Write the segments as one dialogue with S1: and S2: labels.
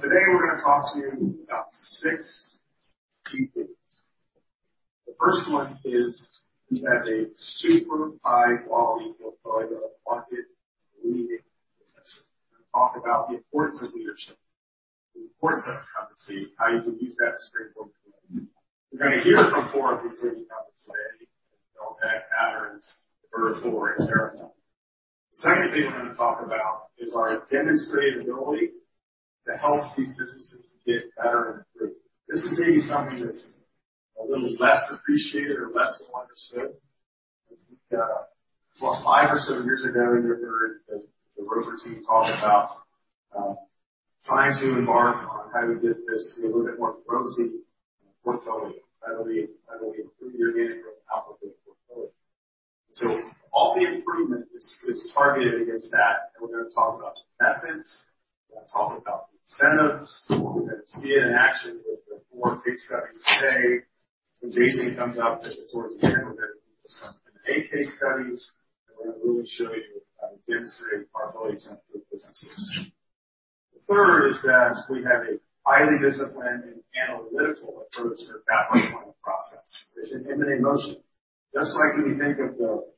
S1: Today, we're gonna talk to you about six key things. The first one is we have a super high-quality portfolio, market-leading position. We're gonna talk about the importance of leadership, the importance of competency, how you can use that to springboard to the next one. We're gonna hear from four of these companies today, Deltek, Aderant, Vertafore, and Verathon. The second thing we're gonna talk about is our demonstrated ability to help these businesses get better and improve. This is maybe something that's a little less appreciated or less well understood. Well, five or seven years ago, you may have heard the Roper team talk about trying to embark on how do we get this to be a little bit more of a growth-y portfolio. That'll be improving your organic growth output of your portfolio. All the improvement is targeted against that, and we're gonna talk about methods. We're gonna talk about incentives. We're gonna see it in action with the four case studies today. When Jason comes up towards the end, we're gonna do some A case studies, and we're gonna really show you how to demonstrate our ability to improve businesses. The third is that we have a highly disciplined and analytical approach to the capital deployment process. It's an M&A motion. Just like when you think of the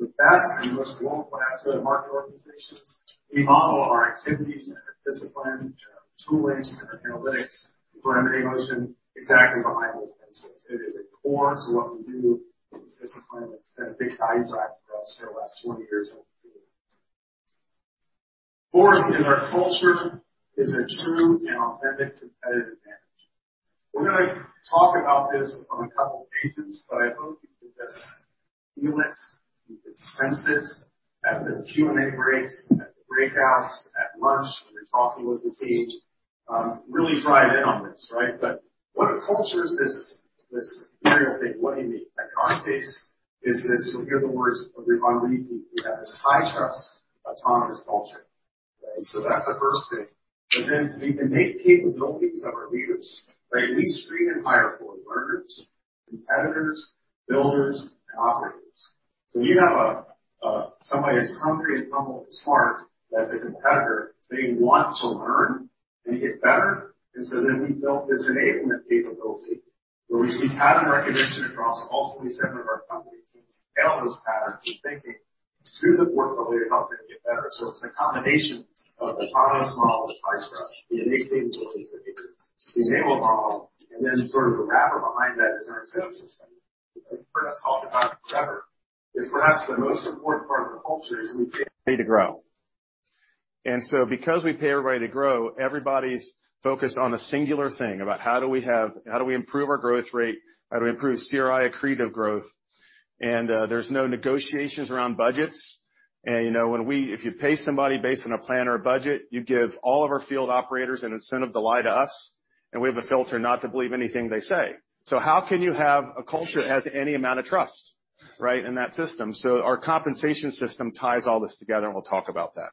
S1: best and the most world-class go-to-market organizations, we model our activities and our discipline, and our toolings and our analytics for M&A motion exactly behind those principles. It is a core to what we do. It's a discipline that's been a big value driver for us for the last 20 years and continuing. Fourth is our culture is a true and authentic competitive advantage. We're gonna talk about this on a couple of pages, I hope you can just feel it, you can sense it at the Q&A breaks, at the breakouts, at lunch, when you're talking with the team. Really drive in on this, right? What a culture is this ethereal thing. What do you mean? Like, in our case, is this. You'll hear the words of this on repeat. We have this high-trust, autonomous culture. That's the first thing. Then the innate capabilities of our leaders, right? We screen and hire for learners, competitors, builders, and operators. When you have a somebody as hungry and humble and smart as a competitor, they want to learn and get better. We built this enablement capability where we see pattern recognition across all 27 of our companies and we channel those patterns of thinking through the portfolio to help them get better. It's a combination of autonomous model with high trust, the innate capabilities of leaders, the enable model, and then sort of the wrapper behind that is our incentive system. You've heard us talk about it forever, is perhaps the most important part of the culture is we pay to grow. Because we pay everybody to grow, everybody's focused on a singular thing about how do we improve our growth rate? How do we improve CRI accretive growth? There's no negotiations around budgets. You know, when we If you pay somebody based on a plan or a budget, you give all of our field operators an incentive to lie to us, and we have a filter not to believe anything they say. How can you have a culture as any amount of trust, right? In that system. Our compensation system ties all this together, and we'll talk about that.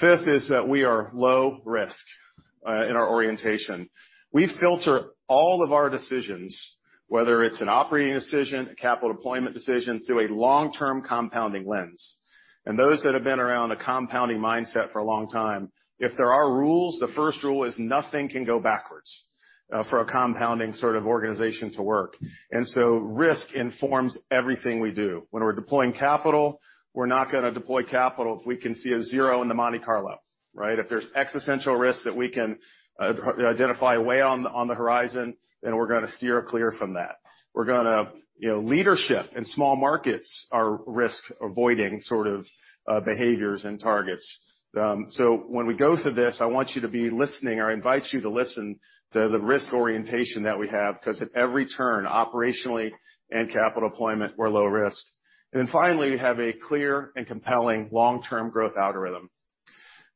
S1: Fifth is that we are low risk in our orientation. We filter all of our decisions, whether it's an operating decision, a capital deployment decision, through a long-term compounding lens. Those that have been around a compounding mindset for a long time, if there are rules, the first rule is nothing can go backwards for a compounding sort of organization to work. Risk informs everything we do. When we're deploying capital, we're not gonna deploy capital if we can see a zero in the Monte Carlo, right? If there's existential risk that we can identify way on the horizon, then we're gonna steer clear from that. You know, leadership and small markets are risk avoiding sort of behaviors and targets. When we go through this, I want you to be listening. I invite you to listen to the risk orientation that we have, 'cause at every turn, operationally and capital deployment, we're low risk. Finally, we have a clear and compelling long-term growth algorithm.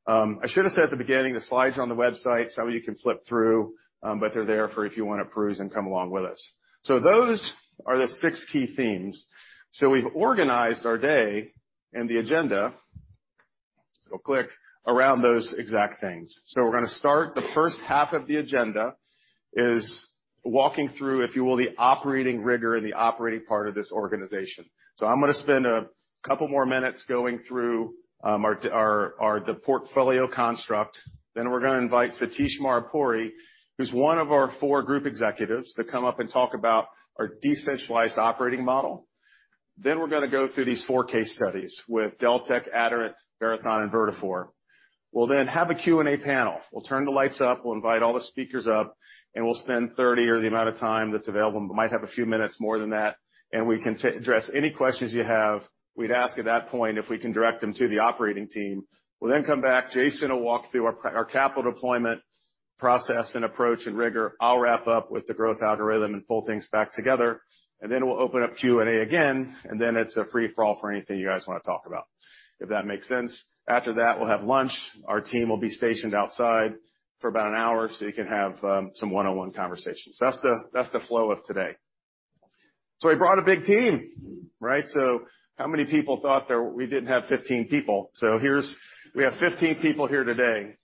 S1: I should have said at the beginning, the slides are on the website, some of you can flip through, but they're there for if you wanna peruse and come along with us. Those are the six key themes. We've organized our day and the agenda, click, around those exact things. We're gonna start. The first half of the agenda is walking through, if you will, the operating rigor and the operating part of this organization. I'm gonna spend a couple more minutes going through the portfolio construct. We're gonna invite Satish Maripuri, who's one of our four group executives, to come up and talk about our decentralized operating model. We're gonna go through these four case studies with Deltek, Aderant, Verathon, and Vertafore. We'll have a Q&A panel. We'll turn the lights up, we'll invite all the speakers up, and we'll spend 30 or the amount of time that's available. We might have a few minutes more than that, and we can address any questions you have. We'd ask at that point if we can direct them to the operating team. We'll come back. Jason Conley will walk through our capital deployment process and approach and rigor. I'll wrap up with the growth algorithm and pull things back together. We'll open up Q&A again, and then it's a free-for-all for anything you guys wanna talk about. If that makes sense. After that, we'll have lunch. Our team will be stationed outside for about an hour, so you can have some one-on-one conversations. That's the flow of today. We brought a big team, right? How many people thought we didn't have 15 people? We have 15 people here today.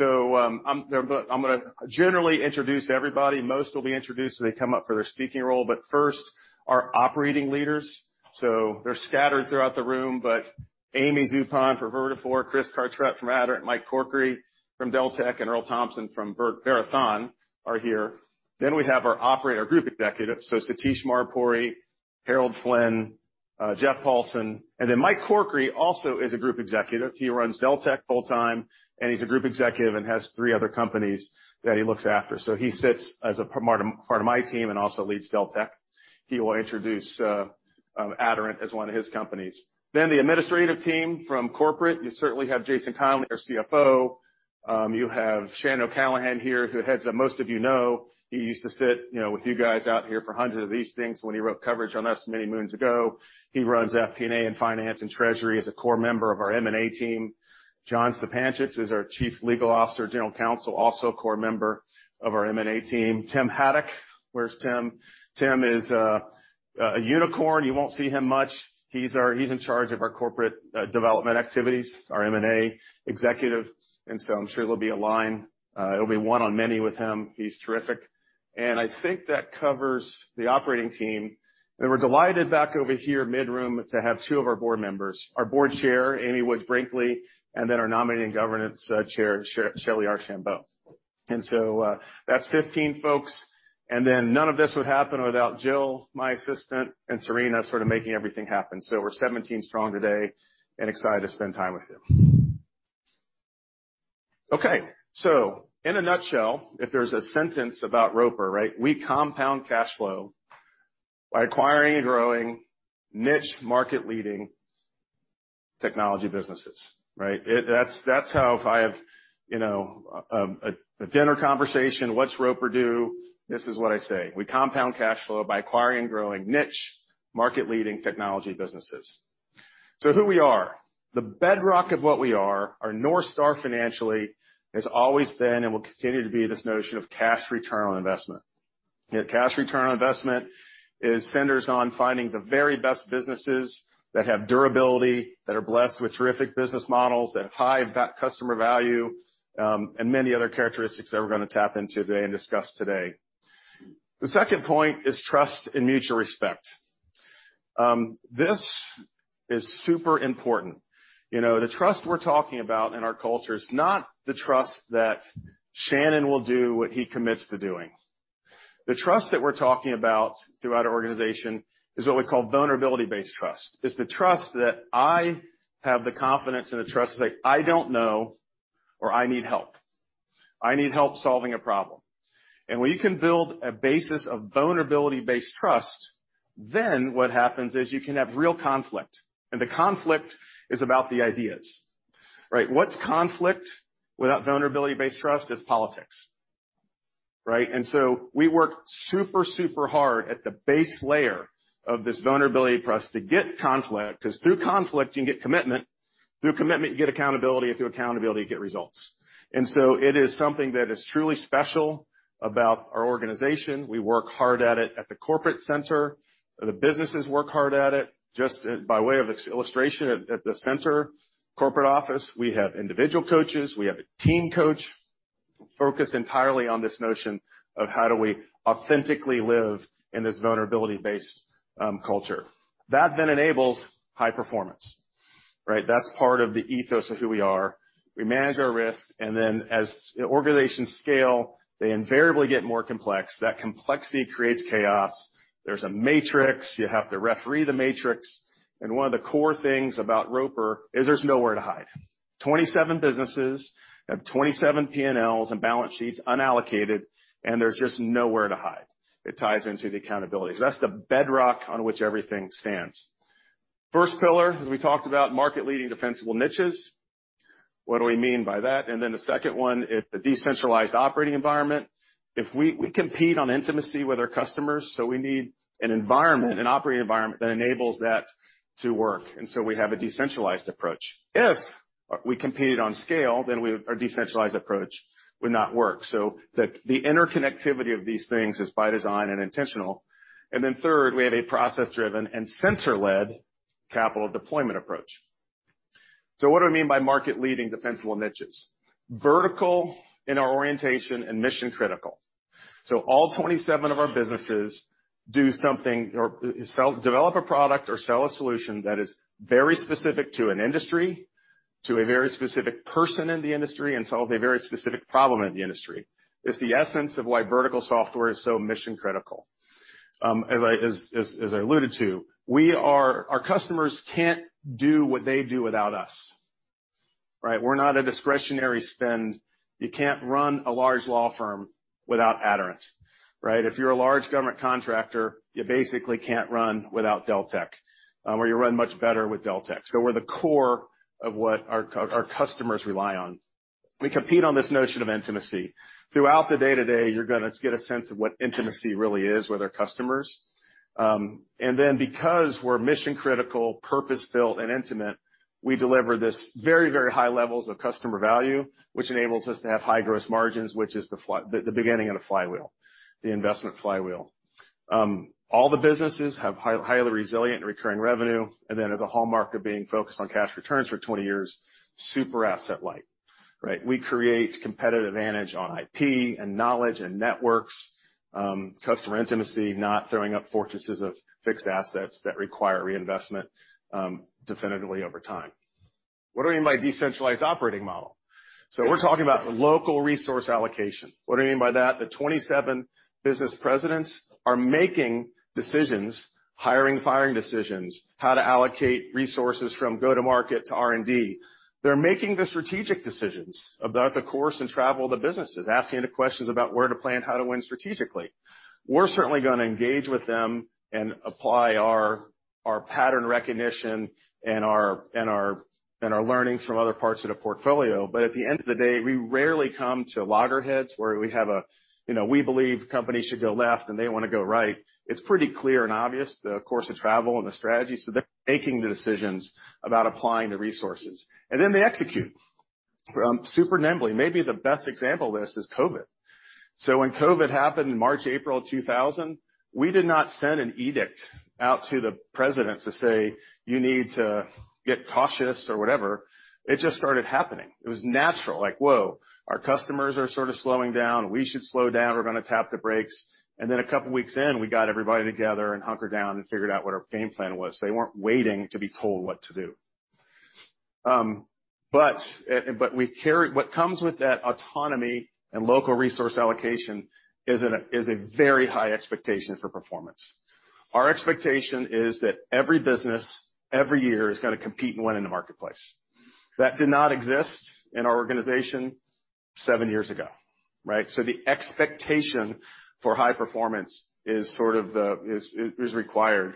S1: I'm gonna generally introduce everybody. Most will be introduced as they come up for their speaking role. First, our operating leaders. They're scattered throughout the room, but Amy Zupon from Vertafore, Chris Cartrett from Aderant, Mike Corkery from Deltek, and Earl Thompson from Verathon are here. We have our operator Group Executives, Satish Maripuri, Harold Flynn, Jeff Paulsen, Mike Corkery also is a Group Executive. He runs Deltek full-time, and he's a Group Executive and has three other companies that he looks after. He sits as a part of my team and also leads Deltek. He will introduce Aderant as one of his companies. The administrative team from corporate, you certainly have Jason Conley, our CFO. You have Shannon O'Callaghan here. Most of you know, he used to sit, you know, with you guys out here for hundreds of these things when he wrote coverage on us many moons ago. He runs FP&A and finance and treasury, is a core member of our M&A team. John Stipancich is our Chief Legal Officer, General Counsel, also a core member of our M&A team. Tim Haddock. Where's Tim? Tim is a unicorn. You won't see him much. He's in charge of our corporate development activities, our M&A executive, I'm sure there'll be a line. It'll be one on many with him. He's terrific. I think that covers the operating team. We're delighted back over here mid-room to have two of our board members, our Board Chair, Amy Woods Brinkley, our Nominating Governance Chair, Shellye Archambeau. That's 15 folks. None of this would happen without Jill, my assistant, and Serena sort of making everything happen. We're 17 strong today and excited to spend time with you. Okay. In a nutshell, if there's a sentence about Roper, right. We compound cash flow by acquiring and growing niche market-leading technology businesses, right. That's, that's how if I have, you know, a dinner conversation, what's Roper do? This is what I say. We compound cash flow by acquiring and growing niche market-leading technology businesses. Who we are. The bedrock of what we are, our North Star financially, has always been and will continue to be this notion of cash return on investment. You know, cash return on investment is centers on finding the very best businesses that have durability, that are blessed with terrific business models, that have high customer value, and many other characteristics that we're gonna tap into today and discuss today. The second point is trust and mutual respect. This is super important. You know, the trust we're talking about in our culture is not the trust that Shannon will do what he commits to doing. The trust that we're talking about throughout our organization is what we call vulnerability-based trust. It's the trust that I have the confidence and the trust to say, "I don't know," or, "I need help. I need help solving a problem." When you can build a basis of vulnerability-based trust, then what happens is you can have real conflict, and the conflict is about the ideas, right? What's conflict without vulnerability-based trust? It's politics, right? So we work super hard at the base layer of this vulnerability for us to get conflict, 'cause through conflict, you can get commitment. Through commitment, you get accountability. Through accountability, you get results. It is something that is truly special about our organization. We work hard at it at the corporate center. The businesses work hard at it. Just by way of illustration, at the center corporate office, we have individual coaches, we have a team coach focused entirely on this notion of how do we authentically live in this vulnerability-based culture. That enables high performance, right? That's part of the ethos of who we are. We manage our risk, and then as organizations scale, they invariably get more complex. That complexity creates chaos. There's a matrix. You have to referee the matrix. One of the core things about Roper is there's nowhere to hide. 27 businesses have 27 P&Ls and balance sheets unallocated, and there's just nowhere to hide. It ties into the accountability. That's the bedrock on which everything stands. First pillar, as we talked about, market-leading defensible niches. What do we mean by that? The second one is the decentralized operating environment. If we compete on intimacy with our customers, so we need an environment, an operating environment that enables that to work. We have a decentralized approach. If we competed on scale, then our decentralized approach would not work. The interconnectivity of these things is by design and intentional. Third, we have a process-driven and center-led capital deployment approach. What do I mean by market-leading defensible niches? Vertical in our orientation and mission-critical. All 27 of our businesses do something or sell develop a product or sell a solution that is very specific to an industry, to a very specific person in the industry, and solves a very specific problem in the industry. It's the essence of why vertical software is so mission-critical. As I alluded to, our customers can't do what they do without us, right? We're not a discretionary spend. You can't run a large law firm without Aderant, right? If you're a large government contractor, you basically can't run without Deltek, or you run much better with Deltek. We're the core of what our customers rely on. We compete on this notion of intimacy. Throughout the day-to-day, you're gonna get a sense of what intimacy really is with our customers. Because we're mission-critical, purpose-built and intimate, we deliver this very high levels of customer value, which enables us to have high gross margins, which is the beginning of the flywheel, the investment flywheel. All the businesses have highly resilient and recurring revenue. As a hallmark of being focused on cash returns for 20 years, super asset-light, right? We create competitive advantage on IP and knowledge and networks, customer intimacy, not throwing up fortresses of fixed assets that require reinvestment, definitively over time. What do we mean by decentralized operating model? We're talking about local resource allocation. What do we mean by that? The 27 business presidents are making decisions, hiring, firing decisions, how to allocate resources from go-to-market to R&D. They're making the strategic decisions about the course and travel the businesses, asking the questions about where to plan, how to win strategically. We're certainly gonna engage with them and apply our pattern recognition and our learnings from other parts of the portfolio. At the end of the day, we rarely come to loggerheads where we have a, you know, we believe companies should go left and they wanna go right. It's pretty clear and obvious the course of travel and the strategy, so they're making the decisions about applying the resources, and then they execute super nimbly. Maybe the best example of this is COVID. When COVID happened in March, April 2000, we did not send an edict out to the presidents to say, "You need to get cautious," or whatever. It just started happening. It was natural, like, whoa, our customers are sort of slowing down. We should slow down. We're gonna tap the brakes. A couple of weeks in, we got everybody together and hunkered down and figured out what our game plan was. They weren't waiting to be told what to do. What comes with that autonomy and local resource allocation is a, is a very high expectation for performance. Our expectation is that every business, every year is gonna compete and win in the marketplace. That did not exist in our organization seven years ago, right? The expectation for high performance is sort of the is required.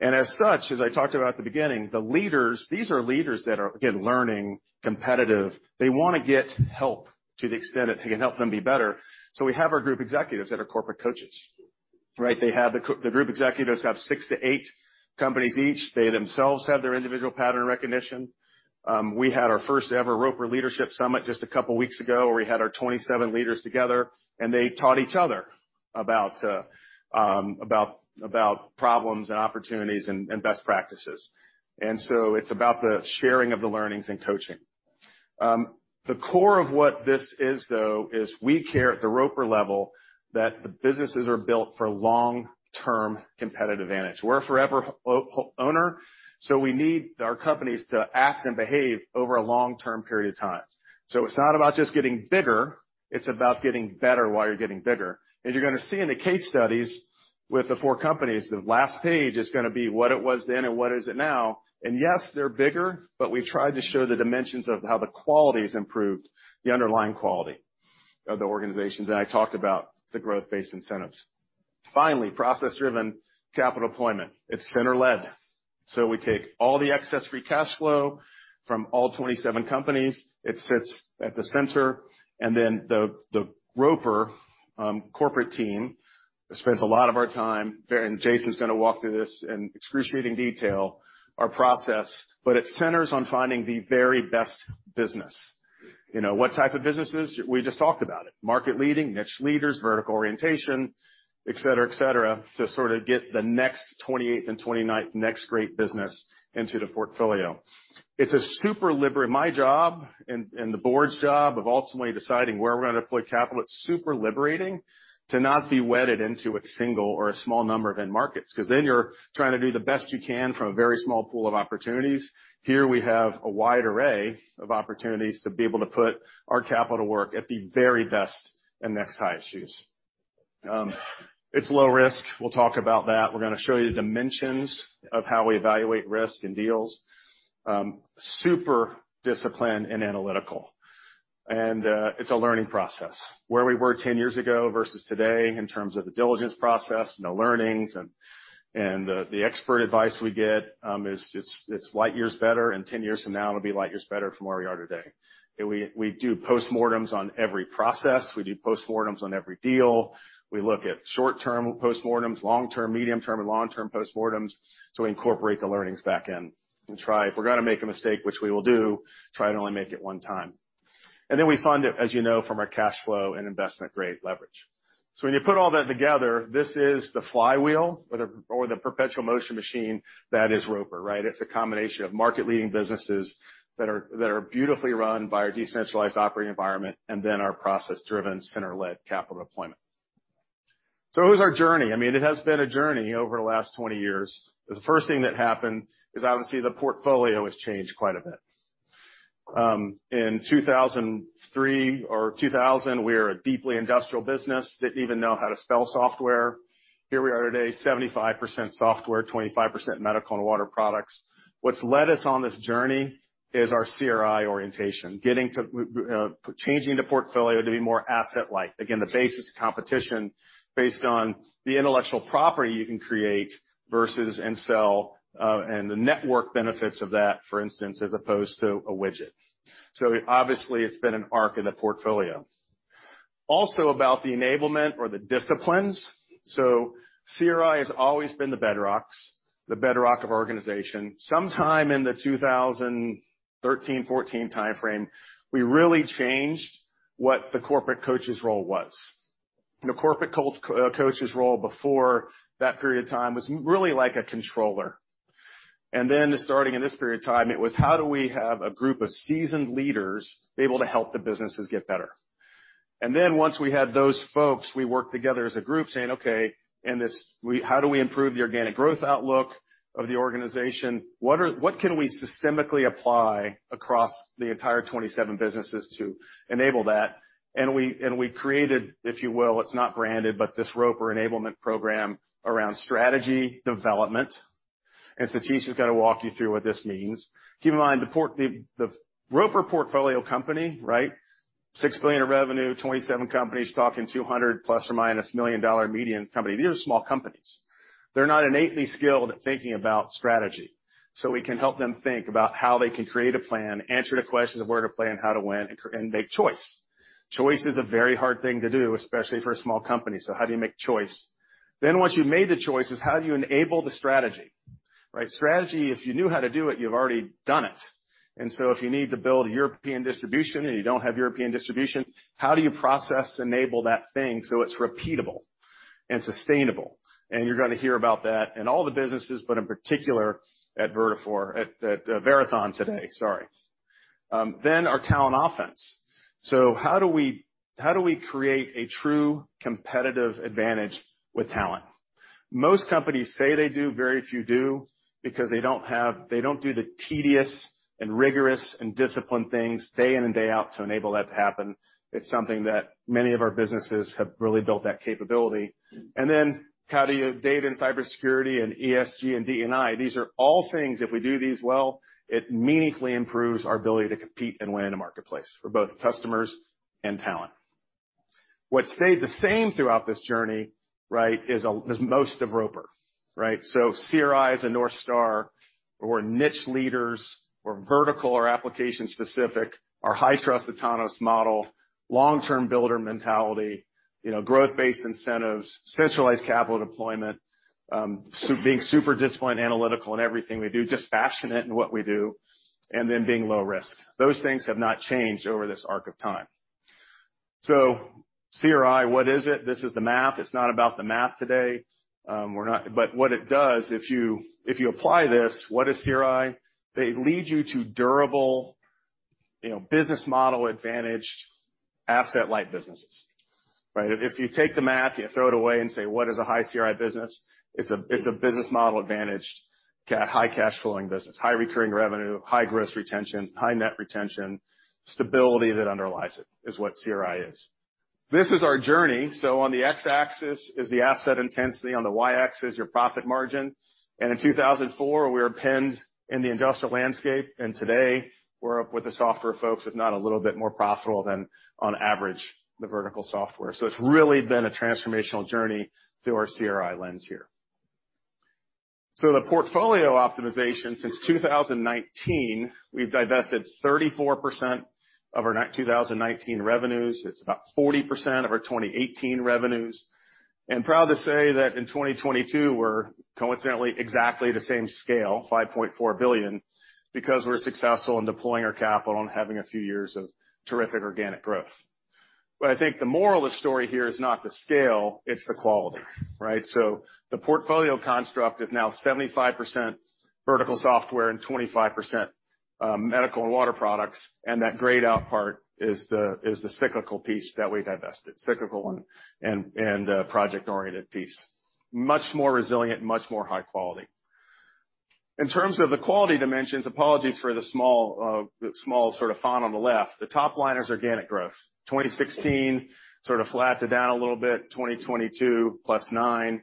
S1: As such, as I talked about at the beginning, the leaders, these are leaders that are, again, learning, competitive. They wanna get help to the extent that it can help them be better. We have our group executives that are corporate coaches, right? They have, the group executives have six-eight companies each. They themselves have their individual pattern recognition. We had our first-ever Roper Leadership Summit just a couple weeks ago, where we had our 27 leaders together, and they taught each other about problems and opportunities and best practices. It's about the sharing of the learnings and coaching. The core of what this is, though, is we care at the Roper level that the businesses are built for long-term competitive advantage. We're a forever owner, we need our companies to act and behave over a long-term period of time. It's not about just getting bigger, it's about getting better while you're getting bigger. You're gonna see in the case studies with the four companies, the last page is gonna be what it was then and what is it now. Yes, they're bigger, but we tried to show the dimensions of how the quality's improved, the underlying quality of the organizations, and I talked about the growth-based incentives. Finally, process-driven capital deployment. It's center-led. We take all the excess free cash flow from all 27 companies. It sits at the center, and then the Roper corporate team spends a lot of our time, and Jason's gonna walk through this in excruciating detail, our process, but it centers on finding the very best business. You know, what type of businesses? We just talked about it. Market leading, niche leaders, vertical orientation, et cetera, et cetera, to sort of get the next 28th and 29th next great business into the portfolio. It's a super liberal... My job and the board's job of ultimately deciding where we're gonna deploy capital, it's super liberating to not be wedded into a single or a small number of end markets, 'cause then you're trying to do the best you can from a very small pool of opportunities. Here we have a wide array of opportunities to be able to put our capital to work at the very best and next highest use. It's low risk. We'll talk about that. We're gonna show you the dimensions of how we evaluate risk in deals. Super disciplined and analytical. It's a learning process. Where we were 10 years ago versus today in terms of the diligence process and the learnings and the expert advice we get, it's light years better, and 10 years from now, it'll be light years better from where we are today. We do postmortems on every process. We do postmortems on every deal. We look at short-term postmortems, long-term, medium-term, and long-term postmortems to incorporate the learnings back in and try. If we're gonna make a mistake, which we will do, try and only make it one time. We fund it, as you know, from our cash flow and investment-grade leverage. When you put all that together, this is the flywheel or the perpetual motion machine that is Roper, right? It's a combination of market-leading businesses that are beautifully run by our decentralized operating environment and then our process-driven, center-led capital deployment. Here's our journey. I mean, it has been a journey over the last 20 years. The first thing that happened is, obviously, the portfolio has changed quite a bit. In 2003 or 2000, we were a deeply industrial business. Didn't even know how to spell software. Here we are today, 75% software, 25% medical and water products. What's led us on this journey is our CRI orientation. Getting to changing the portfolio to be more asset-light. Again, the basis of competition based on the intellectual property you can create versus and sell, and the network benefits of that, for instance, as opposed to a widget. Obviously it's been an arc in the portfolio. About the enablement or the disciplines. CRI has always been the bedrock of organization. Sometime in the 2013, 2014 timeframe, we really changed what the corporate coach's role was. The corporate coach's role before that period of time was really like a controller. Starting in this period of time, it was how do we have a group of seasoned leaders able to help the businesses get better? Once we had those folks, we worked together as a group saying, okay, how do we improve the organic growth outlook of the organization? What can we systemically apply across the entire 27 businesses to enable that? We created, if you will, it's not branded, but this Roper enablement program around strategy development. Satish is gonna walk you through what this means. Keep in mind, the Roper portfolio company, right? $6 billion of revenue, 27 companies, talking $200 plus or minus million-dollar median company. These are small companies. They're not innately skilled at thinking about strategy. We can help them think about how they can create a plan, answer the question of where to play and how to win and make choice. Choice is a very hard thing to do, especially for a small company. How do you make choice? Once you've made the choices, how do you enable the strategy? Right? Strategy, if you knew how to do it, you've already done it. If you need to build European distribution, and you don't have European distribution, how do you process enable that thing so it's repeatable and sustainable? You're gonna hear about that in all the businesses, but in particular at Verathon today, sorry. Our talent offense. How do we create a true competitive advantage with talent? Most companies say they do, very few do because they don't do the tedious and rigorous and disciplined things day in and day out to enable that to happen. It's something that many of our businesses have really built that capability. Data and cybersecurity and ESG and DE&I, these are all things if we do these well, it meaningfully improves our ability to compete and win in the marketplace for both customers and talent. What stayed the same throughout this journey, right, is most of Roper, right? CRI is a North Star or niche leaders or vertical or application-specific or high trust autonomous model, long-term builder mentality, you know, growth-based incentives, centralized capital deployment, being super disciplined, analytical in everything we do, just passionate in what we do, and then being low risk. Those things have not changed over this arc of time. CRI, what is it? This is the math. It's not about the math today. What it does, if you, if you apply this, what is CRI? They lead you to durable, you know, business model advantaged asset-light businesses, right? If you take the math, you throw it away and say, what is a high CRI business? It's a business model advantaged high cash flowing business, high recurring revenue, high gross retention, high net retention, stability that underlies it is what CRI is. On the x-axis is the asset intensity, on the y-axis your profit margin. In 2004, we were pinned in the industrial landscape, and today we're up with the software folks, if not a little bit more profitable than on average, the vertical software. It's really been a transformational journey through our CRI lens here. The portfolio optimization since 2019, we've divested 34% of our 2019 revenues. It's about 40% of our 2018 revenues. Proud to say that in 2022, we're coincidentally exactly the same scale, $5.4 billion, because we're successful in deploying our capital and having a few years of terrific organic growth. I think the moral of the story here is not the scale, it's the quality, right? The portfolio construct is now 75% vertical software and 25% medical and water products, and that grayed out part is the cyclical piece that we divested, cyclical and project-oriented piece. Much more resilient, much more high quality. In terms of the quality dimensions, apologies for the small sort of font on the left. The top line is organic growth. 2016 sort of flattened down a little bit. 2022, +9%.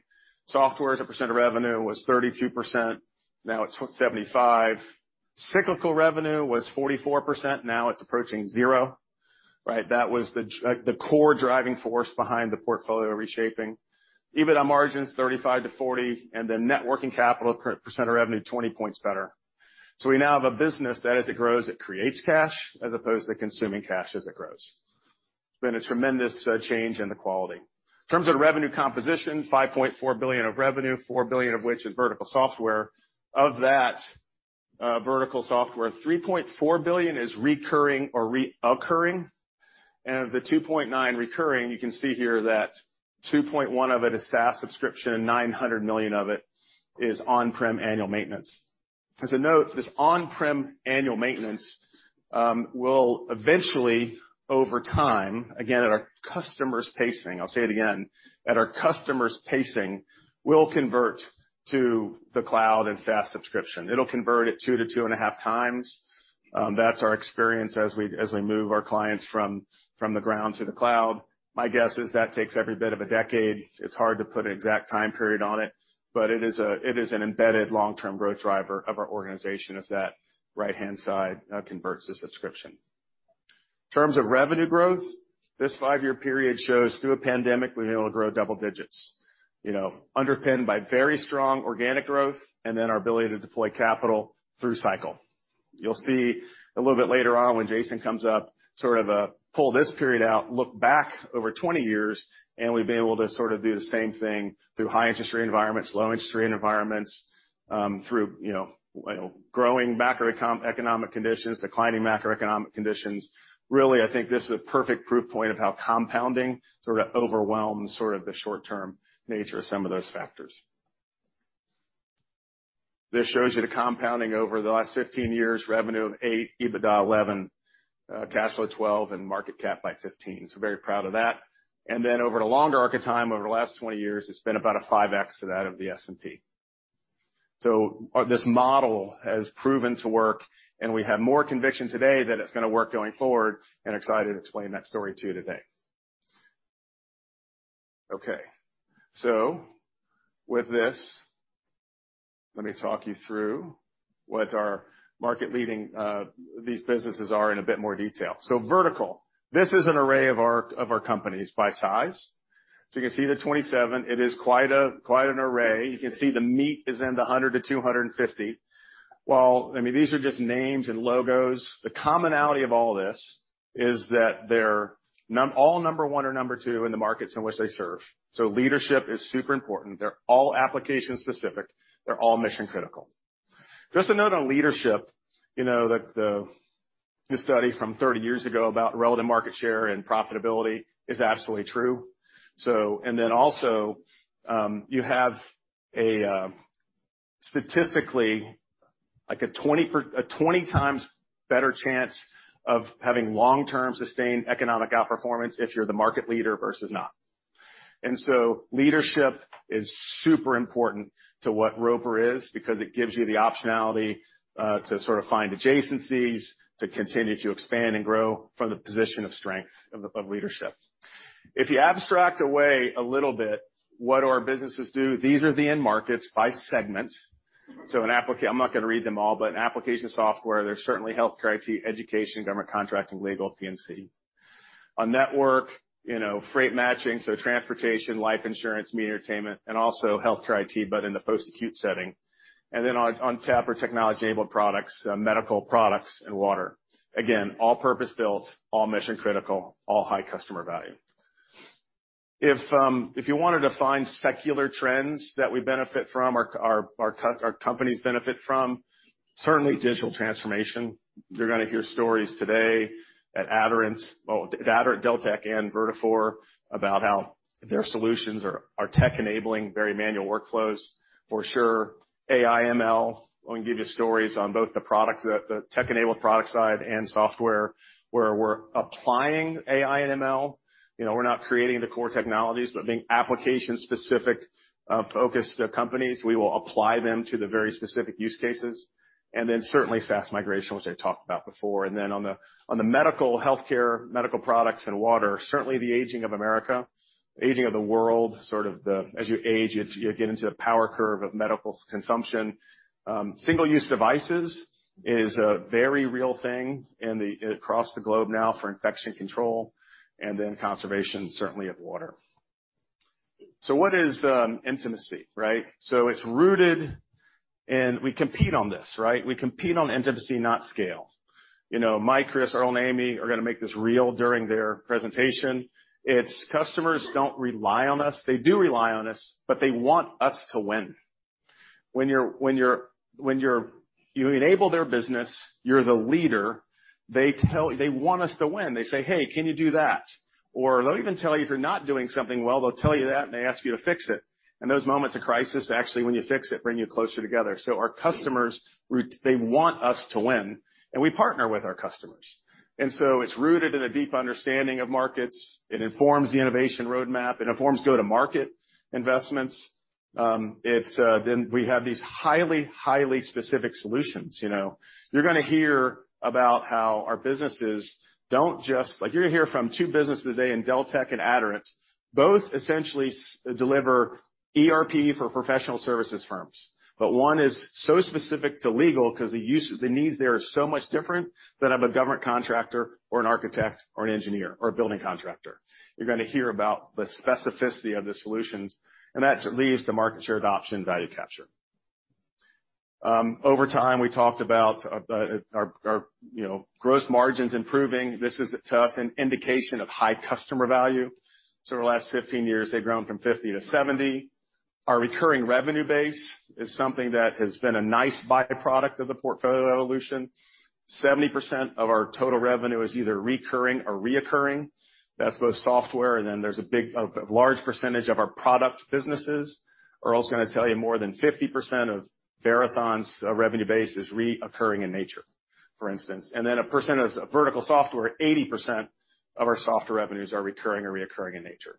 S1: Software as a percent of revenue was 32%. Now it's 75%. Cyclical revenue was 44%. Now it's approaching zero, right? That was the core driving force behind the portfolio reshaping. EBITDA margins, 35%-40%, net working capital per-percent of revenue, 20 points better. We now have a business that as it grows, it creates cash as opposed to consuming cash as it grows. It's been a tremendous change in the quality. In terms of revenue composition, $5.4 billion of revenue, $4 billion of which is vertical software. Of that, vertical software, $3.4 billion is recurring or reoccurring. Of the $2.9 recurring, you can see here that $2.1 of it is SaaS subscription, $900 million of it is on-prem annual maintenance. As a note, this on-prem annual maintenance will eventually, over time, again, at our customer's pacing, I'll say it again, at our customer's pacing, will convert to the cloud and SaaS subscription. It'll convert at 2-2.5 times. That's our experience as we move our clients from the ground to the cloud. My guess is that takes every bit of a decade. It's hard to put an exact time period on it, but it is an embedded long-term growth driver of our organization as that right-hand side converts to subscription. In terms of revenue growth, this five-year period shows through a pandemic, we were able to grow double digits. You know, underpinned by very strong organic growth and then our ability to deploy capital through cycle. You'll see a little bit later on when Jason comes up, sort of pull this period out, look back over 20 years, and we've been able to sort of do the same thing through high interest rate environments, low interest rate environments, through, you know, growing macroeconomic conditions, declining macroeconomic conditions. Really, I think this is a perfect proof point of how compounding sort of overwhelms sort of the short-term nature of some of those factors. This shows you the compounding over the last 15 years, revenue of 8%, EBITDA 11%, cash flow 12%, and market cap by 15%. Very proud of that. Over the longer arc of time, over the last 20 years, it's been about a 5x to that of the S&P. This model has proven to work, and we have more conviction today that it's gonna work going forward and excited to explain that story to you today. With this, let me talk you through what our market-leading, these businesses are in a bit more detail. Vertical, this is an array of our, of our companies by size. You can see the 27. It is quite a, quite an array. You can see the meat is in the 100 to 250. While, I mean, these are just names and logos. The commonality of all this is that they're all number one or number two in the markets in which they serve. Leadership is super important. They're all application-specific. They're all mission-critical. Just a note on leadership, you know, the, the study from 30 years ago about relative market share and profitability is absolutely true. You have a statistically like a 20 times better chance of having long-term sustained economic outperformance if you're the market leader versus not. Leadership is super important to what Roper is because it gives you the optionality to sort of find adjacencies, to continue to expand and grow from the position of strength of leadership. If you abstract away a little bit what our businesses do, these are the end markets by segment. I'm not gonna read them all, but an application software, there's certainly healthcare, IT, education, government contracting, legal, P&C. On network, you know, freight matching, transportation, life insurance, media entertainment, and also healthcare IT, but in the post-acute setting. On tap or technology-enabled products, medical products and water. Again, all purpose-built, all mission-critical, all high customer value. If you wanted to find secular trends that we benefit from or our companies benefit from, certainly digital transformation. You're going to hear stories today at Aderant, Deltek and Vertafore about how their solutions are tech-enabling very manual workflows for sure. AI, ML, I'm gonna give you stories on both the product, the tech-enabled product side and software, where we're applying AI and ML. You know, we're not creating the core technologies, but being application-specific, focused companies, we will apply them to the very specific use cases. Certainly SaaS migration, which I talked about before. On the medical healthcare, medical products and water, certainly the aging of America, aging of the world, sort of the, as you age, you get into the power curve of medical consumption. Single-use devices is a very real thing across the globe now for infection control and then conservation, certainly of water. What is intimacy, right? It's rooted, and we compete on this, right? We compete on intimacy, not scale. You know, Mike, Chris, Earl, and Amy are gonna make this real during their presentation. It's customers don't rely on us. They do rely on us, but they want us to win. When you're you enable their business, you're the leader, they want us to win. They say, "Hey, can you do that?" They'll even tell you if you're not doing something well, they'll tell you that, and they ask you to fix it. Those moments of crisis, actually, when you fix it, bring you closer together. Our customers they want us to win, and we partner with our customers. It's rooted in a deep understanding of markets. It informs the innovation roadmap. It informs go-to-market investments. It's then we have these highly specific solutions. You know, you're gonna hear about how our businesses don't just like you're gonna hear from two businesses today in Deltek and Aderant. Both essentially deliver ERP for professional services firms. One is so specific to legal 'cause the use, the needs there are so much different than of a government contractor or an architect or an engineer or a building contractor. You're gonna hear about the specificity of the solutions, and that leaves the market share adoption value capture. Over time, we talked about our, you know, gross margins improving. This is to us an indication of high customer value. Over the last 15 years, they've grown from 50% to 70%. Our recurring revenue base is something that has been a nice byproduct of the portfolio evolution. 70% of our total revenue is either recurring or reoccurring. That's both software, there's a large percentage of our product businesses. Earl's gonna tell you more than 50% of Verathon's revenue base is reoccurring in nature, for instance. A percent of vertical software, 80% of our software revenues are recurring or reoccurring in nature.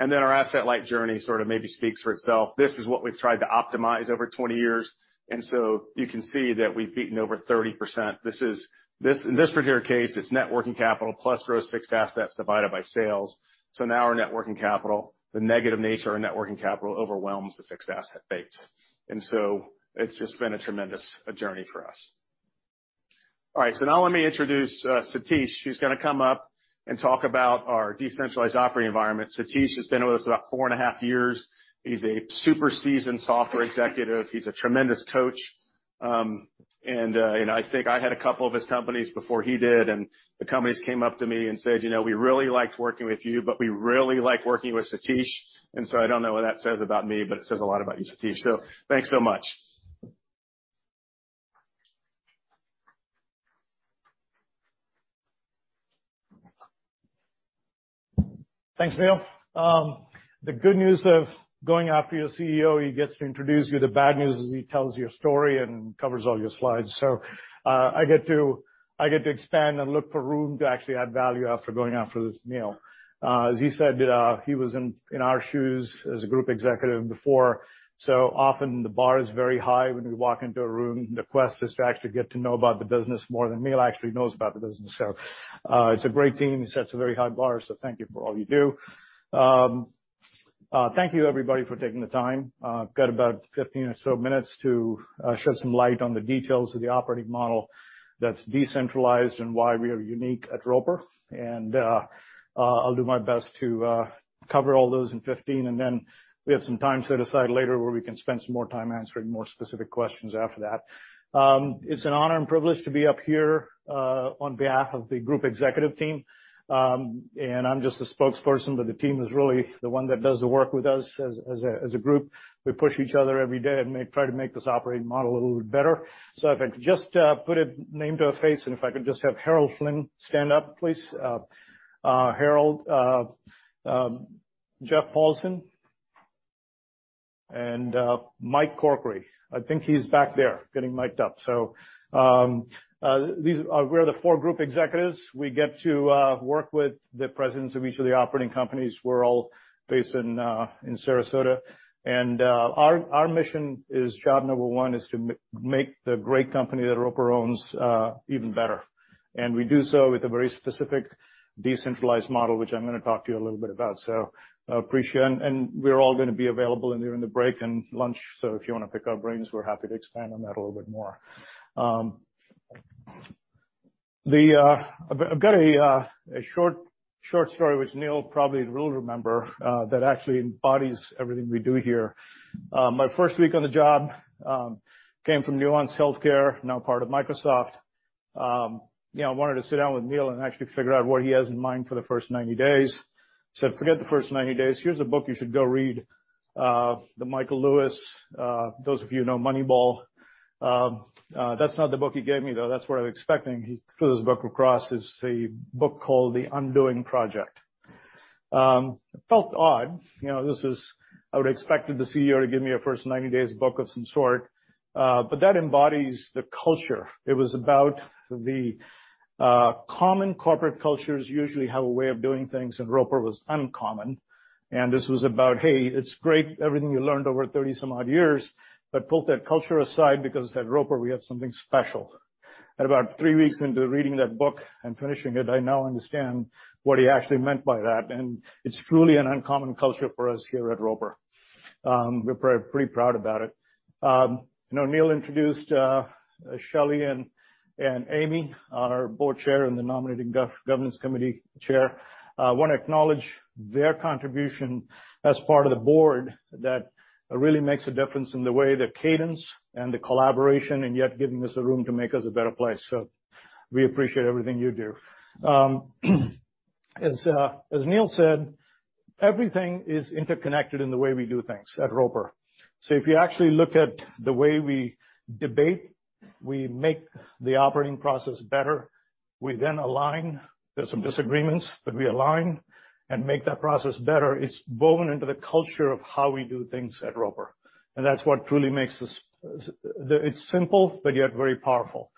S1: Our asset-light journey sort of maybe speaks for itself. This is what we've tried to optimize over 20 years, you can see that we've beaten over 30%. This, in this particular case, it's net working capital plus gross fixed assets divided by sales. Our net working capital, the negative nature of net working capital overwhelms the fixed asset base. It's just been a tremendous journey for us. All right, now let me introduce Satish, who's gonna come up and talk about our decentralized operating environment. Satish has been with us about four and a half years. He's a super seasoned software executive. He's a tremendous coach. I think I had a couple of his companies before he did, and the companies came up to me and said, "You know, we really liked working with you, but we really like working with Satish." I don't know what that says about me, but it says a lot about you, Satish. Thanks so much.
S2: Thanks, Neil. The good news of going after your CEO, he gets to introduce you. The bad news is he tells your story and covers all your slides. I get to expand and look for room to actually add value after going after this Neil. As he said, he was in our shoes as a group executive before. Often the bar is very high when we walk into a room. The quest is to actually get to know about the business more than Neil actually knows about the business. It's a great team. He sets a very high bar, so thank you for all you do. Thank you, everybody, for taking the time. Got about 15 or so minutes to shed some light on the details of the operating model that's decentralized and why we are unique at Roper. I'll do my best to cover all those in 15, and then we have some time set aside later where we can spend some more time answering more specific questions after that. It's an honor and privilege to be up here on behalf of the group executive team. I'm just a spokesperson, but the team is really the one that does the work with us as a group. We push each other every day and try to make this operating model a little bit better. If I could just put a name to a face, and if I could just have Harold Flynn stand up, please. Harold, Jeff Paulsen and Mike Corkery. I think he's back there getting micd up. We're the four group executives. We get to work with the presidents of each of the operating companies. We're all based in Sarasota. Our mission is job number one is to make the great company that Roper owns even better. We do so with a very specific decentralized model, which I'm gonna talk to you a little bit about. We're all gonna be available during the break and lunch, so if you wanna pick our brains, we're happy to expand on that a little bit more. I've got a short story which Neil probably will remember that actually embodies everything we do here. My first week on the job, came from Nuance Communications, now part of Microsoft. You know, I wanted to sit down with Neil and actually figure out what he has in mind for the first 90 days. He said, "Forget the first 90 days. Here's a book you should go read," the Michael Lewis, those of you who know Moneyball. That's not the book he gave me, though. That's what I'm expecting. He threw this book across. It's a book called The Undoing Project. It felt odd, you know, I would expected the CEO to give me a first-90-days book of some sort, but that embodies the culture. It was about the common corporate cultures usually have a way of doing things, and Roper was uncommon. This was about, hey, it's great everything you learned over 30 some odd years, but put that culture aside because at Roper we have something special. At about three weeks into reading that book and finishing it, I now understand what he actually meant by that, and it's truly an uncommon culture for us here at Roper. We're pretty proud about it. You know, Neil introduced Shellye and Amy, our Board Chair and the Nominating Governance Committee Chair. Wanna acknowledge their contribution as part of the board that really makes a difference in the way the cadence and the collaboration and yet giving us the room to make us a better place. We appreciate everything you do. As Neil said, everything is interconnected in the way we do things at Roper. If you actually look at the way we debate, we make the operating process better. We then align. There's some disagreements, but we align and make that process better. It's woven into the culture of how we do things at Roper, that's what truly makes us. It's simple, but yet very powerful.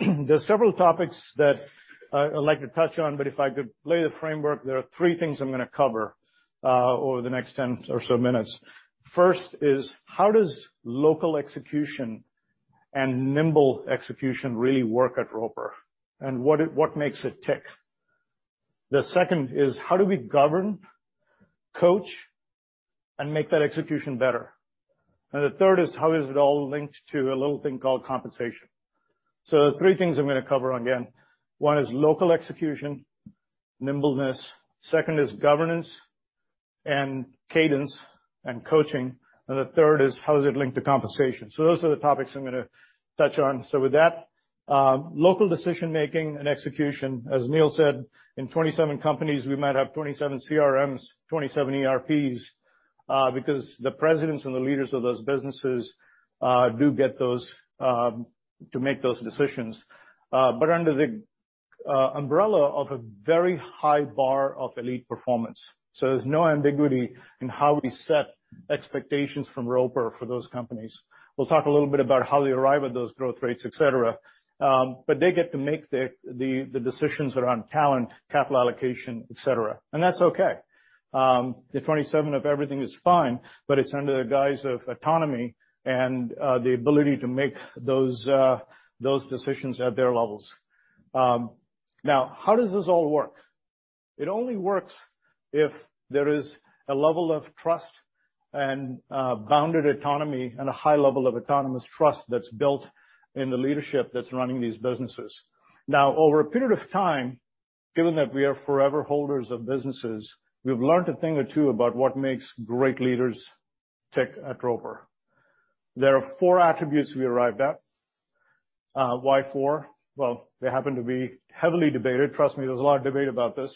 S2: There's several topics that I'd like to touch on, but if I could lay the framework, there are three things I'm gonna cover over the next 10 or so minutes. First is, how does local execution and nimble execution really work at Roper, what makes it tick? The second is, how do we govern, coach, and make that execution better? The third is, how is it all linked to a little thing called compensation? The three things I'm gonna cover again, one is local execution, nimbleness. Second is governance and cadence and coaching. The third is how is it linked to compensation? Those are the topics I'm gonna touch on. With that, local decision-making and execution, as Neil said, in 27 companies, we might have 27 CRMs, 27 ERPs, because the presidents and the leaders of those businesses do get those to make those decisions, but under the umbrella of a very high bar of elite performance. There's no ambiguity in how we set expectations from Roper for those companies. We'll talk a little bit about how they arrive at those growth rates, et cetera. But they get to make the decisions around talent, capital allocation, et cetera, and that's okay. The 27 of everything is fine, but it's under the guise of autonomy and the ability to make those decisions at their levels. Now, how does this all work? It only works if there is a level of trust and bounded autonomy and a high level of autonomous trust that's built in the leadership that's running these businesses. Now, over a period of time, given that we are forever holders of businesses, we've learned a thing or two about what makes great leaders tick at Roper. There are four attributes we arrived at. Why four? Well, they happen to be heavily debated. Trust me, there's a lot of debate about this.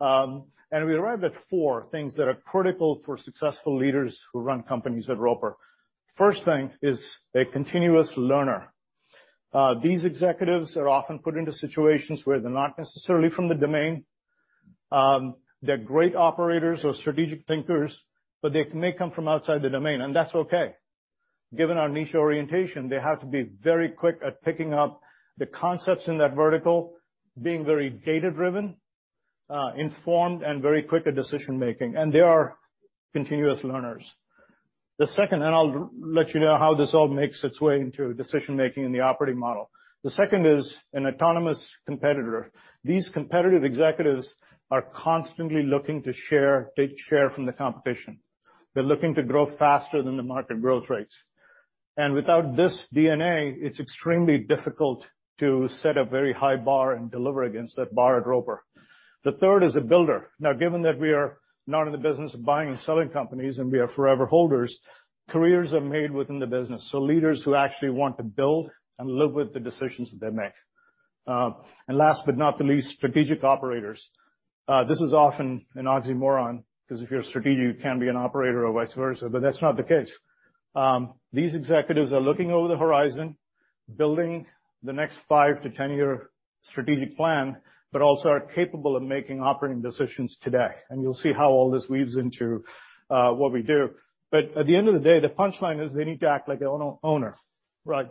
S2: We arrived at four things that are critical for successful leaders who run companies at Roper. First thing is a continuous learner. These executives are often put into situations where they're not necessarily from the domain. They're great operators or strategic thinkers, but they may come from outside the domain, and that's okay. Given our niche orientation, they have to be very quick at picking up the concepts in that vertical, being very data-driven, informed, and very quick at decision-making, and they are continuous learners. The second, and I'll let you know how this all makes its way into decision-making in the operating model. The second is an autonomous competitor. These competitive executives are constantly looking to share, take share from the competition. They're looking to grow faster than the market growth rates. Without this DNA, it's extremely difficult to set a very high bar and deliver against that bar at Roper. The third is a builder. Given that we are not in the business of buying and selling companies, we are forever holders, careers are made within the business. Leaders who actually want to build and live with the decisions that they make. Last but not the least, strategic operators. This is often an oxymoron ’cause if you're a strategic, you can't be an operator or vice versa, but that's not the case. These executives are looking over the horizon, building the next 5-10-year strategic plan, but also are capable of making operating decisions today. You'll see how all this weaves into what we do. At the end of the day, the punchline is they need to act like the owner. Right.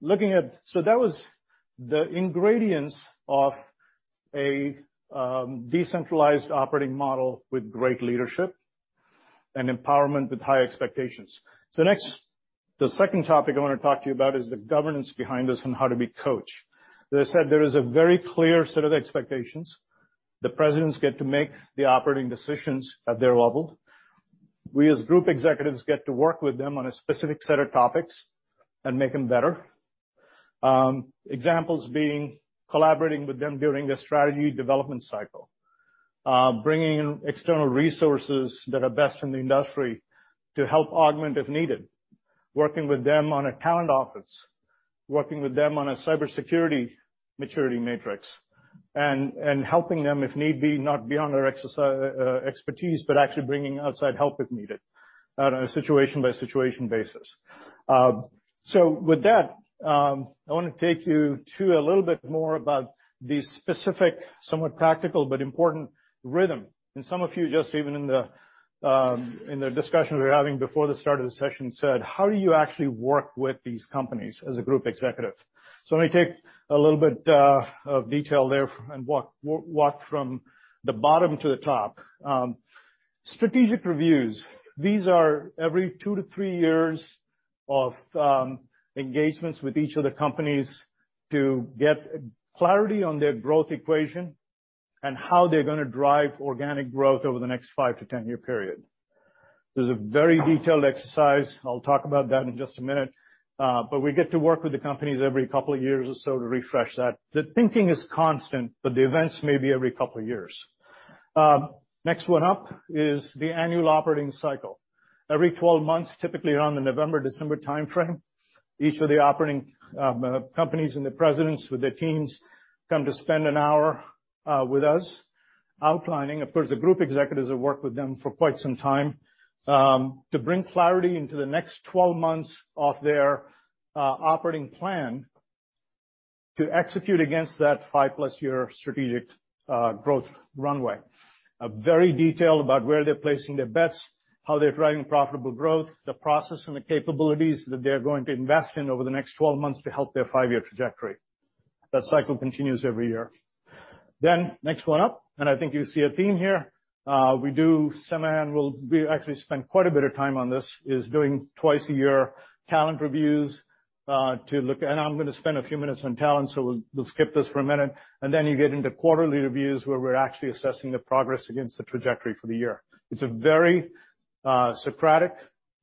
S2: Looking at... That was the ingredients of a decentralized operating model with great leadership and empowerment with high expectations. Next, the second topic I wanna talk to you about is the governance behind this and how do we coach. As I said, there is a very clear set of expectations. The presidents get to make the operating decisions at their level. We, as Group Executives, get to work with them on a specific set of topics and make them better. Examples being collaborating with them during the strategy development cycle, bringing in external resources that are best in the industry to help augment if needed, working with them on a talent office, working with them on a cybersecurity maturity matrix and helping them if need be, not beyond our expertise, but actually bringing outside help if needed on a situation-by-situation basis. With that, I wanna take you to a little bit more about the specific, somewhat practical but important rhythm. Some of you just even in the discussion we were having before the start of the session said, "How do you actually work with these companies as a group executive?" Let me take a little bit of detail there and work from the bottom to the top. Strategic reviews. These are every two-three years of engagements with each of the companies to get clarity on their growth equation and how they're gonna drive organic growth over the next 5-10-year period. This is a very detailed exercise. I'll talk about that in just a minute, but we get to work with the companies every couple of years or so to refresh that. The thinking is constant, but the events may be every couple years. Next one up is the annual operating cycle. Every 12 months, typically around the November, December timeframe, each of the operating companies and the presidents with their teams come to spend an hour with us outlining. Of course, the group executives have worked with them for quite some time to bring clarity into the next 12 months of their operating plan to execute against that five-plus year strategic growth runway. A very detailed about where they're placing their bets, how they're driving profitable growth, the process and the capabilities that they're going to invest in over the next 12 months to help their five-year trajectory. That cycle continues every year. Next one up, and I think you see a theme here. We do semi-annual. We actually spend quite a bit of time on this, is doing twice a year talent reviews. I'm gonna spend a few minutes on talent, so we'll skip this for a minute. Then you get into quarterly reviews where we're actually assessing the progress against the trajectory for the year. It's a very Socratic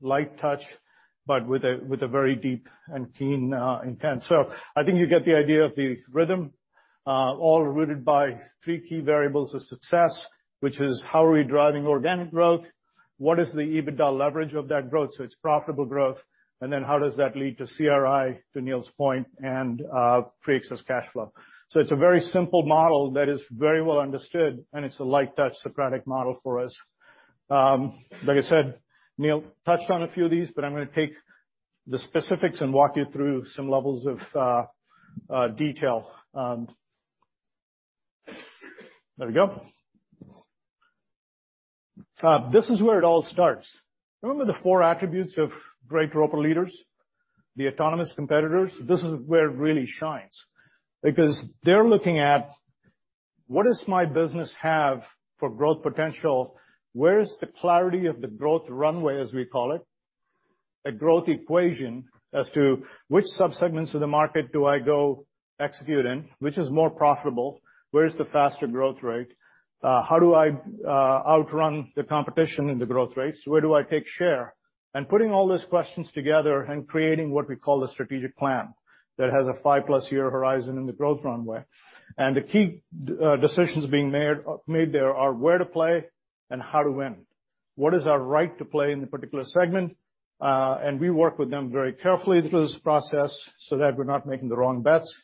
S2: light touch, but with a very deep and keen intent. I think you get the idea of the rhythm, all rooted by three key variables of success, which is how are we driving organic growth? What is the EBITDA leverage of that growth? It's profitable growth. Then how does that lead to CRI, to Neil's point, and free excess cash flow. It's a very simple model that is very well understood, and it's a light touch Socratic model for us. Like I said, Neil touched on a few of these, but I'm gonna take the specifics and walk you through some levels of detail. There we go. This is where it all starts. Remember the four attributes of great Roper leaders, the autonomous competitors? This is where it really shines because they're looking at: What does my business have for growth potential? Where is the clarity of the growth runway, as we call it? A growth equation as to which subsegments of the market do I go execute in? Which is more profitable? Where is the faster growth rate? How do I outrun the competition in the growth rates? Where do I take share? Putting all those questions together and creating what we call a strategic plan that has a five-plus year horizon in the growth runway. The key decisions being made there are where to play and how to win. What is our right to play in the particular segment? We work with them very carefully through this process so that we're not making the wrong bets.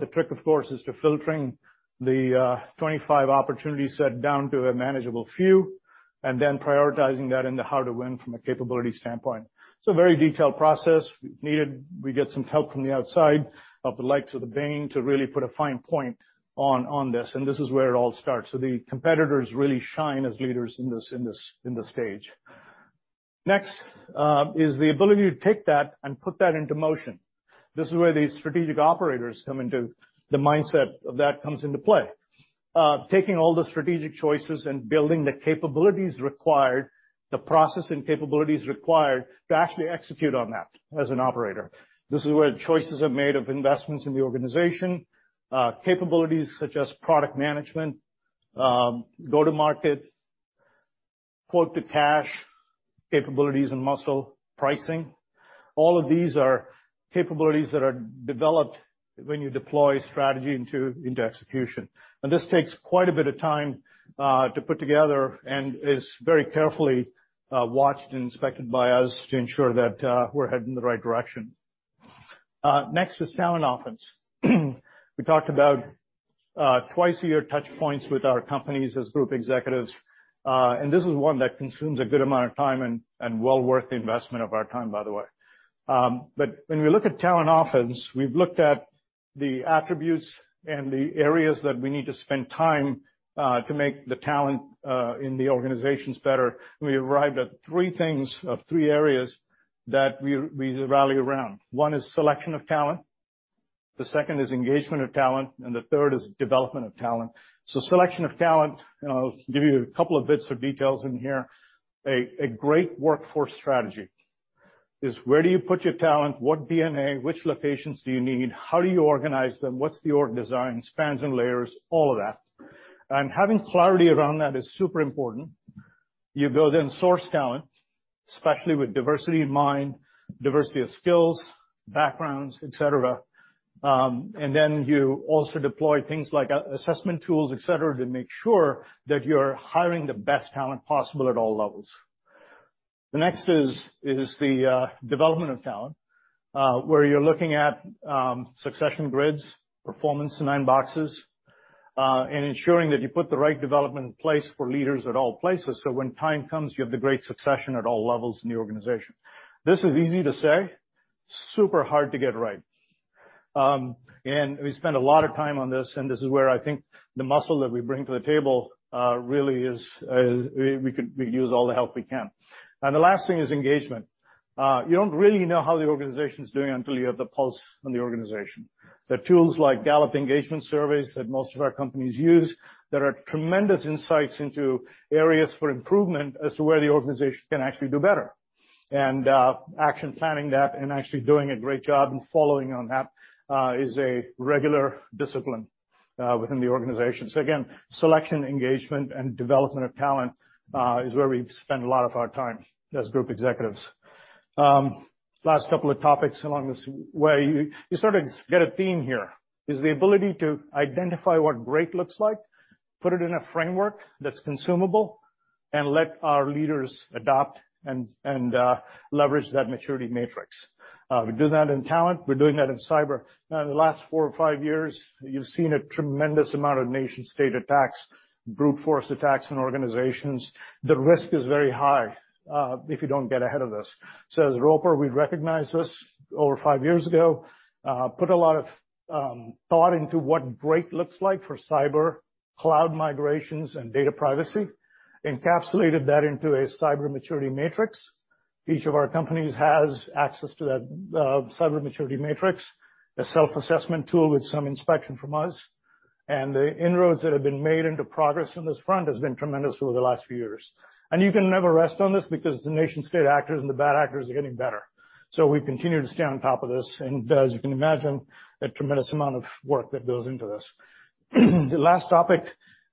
S2: The trick, of course, is to filtering the 25 opportunities set down to a manageable few and then prioritizing that into how to win from a capability standpoint. It's a very detailed process. If needed, we get some help from the outside of the likes of the Bain to really put a fine point on this, and this is where it all starts. The competitors really shine as leaders in this stage. Next is the ability to take that and put that into motion. This is where the strategic operators come into the mindset of that comes into play. Taking all the strategic choices and building the capabilities required, the process and capabilities required to actually execute on that as an operator. This is where choices are made of investments in the organization, capabilities such as product management, go-to-market, Quote-to-Cash capabilities and muscle pricing. All of these are capabilities that are developed when you deploy strategy into execution. This takes quite a bit of time to put together and is very carefully watched and inspected by us to ensure that we're heading in the right direction. Next is talent offense. We talked about twice a year touch points with our companies as group executives. And this is one that consumes a good amount of time and well worth the investment of our time, by the way. But when we look at talent offense, we've looked at the attributes and the areas that we need to spend time to make the talent in the organizations better. We arrived at three things of three areas that we rally around. One is selection of talent, the second is engagement of talent, and the third is development of talent. Selection of talent, and I'll give you a couple of bits of details in here. A great workforce strategy is where do you put your talent, what DNA, which locations do you need? How do you organize them? What's the org design, spans and layers, all of that. And having clarity around that is super important. You build and source talent, especially with diversity in mind, diversity of skills, backgrounds, et cetera. You also deploy things like assessment tools, et cetera, to make sure that you're hiring the best talent possible at all levels. The next is the development of talent, where you're looking at succession grids, performance nine boxes, and ensuring that you put the right development in place for leaders at all places, so when time comes, you have the great succession at all levels in the organization. This is easy to say, super hard to get right. We spend a lot of time on this, and this is where I think the muscle that we bring to the table really is, we use all the help we can. The last thing is engagement. You don't really know how the organization is doing until you have the pulse on the organization. The tools like Gallup engagement surveys that most of our companies use, there are tremendous insights into areas for improvement as to where the organization can actually do better. Action planning that and actually doing a great job and following on that is a regular discipline within the organization. Again, selection, engagement, and development of talent is where we spend a lot of our time as group executives. Last couple of topics along this way. You sort of get a theme here, is the ability to identify what great looks like, put it in a framework that's consumable, and let our leaders adopt and leverage that maturity matrix. We do that in talent. We're doing that in cyber. Now in the last four or five years, you've seen a tremendous amount of nation-state attacks, brute force attacks on organizations. The risk is very high if you don't get ahead of this. As Roper, we recognized this over five years ago, put a lot of thought into what great looks like for cyber, cloud migrations, and data privacy, encapsulated that into a cyber maturity matrix. Each of our companies has access to that cyber maturity matrix, a self-assessment tool with some inspection from us. The inroads that have been made into progress on this front has been tremendous over the last few years. You can never rest on this because the nation-state actors and the bad actors are getting better. We continue to stay on top of this. As you can imagine, a tremendous amount of work that goes into this. The last topic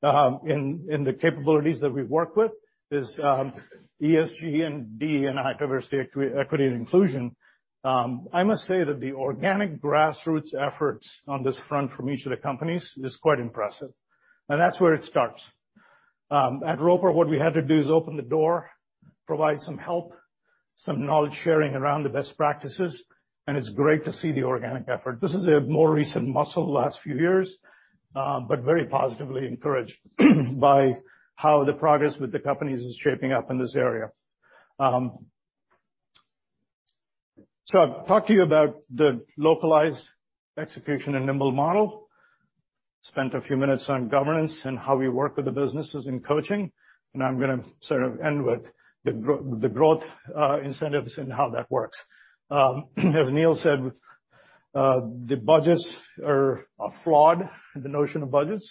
S2: in the capabilities that we work with is ESG and diversity, equity, and inclusion. I must say that the organic grassroots efforts on this front from each of the companies is quite impressive. That's where it starts. At Roper, what we had to do is open the door, provide some help, some knowledge sharing around the best practices, and it's great to see the organic effort. This is a more recent muscle the last few years, but very positively encouraged by how the progress with the companies is shaping up in this area. I've talked to you about the localized execution and nimble model, spent a few minutes on governance and how we work with the businesses in coaching, and I'm gonna sort of end with the growth incentives and how that works. As Neil said The budgets are flawed, the notion of budgets.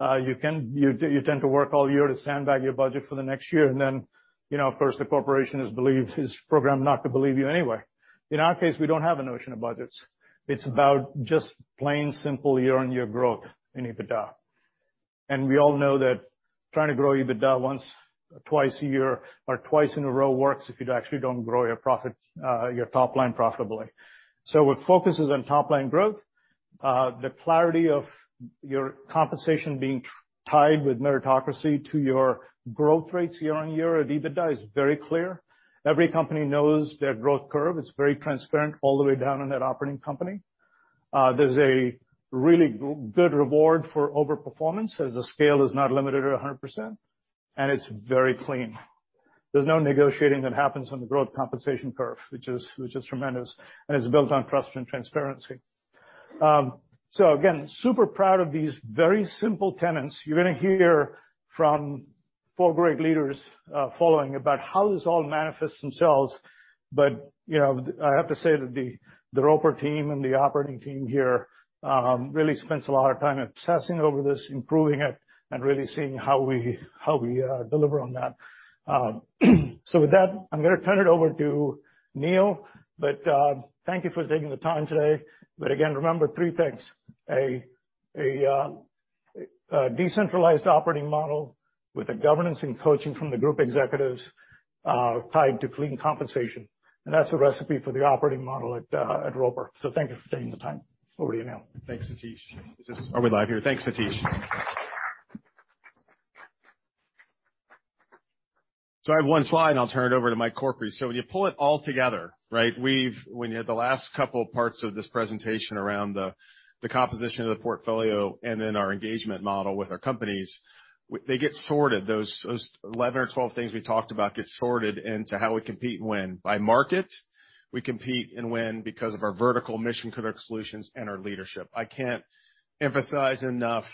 S2: You tend to work all year to sandbag your budget for the next year. Then, you know, of course, the corporation is believed, is programmed not to believe you anyway. In our case, we don't have a notion of budgets. It's about just plain simple year-on-year growth in EBITDA. We all know that trying to grow EBITDA once or twice a year or twice in a row works if you actually don't grow your profit, your top line profitably. With focuses on top line growth, the clarity of your compensation being tied with meritocracy to your growth rates year-on-year at EBITDA is very clear. Every company knows their growth curve. It's very transparent all the way down in that operating company. There's a really good reward for overperformance as the scale is not limited to 100%, and it's very clean. There's no negotiating that happens on the growth compensation curve, which is tremendous, and it's built on trust and transparency. Again, super proud of these very simple tenets. You're gonna hear from four great leaders following about how this all manifests themselves. You know, I have to say that the Roper team and the operating team here really spends a lot of time obsessing over this, improving it, and really seeing how we deliver on that. With that, I'm gonna turn it over to Neil. Thank you for taking the time today. Again, remember three things, a decentralized operating model with a governance and coaching from the group executives, tied to clean compensation. That's a recipe for the operating model at Roper. Thank you for taking the time. Over to you, Neil.
S1: Thanks, Satish. Are we live here? Thanks, Satish. I have one slide, and I'll turn it over to Mike Corkery. When you pull it all together, right? When you had the last couple parts of this presentation around the composition of the portfolio and then our engagement model with our companies, they get sorted. Those 11 or 12 things we talked about get sorted into how we compete and win. By market, we compete and win because of our vertical mission-critical solutions and our leadership. I can't emphasize enough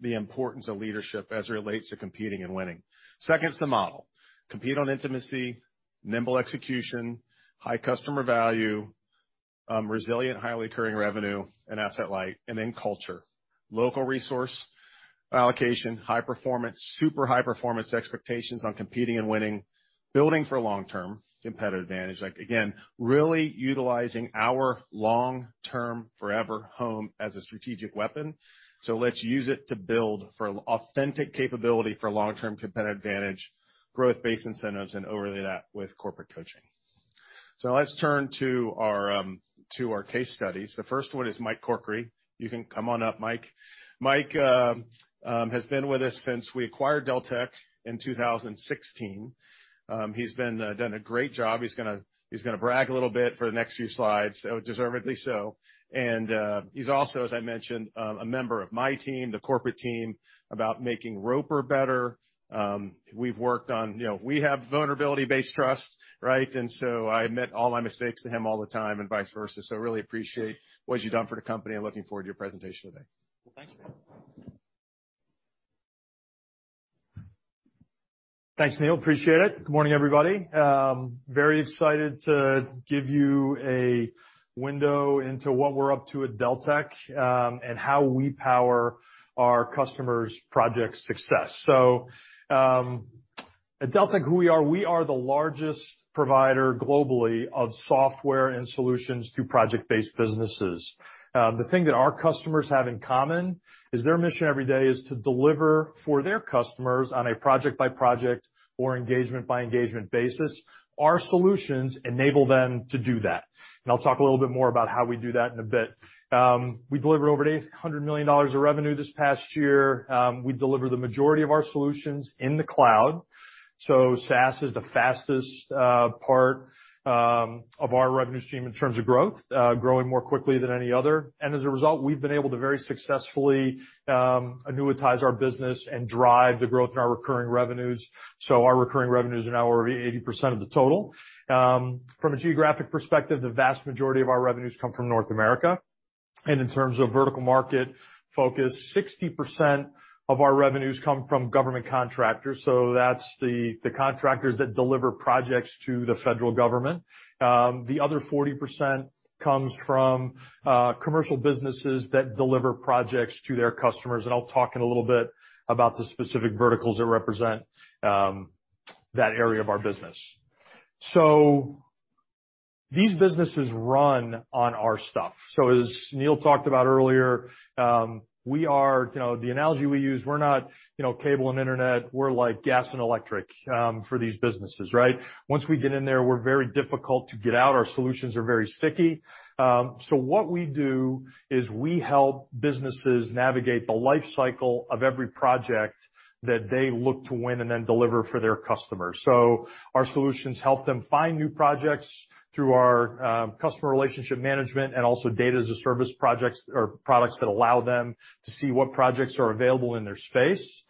S1: the importance of leadership as it relates to competing and winning. Second's the model. Compete on intimacy, nimble execution, high customer value, resilient, highly recurring revenue and asset light, and then culture. Local resource allocation, high performance, super high performance expectations on competing and winning, building for long-term competitive advantage. Like, again, really utilizing our long-term forever home as a strategic weapon. Let's use it to build for authentic capability for long-term competitive advantage, growth-based incentives, and overlay that with corporate coaching. Let's turn to our to our case studies. The first one is Mike Corkery. You can come on up, Mike. Mike has been with us since we acquired Deltek in 2016. He's done a great job. He's gonna brag a little bit for the next few slides, deservedly so. He's also, as I mentioned, a member of my team, the corporate team, about making Roper better. We've worked on, you know, we have vulnerability-based trust, right? I admit all my mistakes to him all the time and vice versa. Really appreciate what you've done for the company and looking forward to your presentation today.
S3: Well, thanks, Neil. Thanks, Neil. Appreciate it. Good morning, everybody. Very excited to give you a window into what we're up to at Deltek and how we power our customers' project success. At Deltek, who we are, we are the largest provider globally of software and solutions to project-based businesses. The thing that our customers have in common is their mission every day is to deliver for their customers on a project-by-project or engagement-by-engagement basis. Our solutions enable them to do that. I'll talk a little bit more about how we do that in a bit. We delivered over $800 million of revenue this past year. We deliver the majority of our solutions in the cloud. SaaS is the fastest part of our revenue stream in terms of growth, growing more quickly than any other. As a result, we've been able to very successfully annuitize our business and drive the growth in our recurring revenues. Our recurring revenues are now over 80% of the total. From a geographic perspective, the vast majority of our revenues come from North America. In terms of vertical market focus, 60% of our revenues come from government contractors. That's the contractors that deliver projects to the federal government. The other 40% comes from commercial businesses that deliver projects to their customers. I'll talk in a little bit about the specific verticals that represent that area of our business. These businesses run on our stuff. As Neil talked about earlier, we are, you know, the analogy we use, we're not, you know, cable and internet, we're like gas and electric for these businesses, right? Once we get in there, we're very difficult to get out. Our solutions are very sticky. What we do is we help businesses navigate the life cycle of every project that they look to win and then deliver for their customers. Our solutions help them find new projects through our customer relationship management and also data as a service projects or products that allow them to see what projects are available in their space.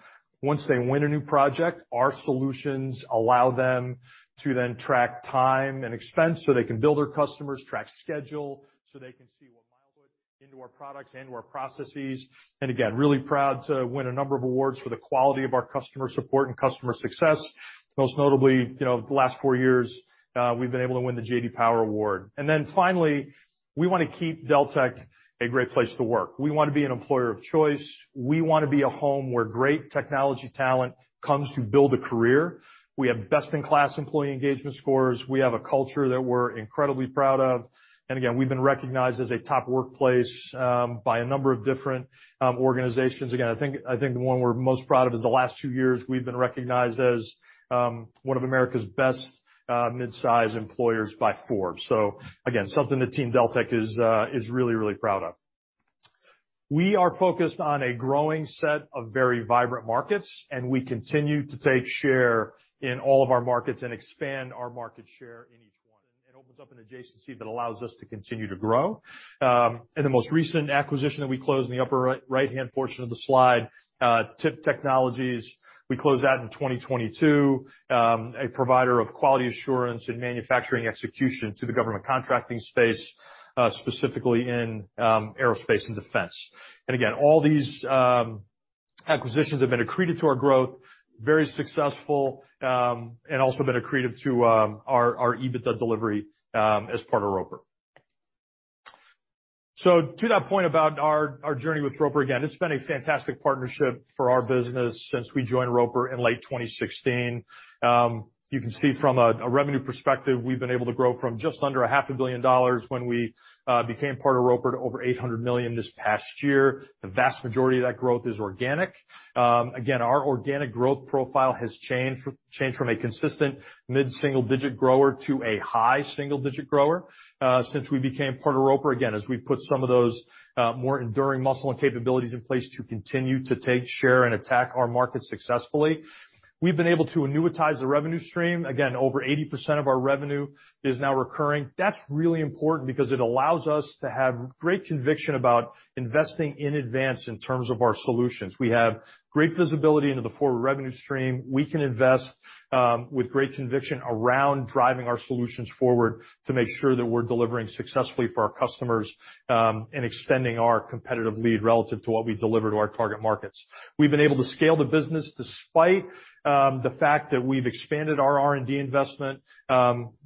S3: Once they win a new project, our solutions allow them to then track time and expense, so they can build their customers, track schedule, so they can see what milestones- Into our products and our processes. Again, really proud to win a number of awards for the quality of our customer support and customer success. Most notably, you know, the last four years, we've been able to win the J.D. Power Award. Finally, we wanna keep Deltek a great place to work. We wanna be an employer of choice. We wanna be a home where great technology talent comes to build a career. We have best-in-class employee engagement scores. We have a culture that we're incredibly proud of. Again, we've been recognized as a top workplace by a number of different organizations. Again, I think the one we're most proud of is the last two years, we've been recognized as one of America's best mid-size employers by Forbes. Again, something that Team Deltek is really proud of. We are focused on a growing set of very vibrant markets, and we continue to take share in all of our markets and expand our market share in each one. It opens up an adjacency that allows us to continue to grow. The most recent acquisition that we closed in the upper right-hand portion of the slide, TIP Technologies. We closed that in 2022, a provider of quality assurance and manufacturing execution to the government contracting space, specifically in aerospace and defense. Again, all these acquisitions have been accretive to our growth, very successful, and also been accretive to our EBITDA delivery as part of Roper. To that point about our journey with Roper, again, it's been a fantastic partnership for our business since we joined Roper in late 2016. You can see from a revenue perspective, we've been able to grow from just under a half a billion dollars when we became part of Roper to over $800 million this past year. The vast majority of that growth is organic. Again, our organic growth profile has changed from a consistent mid-single digit grower to a high single digit grower since we became part of Roper, again, as we put some of those more enduring muscle and capabilities in place to continue to take share and attack our market successfully. We've been able to annuitize the revenue stream. Again, over 80% of our revenue is now recurring. That's really important because it allows us to have great conviction about investing in advance in terms of our solutions. We have great visibility into the forward revenue stream. We can invest with great conviction around driving our solutions forward to make sure that we're delivering successfully for our customers and extending our competitive lead relative to what we deliver to our target markets. We've been able to scale the business despite the fact that we've expanded our R&D investment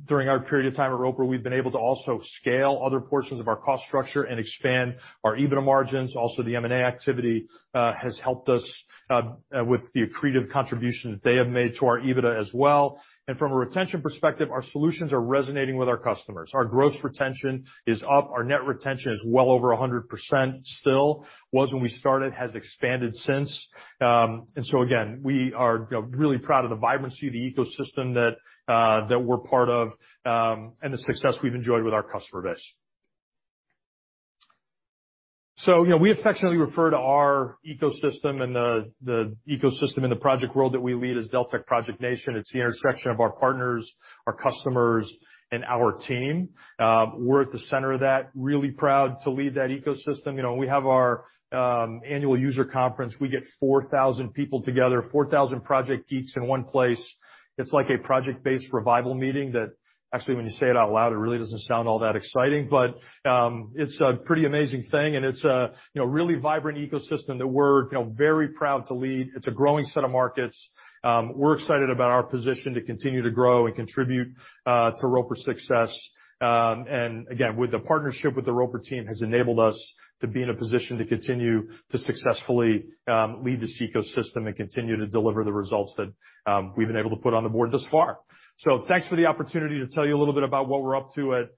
S3: during our period of time at Roper. We've been able to also scale other portions of our cost structure and expand our EBITDA margins. Also, the M&A activity has helped us with the accretive contribution that they have made to our EBITDA as well. From a retention perspective, our solutions are resonating with our customers. Our gross retention is up. Our net retention is well over 100% still. Was when we started, has expanded since. Again, we are, you know, really proud of the vibrancy of the ecosystem that we're part of, and the success we've enjoyed with our customer base. You know, we affectionately refer to our ecosystem and the ecosystem in the project world that we lead as Deltek Project Nation. It's the intersection of our partners, our customers, and our team. We're at the center of that, really proud to lead that ecosystem. We have our annual user conference. We get 4,000 people together, 4,000 project geeks in one place. It's like a project-based revival meeting that actually, when you say it out loud, it really doesn't sound all that exciting. It's a pretty amazing thing, and it's a, you know, really vibrant ecosystem that we're, you know, very proud to lead. It's a growing set of markets. We're excited about our position to continue to grow and contribute to Roper's success. Again, with the partnership with the Roper team has enabled us to be in a position to continue to successfully lead this ecosystem and continue to deliver the results that we've been able to put on the board thus far. Thanks for the opportunity to tell you a little bit about what we're up to at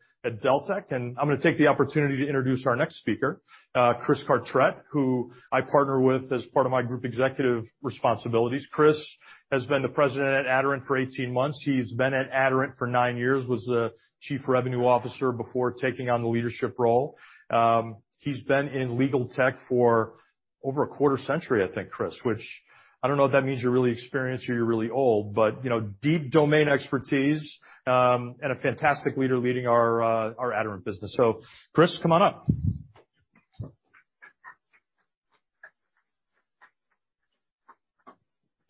S3: Deltek. I'm gonna take the opportunity to introduce our next speaker, Chris Cartrett, who I partner with as part of my group executive responsibilities. Chris has been the president at Aderant for 18 months. He's been at Aderant for nine years, was the chief revenue officer before taking on the leadership role. He's been in legal tech for over a quarter century, I think, Chris, which I don't know if that means you're really experienced or you're really old. You know, deep domain expertise, and a fantastic leader leading our Aderant business. Chris, come on up.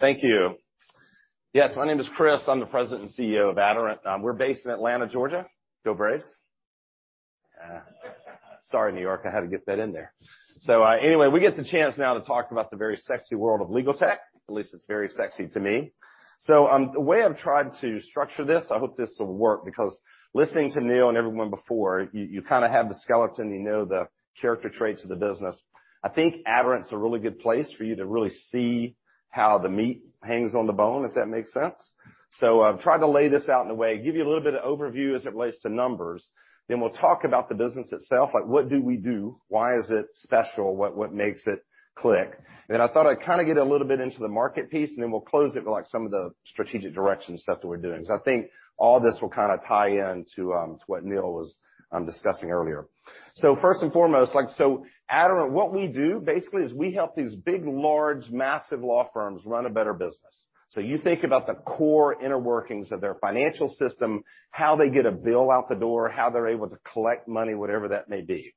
S4: Thank you. Yes, my name is Chris. I'm the president and CEO of Aderant. We're based in Atlanta, Georgia. Go Braves. Sorry, New York, I had to get that in there. Anyway, we get the chance now to talk about the very sexy world of legal tech. At least it's very sexy to me. The way I've tried to structure this, I hope this will work because listening to Neil and everyone before, you kinda have the skeleton, you know the character traits of the business. I think Aderant's a really good place for you to really see how the meat hangs on the bone, if that makes sense. I've tried to lay this out in a way, give you a little bit of overview as it relates to numbers. We'll talk about the business itself, like what do we do? Why is it special? What makes it click? I thought I'd kinda get a little bit into the market piece, and then we'll close it with, like, some of the strategic direction stuff that we're doing. I think all this will kinda tie in to what Neil was discussing earlier. First and foremost, like, Aderant, what we do basically is we help these big, large, massive law firms run a better business. You think about the core inner workings of their financial system, how they get a bill out the door, how they're able to collect money, whatever that may be.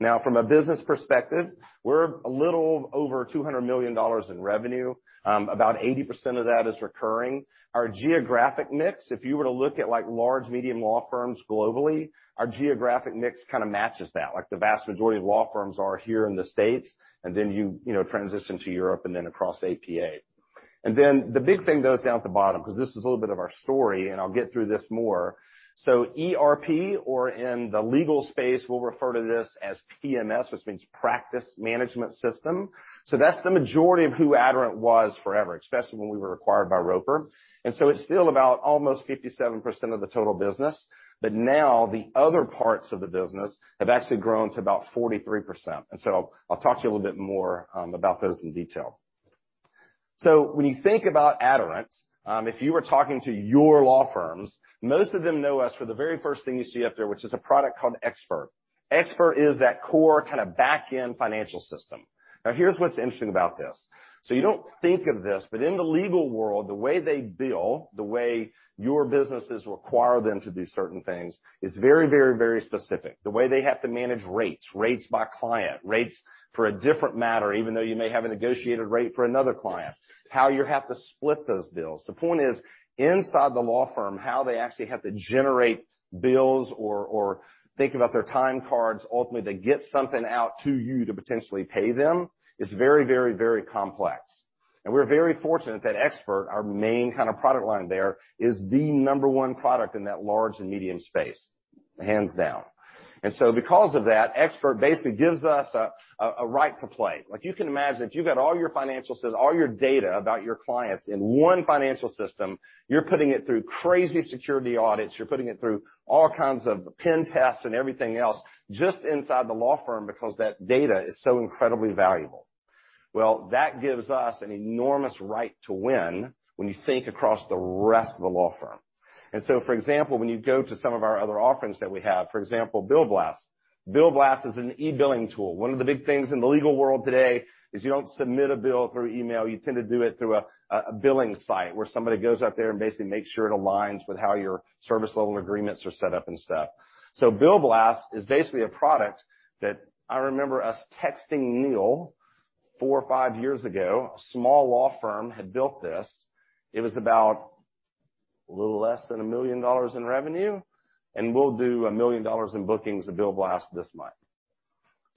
S4: Now, from a business perspective, we're a little over $200 million in revenue. About 80% of that is recurring. Our geographic mix, if you were to look at, like, large medium law firms globally, our geographic mix kinda matches that. Like, the vast majority of law firms are here in the States, and then you know, transition to Europe and then across APA. The big thing goes down at the bottom because this is a little bit of our story, and I'll get through this more. ERP, or in the legal space, we'll refer to this as PMS, which means practice management system. That's the majority of who Aderant was forever, especially when we were acquired by Roper. It's still about almost 57% of the total business. Now the other parts of the business have actually grown to about 43%. I'll talk to you a little bit more about those in detail. When you think about Aderant, if you were talking to your law firms, most of them know us for the very first thing you see up there, which is a product called Expert. Expert is that core kinda back-end financial system. Now, here's what's interesting about this. You don't think of this, but in the legal world, the way they bill, the way your businesses require them to do certain things is very, very, very specific. The way they have to manage rates by client, rates for a different matter, even though you may have a negotiated rate for another client, how you have to split those bills. The point is, inside the law firm, how they actually have to generate bills or think about their time cards, ultimately, to get something out to you to potentially pay them is very, very, very complex. We're very fortunate that Expert, our main kind of product line there, is the number one product in that large and medium space, hands down. Because of that, Expert basically gives us a right to play. Like, you can imagine, if you've got all your financial all your data about your clients in one financial system, you're putting it through crazy security audits, you're putting it through all kinds of pen tests and everything else just inside the law firm because that data is so incredibly valuable. Well, that gives us an enormous right to win when you think across the rest of the law firm. For example, when you go to some of our other offerings that we have, for example, BillBlast. BillBlast is an e-billing tool. One of the big things in the legal world today is you don't submit a bill through email. You tend to do it through a billing site where somebody goes out there and basically makes sure it aligns with how your service level agreements are set up and stuff. BillBlast is basically a product that I remember us texting Neil four or five years ago. A small law firm had built this. It was about a little less than $1 million in revenue, and we'll do $1 million in bookings of BillBlast this month.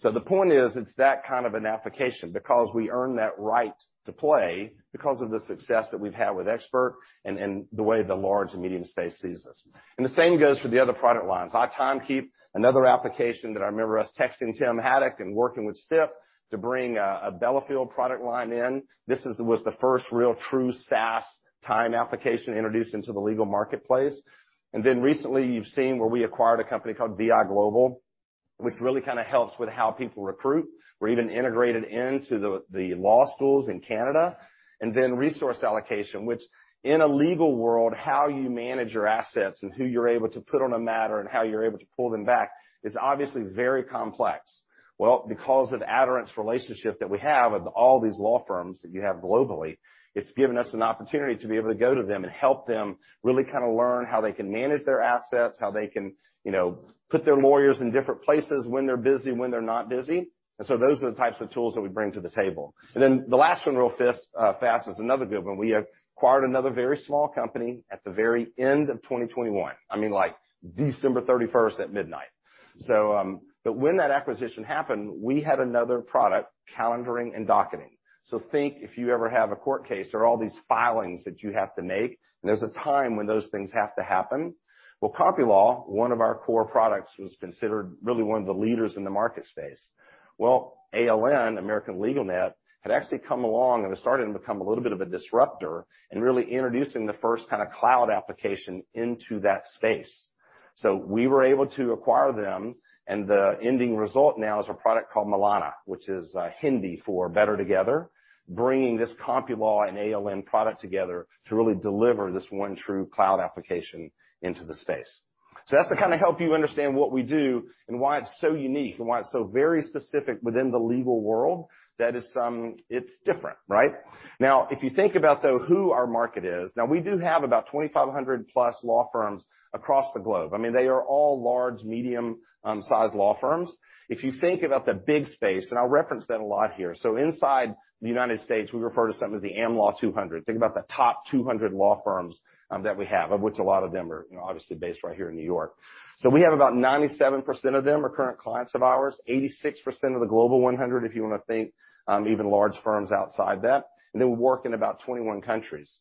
S4: The point is, it's that kind of an application because we earn that right to play because of the success that we've had with Expert and the way the large and medium space sees us. The same goes for the other product lines. iTimekeep, another application that I remember us texting Tim Haddock and working with Stipp to bring a Bellefield product line in. This was the first real true SaaS time application introduced into the legal marketplace. Recently, you've seen where we acquired a company called viGlobal, which really kinda helps with how people recruit. We're even integrated into the law schools in Canada. Resource allocation, which in a legal world, how you manage your assets and who you're able to put on a matter and how you're able to pull them back is obviously very complex. Because of Aderant's relationship that we have with all these law firms that you have globally, it's given us an opportunity to be able to go to them and help them really kind of learn how they can manage their assets, how they can, you know, put their lawyers in different places when they're busy, when they're not busy. Those are the types of tools that we bring to the table. The last one real fast is another good one. We acquired another very small company at the very end of 2021. I mean, like December 31st at midnight. When that acquisition happened, we had another product, calendaring and docketing. Think if you ever have a court case, there are all these filings that you have to make, and there's a time when those things have to happen. CompuLaw, one of our core products, was considered really one of the leaders in the market space. ALN, American LegalNet, had actually come along, and it's starting to become a little bit of a disruptor in really introducing the first kinda cloud application into that space. We were able to acquire them, and the ending result now is a product called Milana, which is Hindi for better together, bringing this CompuLaw and ALN product together to really deliver this one true cloud application into the space. That's to kinda help you understand what we do and why it's so unique and why it's so very specific within the legal world that it's different, right? If you think about, though, who our market is. We do have about 2,500+ law firms across the globe. I mean, they are all large, medium sized law firms. If you think about the big space, and I'll reference that a lot here. Inside the United States, we refer to some of the Am Law 200. Think about the top 200 law firms that we have, of which a lot of them are, you know, obviously based right here in New York. We have about 97% of them are current clients of ours, 86% of the Global 100, if you wanna think even large firms outside that. They work in about 21 countries.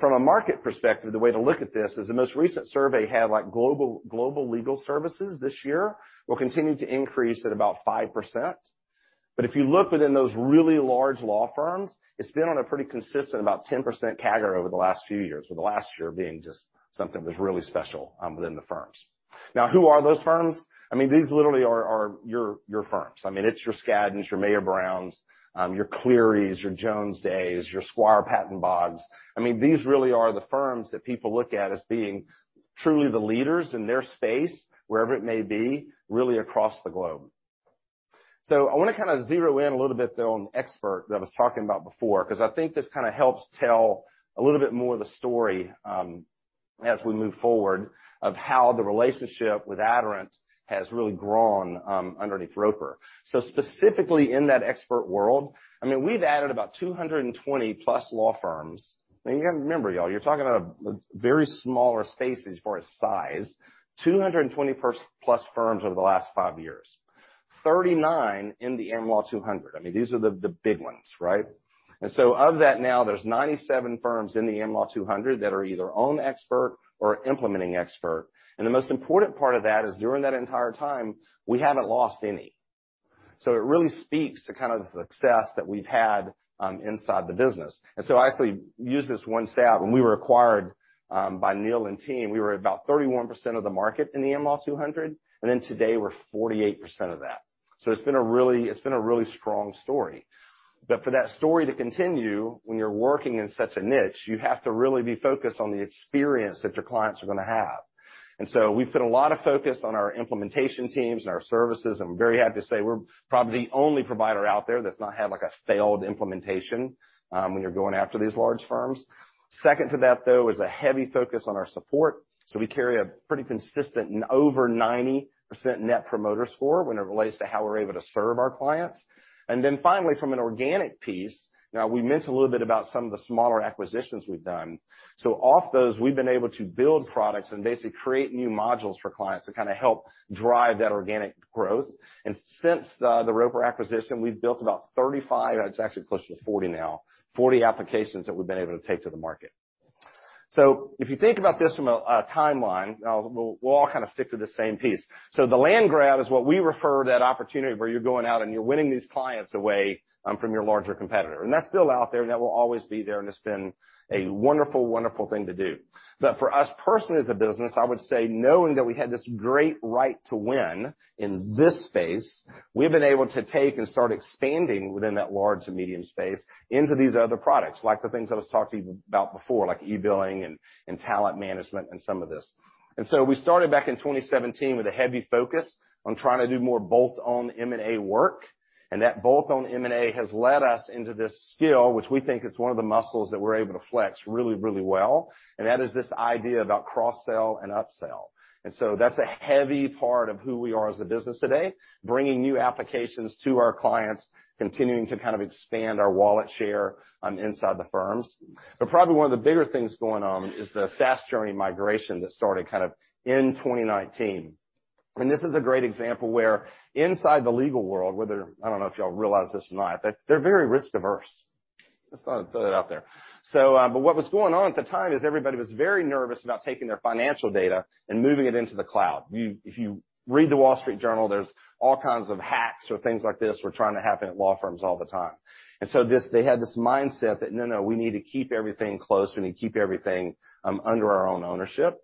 S4: From a market perspective, the way to look at this is the most recent survey had like global legal services this year will continue to increase at about 5%. If you look within those really large law firms, it's been on a pretty consistent about 10% CAGR over the last few years, with the last year being just something that's really special within the firms. Who are those firms? I mean, these literally are your firms. I mea it's your Skadden, your Mayer Browns, your Clearys, your Jones Days, your Squire Patton Boggs. I mean, these really are the firms that people look at as being truly the leaders in their space, wherever it may be, really across the globe. I wanna kinda zero in a little bit, though, on Expert that I was talking about before because I think this kinda helps tell a little bit more of the story as we move forward of how the relationship with Aderant has really grown underneath Roper. Specifically in that Expert world, I mean, we've added about 220 plus law firms. I mean, you gotta remember, y'all, you're talking about a very smaller space as far as size, 220 plus firms over the last five years. 39 in the Am Law 200. I mean, these are the big ones, right? Of that now, there's 97 firms in the Am Law 200 that are either on Expert or implementing Expert. The most important part of that is during that entire time, we haven't lost any. It really speaks to kind of the success that we've had inside the business. I actually use this one stat. We were acquired by Neil and team, we were at about 31% of the market in the Am Law 200. Today we're 48% of that. It's been a really strong story. For that story to continue, when you're working in such a niche, you have to really be focused on the experience that your clients are gonna have. We've put a lot of focus on our implementation teams and our services, and we're very happy to say we're probably the only provider out there that's not had, like, a failed implementation when you're going after these large firms. Second to that, though, is a heavy focus on our support. We carry a pretty consistent and over 90% Net Promoter Score when it relates to how we're able to serve our clients. Finally, from an organic piece, now we mentioned a little bit about some of the smaller acquisitions we've done. Off those, we've been able to build products and basically create new modules for clients to kind of help drive that organic growth. Since the Roper acquisition, we've built about 35, or it's actually closer to 40 now, 40 applications that we've been able to take to the market. If you think about this from a timeline, now we'll all kind of stick to the same piece. The land grab is what we refer to that opportunity where you're going out and you're winning these clients away from your larger competitor, and that's still out there, and that will always be there, and it's been a wonderful thing to do. For us personally as a business, I would say knowing that we had this great right to win in this space, we've been able to take and start expanding within that large and medium space into these other products, like the things that I've talked to you about before, like e-billing and talent management and some of this. We started back in 2017 with a heavy focus on trying to do more bolt-on M&A work, and that bolt-on M&A has led us into this skill, which we think is one of the muscles that we're able to flex really, really well, and that is this idea about cross-sell and upsell. That's a heavy part of who we are as a business today, bringing new applications to our clients, continuing to kind of expand our wallet share on inside the firms. Probably one of the bigger things going on is the SaaS journey migration that started kind of in 2019. This is a great example where inside the legal world, whether, I don't know if y'all realize this or not, but they're very risk averse. Just thought I'd throw that out there. What was going on at the time is everybody was very nervous about taking their financial data and moving it into the cloud. If you read The Wall Street Journal, there's all kinds of hacks or things like this were trying to happen at law firms all the time. They had this mindset that, "No, no, we need to keep everything close. We need to keep everything under our own ownership."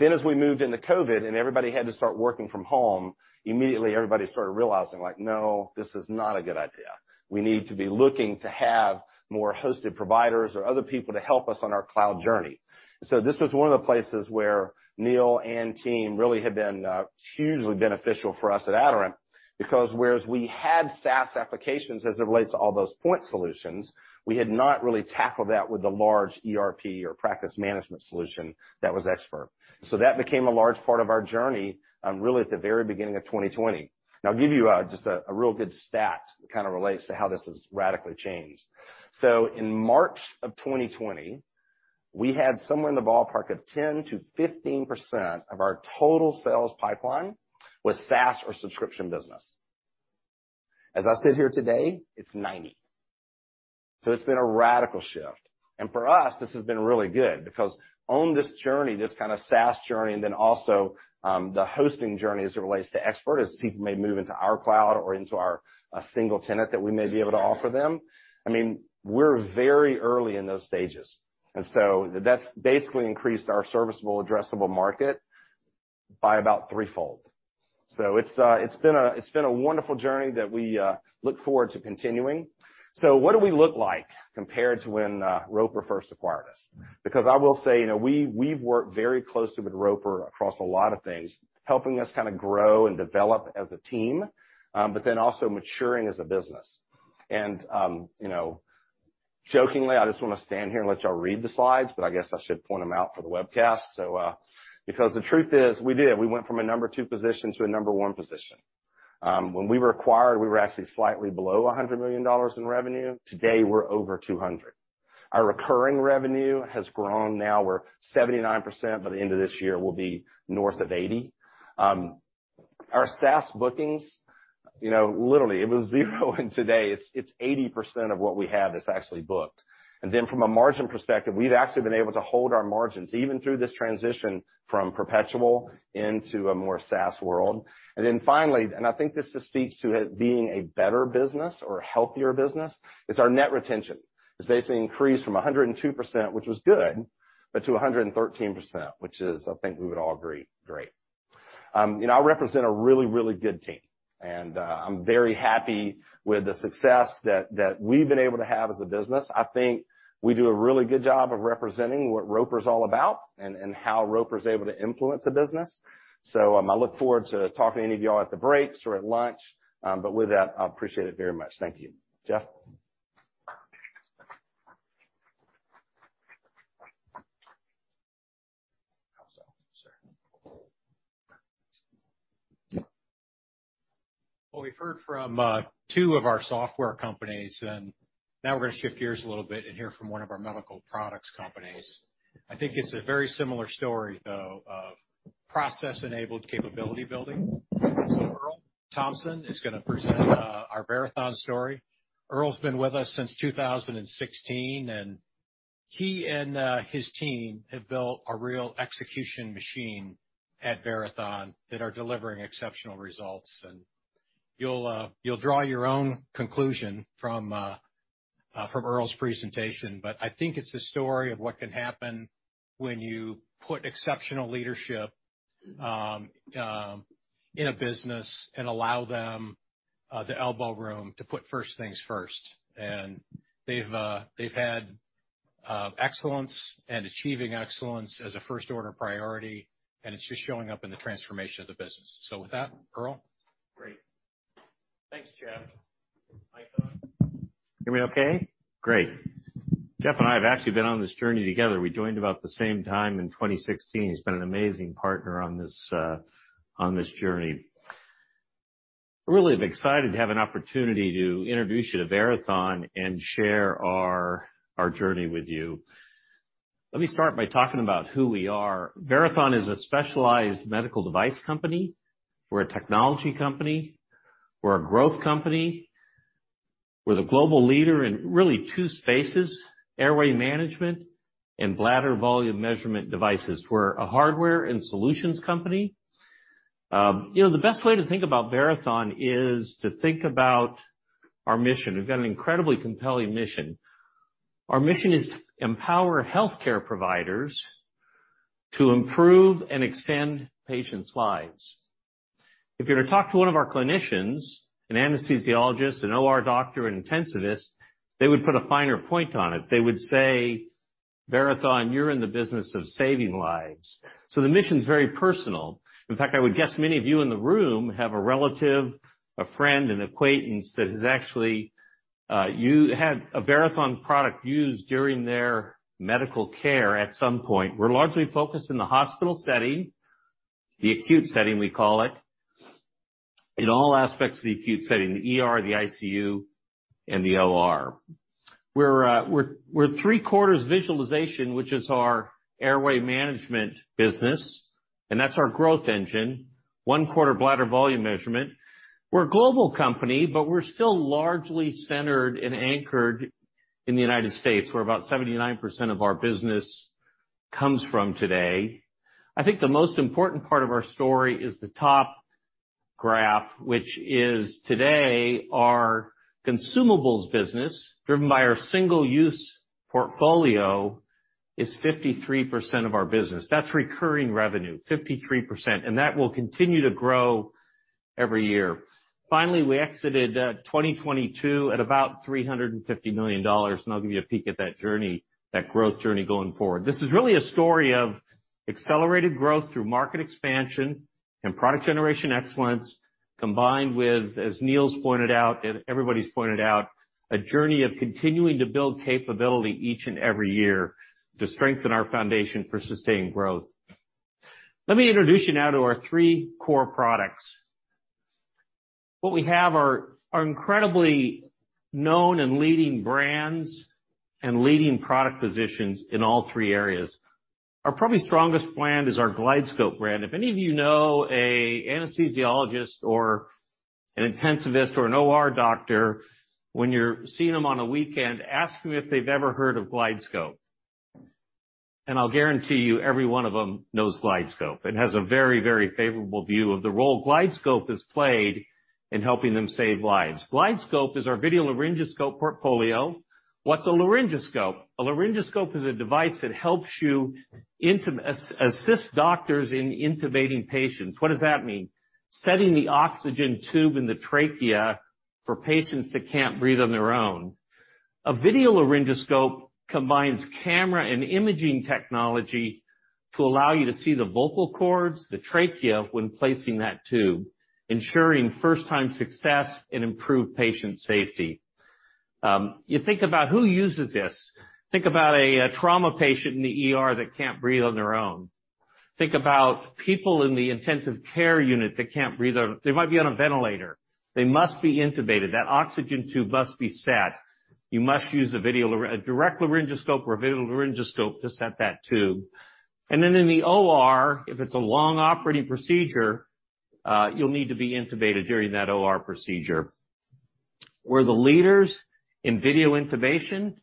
S4: As we moved into COVID, and everybody had to start working from home, immediately everybody started realizing, like, "No, this is not a good idea. We need to be looking to have more hosted providers or other people to help us on our cloud journey." This was one of the places where Neil and team really have been hugely beneficial for us at Aderant, because whereas we had SaaS applications as it relates to all those point solutions, we had not really tackled that with the large ERP or practice management solution that was Expert. That became a large part of our journey really at the very beginning of 2020. Now, I'll give you just a real good stat that kind of relates to how this has radically changed. In March of 2020, we had somewhere in the ballpark of 10%-15% of our total sales pipeline was SaaS or subscription business. As I sit here today, it's 90. It's been a radical shift. For us, this has been really good because on this journey, this kind of SaaS journey, and then also, the hosting journey as it relates to Expert, as people may move into our cloud or into our single tenant that we may be able to offer them, I mean, we're very early in those stages. That's basically increased our serviceable addressable market by about threefold. It's been a wonderful journey that we look forward to continuing. What do we look like compared to when Roper first acquired us? I will say, you know, we've worked very closely with Roper across a lot of things, helping us kind of grow and develop as a team, also maturing as a business. You know, jokingly, I just want to stand here and let y'all read the slides, I guess I should point them out for the webcast. The truth is, we did, we went from a number two position to a number one position. When we were acquired, we were actually slightly below $100 million in revenue. Today, we're over $200 million. Our recurring revenue has grown. Now we're 79%. By the end of this year, we'll be north of 80%. Our SaaS bookings, you know, literally it was 0, today it's 80% of what we have is actually booked. From a margin perspective, we've actually been able to hold our margins even through this transition from perpetual into a more SaaS world. Finally, I think this just speaks to it being a better business or a healthier business, is our net retention has basically increased from 102%, which was good, but to 113%, which is, I think we would all agree, great. You know, I represent a really, really good team, and I'm very happy with the success that we've been able to have as a business. I think we do a really good job of representing what Roper's all about and how Roper's able to influence a business. I look forward to talking to any of y'all at the breaks or at lunch. With that, I appreciate it very much. Thank you. Jeff? How so, sir?
S5: Well, we've heard from two of our software companies. Now we're gonna shift gears a little bit and hear from one of our medical products companies. I think it's a very similar story, though, of process-enabled capability building. Earl Thompson is gonna present our Verathon story. Earl's been with us since 2016. He and his team have built a real execution machine at Verathon that are delivering exceptional results. You'll draw your own conclusion from Earl's presentation. I think it's the story of what can happen when you put exceptional leadership in a business and allow them the elbow room to put first things first. They've had excellence and achieving excellence as a first-order priority, and it's just showing up in the transformation of the business. With that, Earl?
S6: Great. Thanks, Jeff. Mic on. Can you hear me okay? Great. Jeff and I have actually been on this journey together. We joined about the same time in 2016. He's been an amazing partner on this journey. I really am excited to have an opportunity to introduce you to Verathon and share our journey with you. Let me start by talking about who we are. Verathon is a specialized medical device company. We're a technology company. We're a growth company. We're the global leader in really two spaces, airway management and bladder volume measurement devices. We're a hardware and solutions company. You know, the best way to think about Verathon is to think about our mission. We've got an incredibly compelling mission. Our mission is to empower healthcare providers to improve and extend patients' lives. If you're to talk to one of our clinicians, an anesthesiologist, an OR doctor, an intensivist, they would put a finer point on it. They would say, "Verathon, you're in the business of saving lives." The mission's very personal. In fact, I would guess many of you in the room have a relative, a friend, an acquaintance that has actually you had a Verathon product used during their medical care at some point. We're largely focused in the hospital setting, the acute setting, we call it, in all aspects of the acute setting, the ER, the ICU, and the OR. We're three-quarters visualization, which is our airway management business, and that's our growth engine. One-quarter bladder volume measurement. We're a global company, we're still largely centered and anchored in the United States, where about 79% of our business comes from today. I think the most important part of our story is the top graph, which is today our consumables business, driven by our single-use portfolio, is 53% of our business. That's recurring revenue, 53%. That will continue to grow every year. Finally, we exited 2022 at about $350 million, and I'll give you a peek at that journey, that growth journey going forward. This is really a story of accelerated growth through market expansion and product generation excellence, combined with, as Neil's pointed out, and everybody's pointed out, a journey of continuing to build capability each and every year to strengthen our foundation for sustained growth. Let me introduce you now to our three core products. What we have are incredibly known and leading brands and leading product positions in all three areas. Our probably strongest brand is our GlideScope brand. If any of you know a anesthesiologist or an intensivist or an OR doctor, when you're seeing them on a weekend, ask them if they've ever heard of GlideScope. I'll guarantee you, every one of them knows GlideScope and has a very, very favorable view of the role GlideScope has played in helping them save lives. GlideScope is our video laryngoscope portfolio. What's a laryngoscope? A laryngoscope is a device that helps you assist doctors in intubating patients. What does that mean? Setting the oxygen tube in the trachea for patients that can't breathe on their own. A video laryngoscope combines camera and imaging technology to allow you to see the vocal cords, the trachea when placing that tube, ensuring first-time success and improved patient safety. You think about who uses this. Think about a trauma patient in the ER that can't breathe on their own. Think about people in the intensive care unit that can't breathe. They might be on a ventilator. They must be intubated. That oxygen tube must be set. You must use a direct laryngoscope or a video laryngoscope to set that tube. Then in the OR, if it's a long operating procedure, you'll need to be intubated during that OR procedure. We're the leaders in video intubation.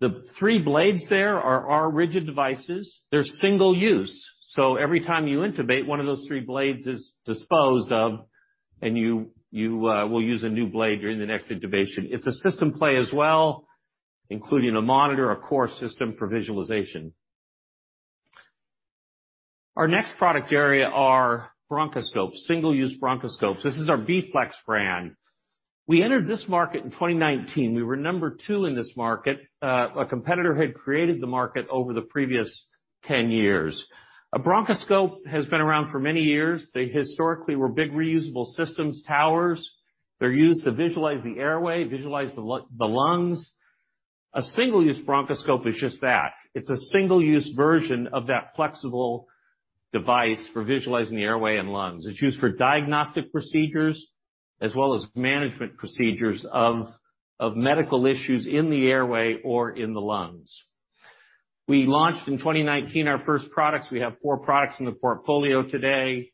S6: The three blades there are our rigid devices. They're single use, so every time you intubate, one of those three blades is disposed of, and you will use a new blade during the next intubation. It's a system play as well, including a monitor, a core system for visualization. Our next product area are bronchoscopes, single-use bronchoscopes. This is our BFlex brand. We entered this market in 2019. We were number two in this market. A competitor had created the market over the previous 10 years. A BFlex has been around for many years. They historically were big reusable systems, towers. They're used to visualize the airway, visualize the lungs. A single-use BFlex is just that. It's a single-use version of that flexible device for visualizing the airway and lungs. It's used for diagnostic procedures as well as management procedures of medical issues in the airway or in the lungs. We launched in 2019 our first products. We have four products in the portfolio today,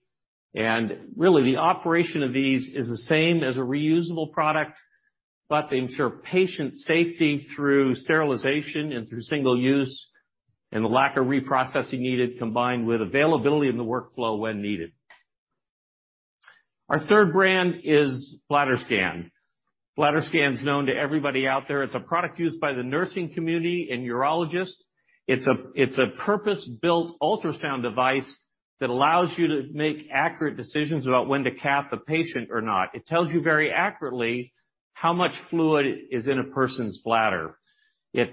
S6: and really the operation of these is the same as a reusable product, but they ensure patient safety through sterilization and through single use and the lack of reprocessing needed, combined with availability in the workflow when needed. Our third brand is BladderScan. BladderScan is known to everybody out there. It's a product used by the nursing community and urologists. It's a purpose-built ultrasound device that allows you to make accurate decisions about when to cath a patient or not. It tells you very accurately how much fluid is in a person's bladder. You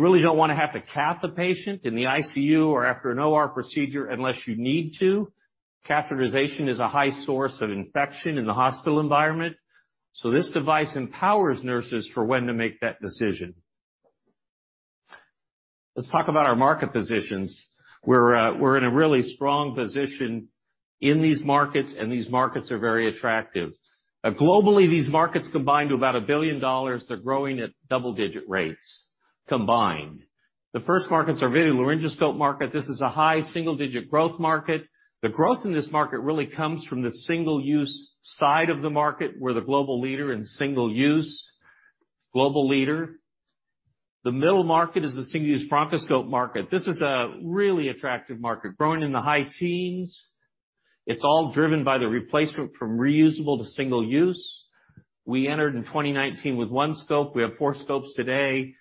S6: really don't wanna have to cath a patient in the ICU or after an OR procedure unless you need to. Catheterization is a high source of infection in the hospital environment. This device empowers nurses for when to make that decision. Let's talk about our market positions. We're in a really strong position in these markets. These markets are very attractive. Globally, these markets combine to about $1 billion. They're growing at double-digit rates combined. The first markets are video laryngoscope market. This is a high single-digit growth market. The growth in this market really comes from the single-use side of the market. We're the global leader in single use. Global leader. The middle market is the single-use BFlex market. This is a really attractive market, growing in the high teens. It's all driven by the replacement from reusable to single use. We entered in 2019 with one scope. We have four scopes today.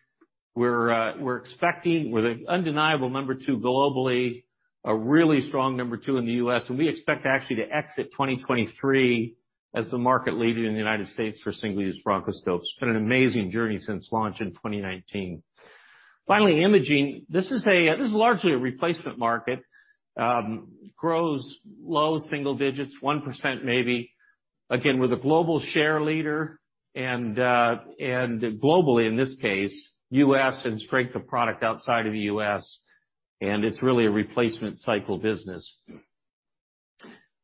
S6: We're the undeniable number two globally, a really strong number two in the U.S., and we expect actually to exit 2023 as the market leader in the United States for single-use BFlex. It's been an amazing journey since launch in 2019. Finally, imaging. This is largely a replacement market. Grows low single digits, 1% maybe. Again, we're the global share leader, globally in this case, U.S. and strength of product outside of the U.S., it's really a replacement cycle business.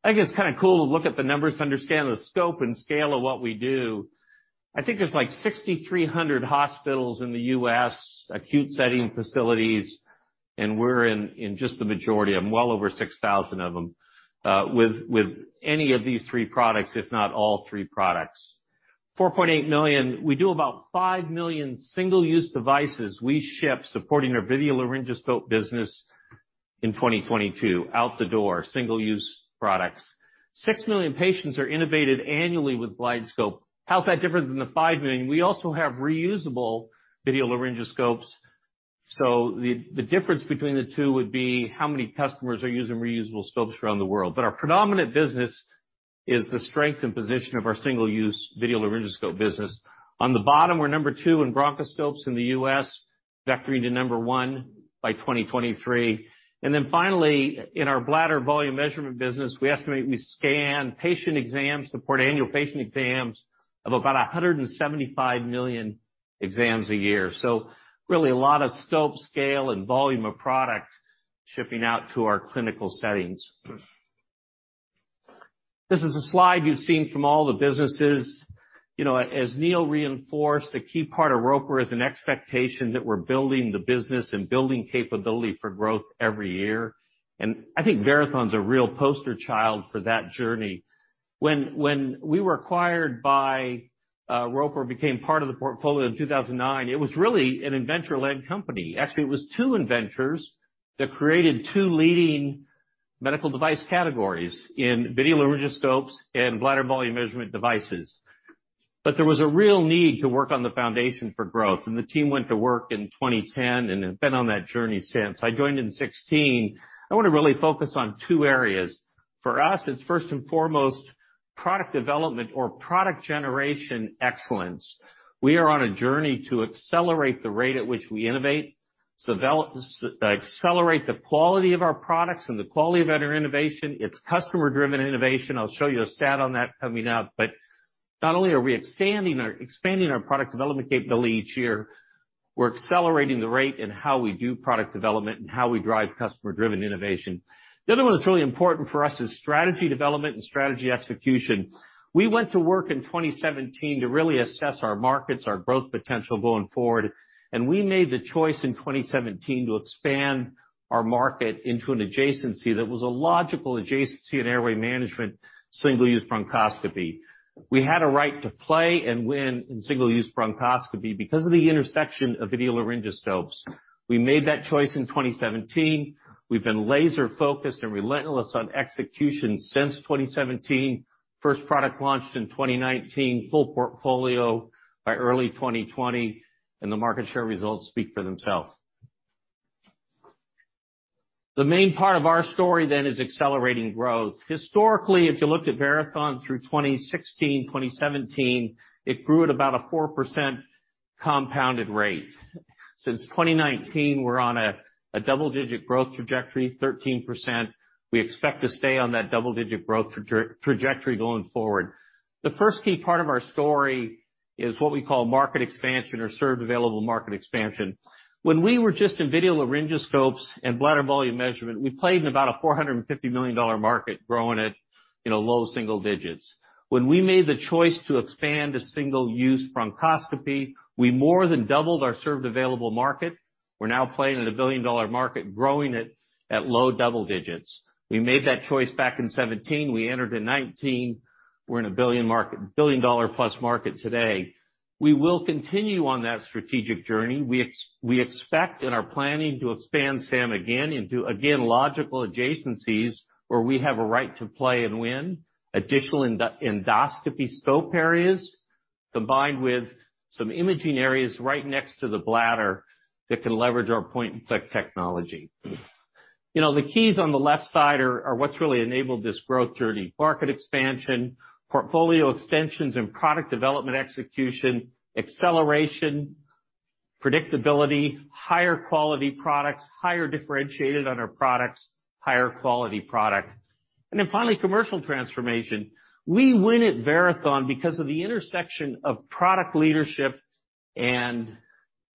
S6: I think it's kind of cool to look at the numbers to understand the scope and scale of what we do. I think there's like 6,300 hospitals in the U.S., acute setting facilities, and we're in just the majority of them, well over 6,000 of them, with any of these three products, if not all three products. 4.8 million. We do about five million single-use devices we ship supporting our video laryngoscope business in 2022, out the door, single-use products. Six million patients are intubated annually with GlideScope. How's that different than the five million? We also have reusable video laryngoscopesThe difference between the two would be how many customers are using reusable scopes around the world. Our predominant business is the strength and position of our single-use video laryngoscope business. On the bottom, we're number two in bronchoscopes in the U.S., vectoring to number one by 2023. Finally, in our bladder volume measurement business, we estimate we scan patient exams, support annual patient exams of about 175 million exams a year. Really a lot of scope, scale, and volume of product shipping out to our clinical settings. This is a slide you've seen from all the businesses. You know, as Neil reinforced, a key part of Roper is an expectation that we're building the business and building capability for growth every year. I think Verathon's a real poster child for that journey. When we were acquired by Roper, became part of the portfolio in 2009, it was really an inventor-led company. Actually, it was two inventors that created two leading medical device categories in video laryngoscopes and bladder volume measurement devices. There was a real need to work on the foundation for growth, and the team went to work in 2010 and have been on that journey since. I joined in 2016. I wanna really focus on two areas. For us, it's first and foremost product development or product generation excellence. We are on a journey to accelerate the rate at which we innovate, so accelerate the quality of our products and the quality of our innovation. It's customer-driven innovation. I'll show you a stat on that coming up. Not only are we expanding our product development capability each year, we're accelerating the rate in how we do product development and how we drive customer-driven innovation. The other one that's really important for us is strategy development and strategy execution. We went to work in 2017 to really assess our markets, our growth potential going forward, and we made the choice in 2017 to expand our market into an adjacency that was a logical adjacency in airway management, single-use bronchoscopy. We had a right to play and win in single-use bronchoscopy because of the intersection of video laryngoscopes. We made that choice in 2017. We've been laser focused and relentless on execution since 2017. First product launched in 2019. Full portfolio by early 2020. The market share results speak for themselves. The main part of our story is accelerating growth. Historically, if you looked at Verathon through 2016, 2017, it grew at about a 4% compounded rate. Since 2019, we're on a double-digit growth trajectory, 13%. We expect to stay on that double-digit growth trajectory going forward. The first key part of our story is what we call market expansion or served available market expansion. When we were just in video laryngoscopes and bladder volume measurement, we played in about a $450 million market, growing at, you know, low single digits. When we made the choice to expand to single-use bronchoscopy, we more than doubled our served available market. We're now playing in a $1 billion market, growing it at low double digits. We made that choice back in 2017, we entered in 2019, we're in a $1 billion-plus market today. We will continue on that strategic journey. We expect and are planning to expand SAM again into, again, logical adjacencies where we have a right to play and win. Additional endoscopy scope areas, combined with some imaging areas right next to the bladder that can leverage our point-in-fact technology. You know, the keys on the left side are what's really enabled this growth journey. Market expansion, portfolio extensions, and product development execution, acceleration, predictability, higher quality products, higher differentiated on our products, higher quality product. Finally, commercial transformation. We win at Verathon because of the intersection of product leadership and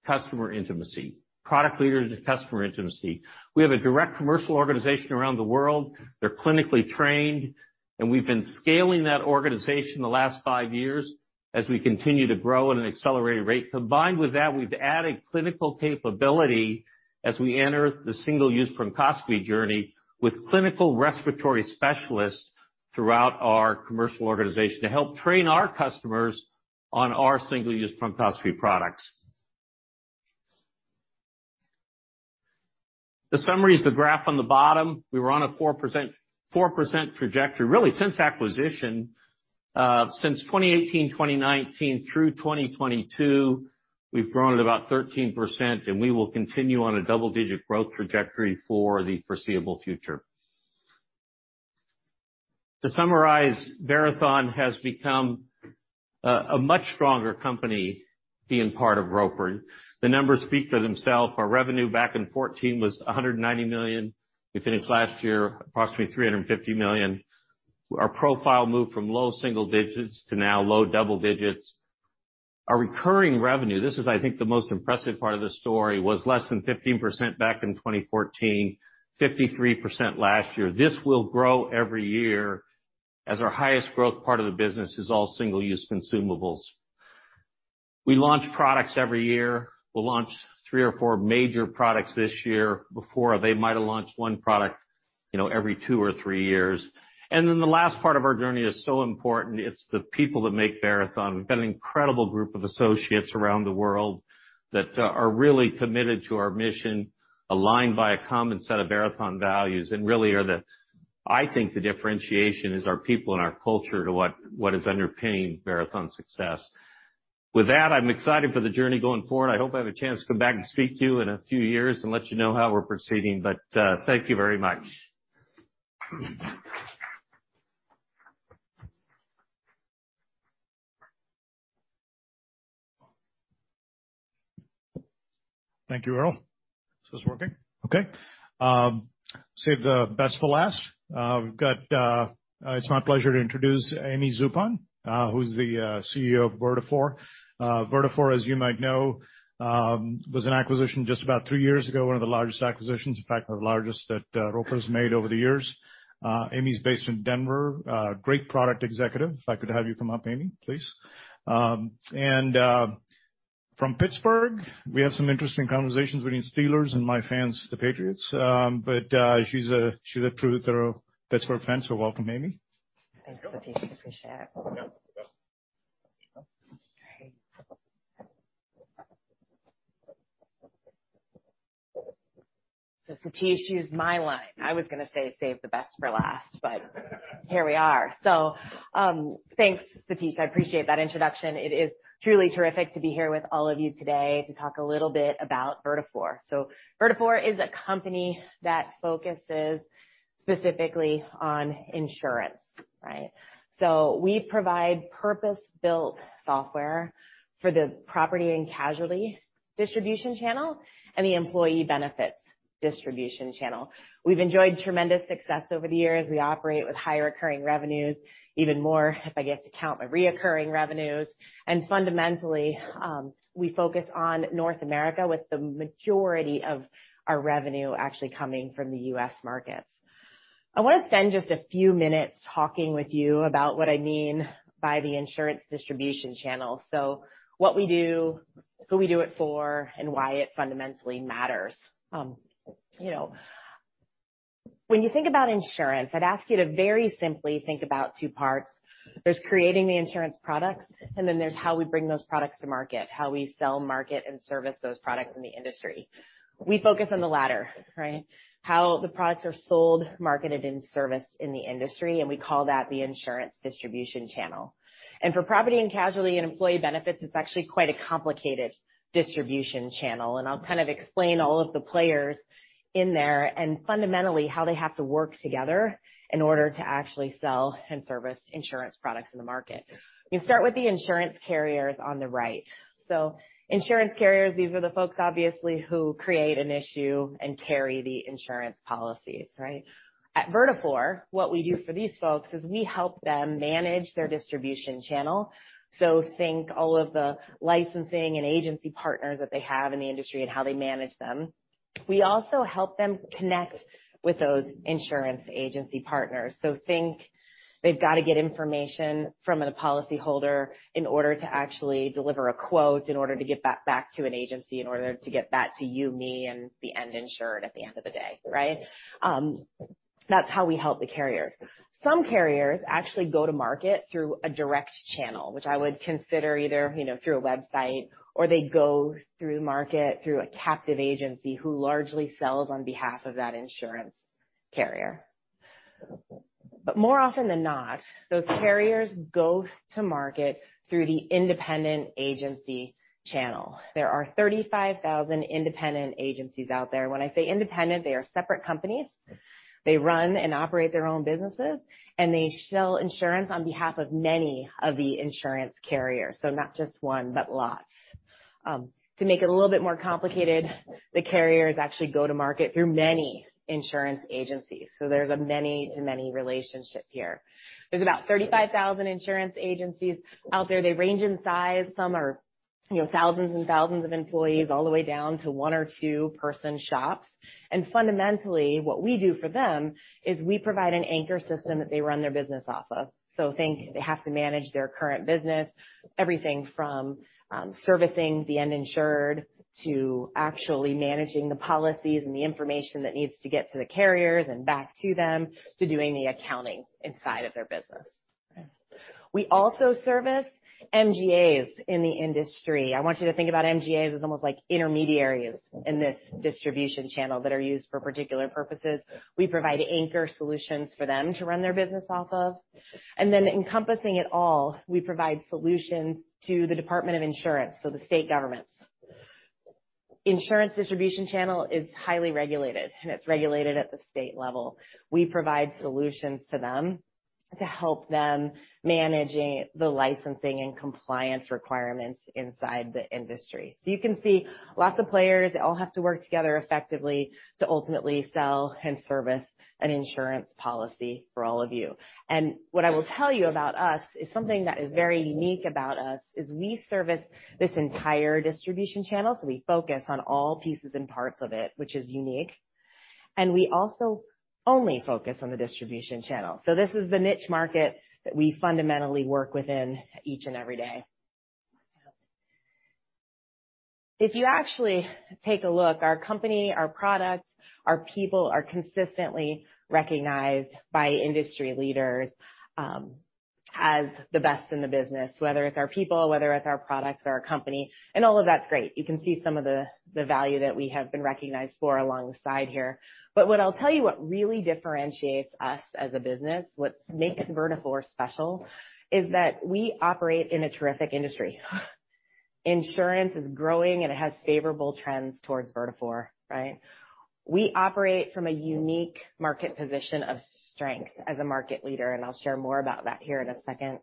S6: customer intimacy. Product leaders and customer intimacy. We have a direct commercial organization around the world. They're clinically trained, and we've been scaling that organization the last five years as we continue to grow at an accelerated rate. Combined with that, we've added clinical capability as we enter the single-use bronchoscopy journey with clinical respiratory specialists throughout our commercial organization to help train our customers on our single-use bronchoscopy products. The summary is the graph on the bottom. We were on a 4% trajectory, really, since acquisition. Since 2018, 2019 through 2022, we've grown at about 13%, and we will continue on a double-digit growth trajectory for the foreseeable future. To summarize, Verathon has become a much stronger company being part of Roper. The numbers speak for themselves. Our revenue back in 2014 was $190 million. We finished last year approximately $350 million. Our profile moved from low single digits to now low double digits. Our recurring revenue, this is, I think, the most impressive part of the story, was less than 15% back in 2014, 53% last year. This will grow every year as our highest growth part of the business is all single-use consumables. We launch products every year. We'll launch three orfour major products this year. Before, they might have launched one product, you know, every two or three years. The last part of our journey is so important. It's the people that make Verathon. We've got an incredible group of associates around the world that are really committed to our mission, aligned by a common set of Verathon values, and really are the I think the differentiation is our people and our culture to what is underpinning Verathon's success. With that, I'm excited for the journey going forward. I hope I have a chance to come back and speak to you in a few years and let you know how we're proceeding. Thank you very much.
S2: Thank you, Earl. Is this working? Okay. Saved the best for last. We've got, it's my pleasure to introduce Amy Zupon, who's the CEO of Vertafore. Vertafore, as you might know, was an acquisition just about three years ago, one of the largest acquisitions, in fact, the largest that Roper's made over the years. Amy's based in Denver, great product executive. If I could have you come up, Amy, please. And from Pittsburgh, we have some interesting conversations between Steelers and my fans, the Patriots, but she's a true thorough Pittsburgh fan, so welcome, Amy.
S7: Thanks, Satish. Appreciate it. Satish used my line. I was going to say, "Save the best for last," but here we are. Thanks, Satish. I appreciate that introduction. It is truly terrific to be here with all of you today to talk a little bit about Vertafore. Vertafore is a company that focuses specifically on insurance, right? We provide purpose-built software for the property and casualty distribution channel and the employee benefits distribution channel. We've enjoyed tremendous success over the years. We operate with high recurring revenues, even more if I get to count my reoccurring revenues. Fundamentally, we focus on North America with the majority of our revenue actually coming from the U.S. markets. I want to spend just a few minutes talking with you about what I mean by the insurance distribution channel. What we do, who we do it for, and why it fundamentally matters. You know, when you think about insurance, I'd ask you to very simply think about two parts. There's creating the insurance products, and then there's how we bring those products to market, how we sell, market, and service those products in the industry. We focus on the latter, right. How the products are sold, marketed, and serviced in the industry, and we call that the insurance distribution channel. For property and casualty and employee benefits, it's actually quite a complicated distribution channel, and I'll kind of explain all of the players in there and fundamentally how they have to work together in order to actually sell and service insurance products in the market. You start with the insurance carriers on the right. Insurance carriers, these are the folks, obviously, who create an issue and carry the insurance policies, right? At Vertafore, what we do for these folks is we help them manage their distribution channel. Think all of the licensing and agency partners that they have in the industry and how they manage them. We also help them connect with those insurance agency partners. Think they've got to get information from a policyholder in order to actually deliver a quote, in order to get that back to an agency, in order to get that to you, me, and the end insured at the end of the day, right? That's how we help the carriers. Some carriers actually go to market through a direct channel, which I would consider either, you know, through a website or they go through market through a captive agency who largely sells on behalf of that insurance carrier. More often than not, those carriers go to market through the independent agency channel. There are 35,000 independent agencies out there. When I say independent, they are separate companies. They run and operate their own businesses, and they sell insurance on behalf of many of the insurance carriers. Not just one, but lots. To make it a little bit more complicated, the carriers actually go to market through many insurance agencies, so there's a many to many relationship here. There's about 35,000 insurance agencies out there. They range in size. Some are, you know, thousands and thousands of employees all the way down to one or two person shops. Fundamentally, what we do for them is we provide an anchor system that they run their business off of. Think they have to manage their current business, everything from servicing the uninsured to actually managing the policies and the information that needs to get to the carriers and back to them, to doing the accounting inside of their business. We also service MGAs in the industry. I want you to think about MGAs as almost like intermediaries in this distribution channel that are used for particular purposes. We provide anchor solutions for them to run their business off of. Then encompassing it all, we provide solutions to the Department of Insurance, so the state governments. Insurance distribution channel is highly regulated, and it's regulated at the state level. We provide solutions to them to help them managing the licensing and compliance requirements inside the industry. You can see lots of players. They all have to work together effectively to ultimately sell and service an insurance policy for all of you. What I will tell you about us is something that is very unique about us, is we service this entire distribution channel, so we focus on all pieces and parts of it, which is unique. We also only focus on the distribution channel. This is the niche market that we fundamentally work within each and every day. If you actually take a look, our company, our products, our people are consistently recognized by industry leaders, as the best in the business, whether it's our people, whether it's our products or our company, and all of that's great. You can see some of the value that we have been recognized for alongside here. What I'll tell you what really differentiates us as a business, what makes Vertafore special, is that we operate in a terrific industry. Insurance is growing, and it has favorable trends towards Vertafore, right? We operate from a unique market position of strength as a market leader, and I'll share more about that here in a second.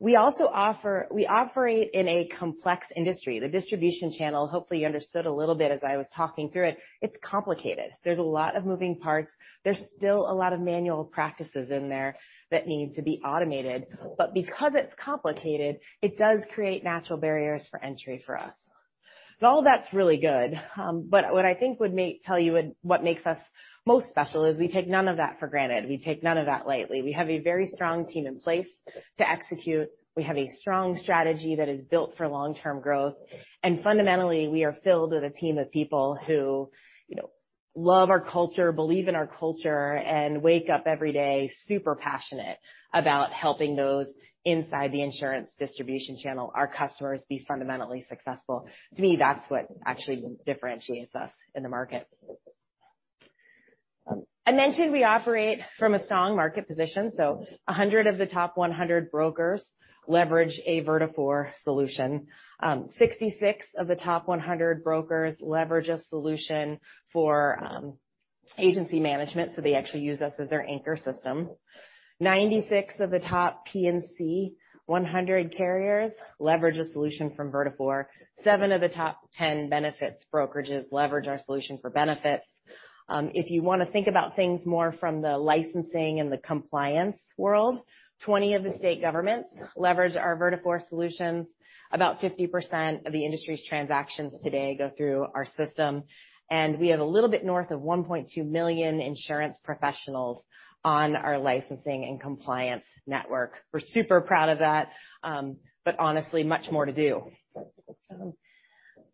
S7: We operate in a complex industry. The distribution channel, hopefully you understood a little bit as I was talking through it. It's complicated. There's a lot of moving parts. There's still a lot of manual practices in there that need to be automated. Because it's complicated, it does create natural barriers for entry for us. What I think what makes us most special is we take none of that for granted. We take none of that lightly. We have a very strong team in place to execute. We have a strong strategy that is built for long-term growth. Fundamentally, we are filled with a team of people who, you know, love our culture, believe in our culture, and wake up every day super passionate about helping those inside the insurance distribution channel, our customers, be fundamentally successful. To me, that's what actually differentiates us in the market. I mentioned we operate from a strong market position, 100 of the top 100 brokers leverage a Vertafore solution. 66 of the top 100 brokers leverage a solution for agency management. They actually use us as their anchor system. 96 of the top P&C 100 carriers leverage a solution from Vertafore. Seven of the top 10 benefits brokerages leverage our solution for benefits. If you wanna think about things more from the licensing and the compliance world, 20 of the state governments leverage our Vertafore solutions. About 50% of the industry's transactions today go through our system. We have a little bit north of 1.2 million insurance professionals on our licensing and compliance network. We're super proud of that, but honestly, much more to do.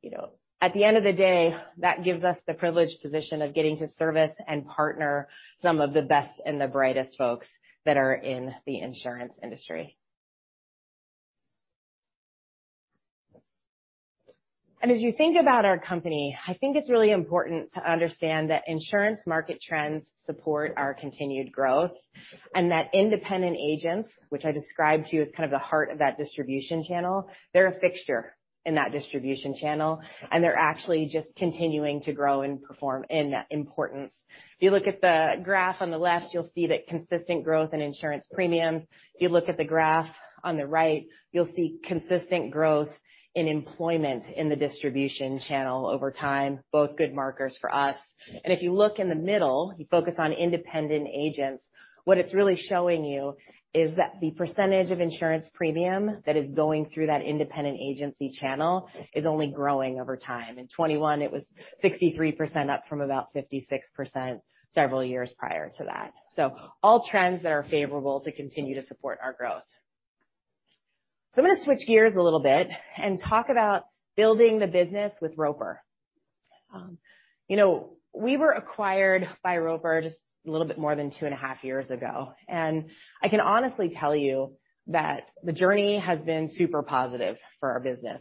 S7: You know, at the end of the day, that gives us the privileged position of getting to service and partner some of the best and the brightest folks that are in the insurance industry. As you think about our company, I think it's really important to understand that insurance market trends support our continued growth, and that independent agents, which I described to you as kind of the heart of that distribution channel, they're a fixture in that distribution channel, and they're actually just continuing to grow and perform in importance. If you look at the graph on the left, you'll see the consistent growth in insurance premiums. If you look at the graph on the right, you'll see consistent growth in employment in the distribution channel over time. Both good markers for us. If you look in the middle, you focus on independent agents, what it's really showing you is that the percentage of insurance premium that is going through that independent agency channel is only growing over time. In 2021, it was 63%, up from about 56% several years prior to that. All trends that are favorable to continue to support our growth. I'm going to switch gears a little bit and talk about building the business with Roper. You know, we were acquired by Roper just a little bit more than two and a half years ago. I can honestly tell you that the journey has been super positive for our business.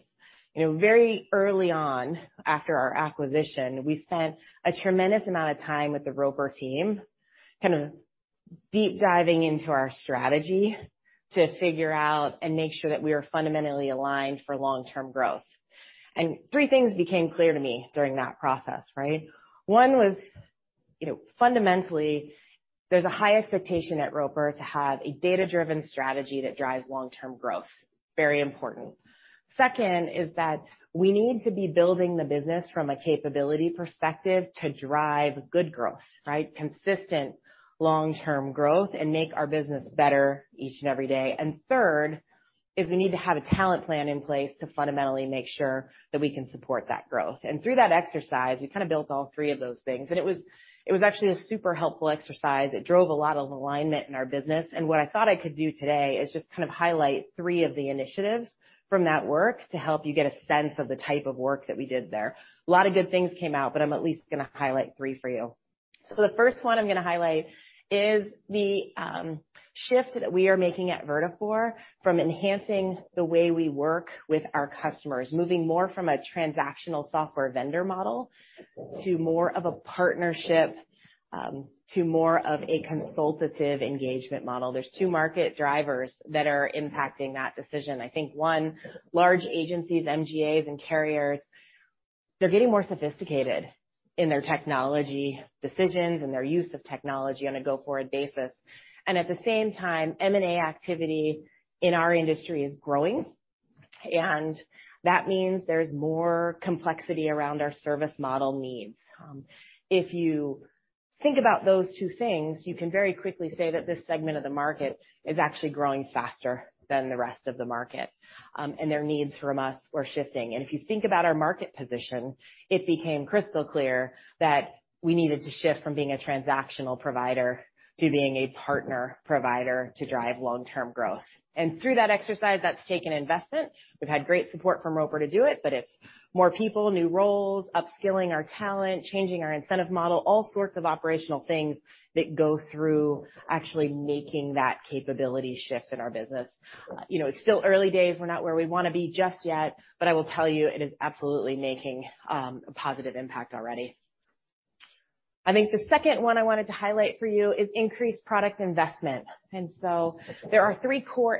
S7: You know, very early on after our acquisition, we spent a tremendous amount of time with the Roper team, kind of deep diving into our strategy to figure out and make sure that we are fundamentally aligned for long-term growth. Three things became clear to me during that process, right? One was, you know, fundamentally, there's a high expectation at Roper to have a data-driven strategy that drives long-term growth. Very important. Second is that we need to be building the business from a capability perspective to drive good growth, right? Consistent long-term growth and make our business better each and every day. Third is we need to have a talent plan in place to fundamentally make sure that we can support that growth. Through that exercise, we kind of built all three of those things. It was actually a super helpful exercise. It drove a lot of alignment in our business. What I thought I could do today is just kind of highlight three of the initiatives from that work to help you get a sense of the type of work that we did there. A lot of good things came out, but I'm at least gonna highlight three for you. The first one I'm gonna highlight is the shift that we are making at Vertafore from enhancing the way we work with our customers, moving more from a transactional software vendor model to more of a partnership, to more of a consultative engagement model. There's two market drivers that are impacting that decision. I think 1, large agencies, MGAs and carriers, they're getting more sophisticated in their technology decisions and their use of technology on a go-forward basis. At the same time, M&A activity in our industry is growing, and that means there's more complexity around our service model needs. If you think about those two things, you can very quickly say that this segment of the market is actually growing faster than the rest of the market, and their needs from us are shifting. If you think about our market position, it became crystal clear that we needed to shift from being a transactional provider to being a partner provider to drive long-term growth. Through that exercise, that's taken investment. We've had great support from Roper to do it, but it's more people, new roles, upskilling our talent, changing our incentive model, all sorts of operational things that go through actually making that capability shift in our business. You know, it's still early days. We're not where we wanna be just yet, but I will tell you it is absolutely making a positive impact already. I think the second one I wanted to highlight for you is increased product investment. There are three core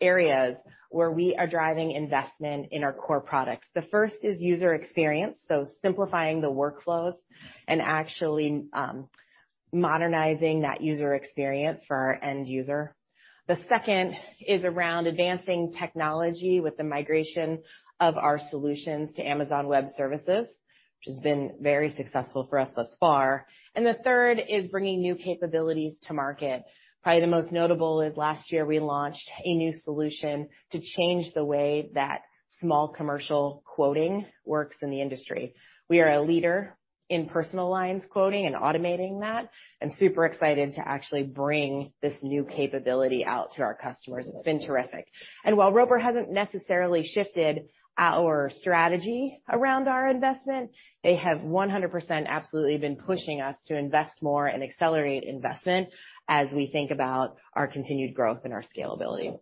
S7: areas where we are driving investment in our core products. The first is user experience, so simplifying the workflows and actually modernizing that user experience for our end user. The second is around advancing technology with the migration of our solutions to Amazon Web Services, which has been very successful for us thus far. The third is bringing new capabilities to market. Probably the most notable is last year we launched a new solution to change the way that small commercial quoting works in the industry. We are a leader in personal lines quoting and automating that and super excited to actually bring this new capability out to our customers. It's been terrific. While Roper hasn't necessarily shifted our strategy around our investment, they have 100% absolutely been pushing us to invest more and accelerate investment as we think about our continued growth and our scalability.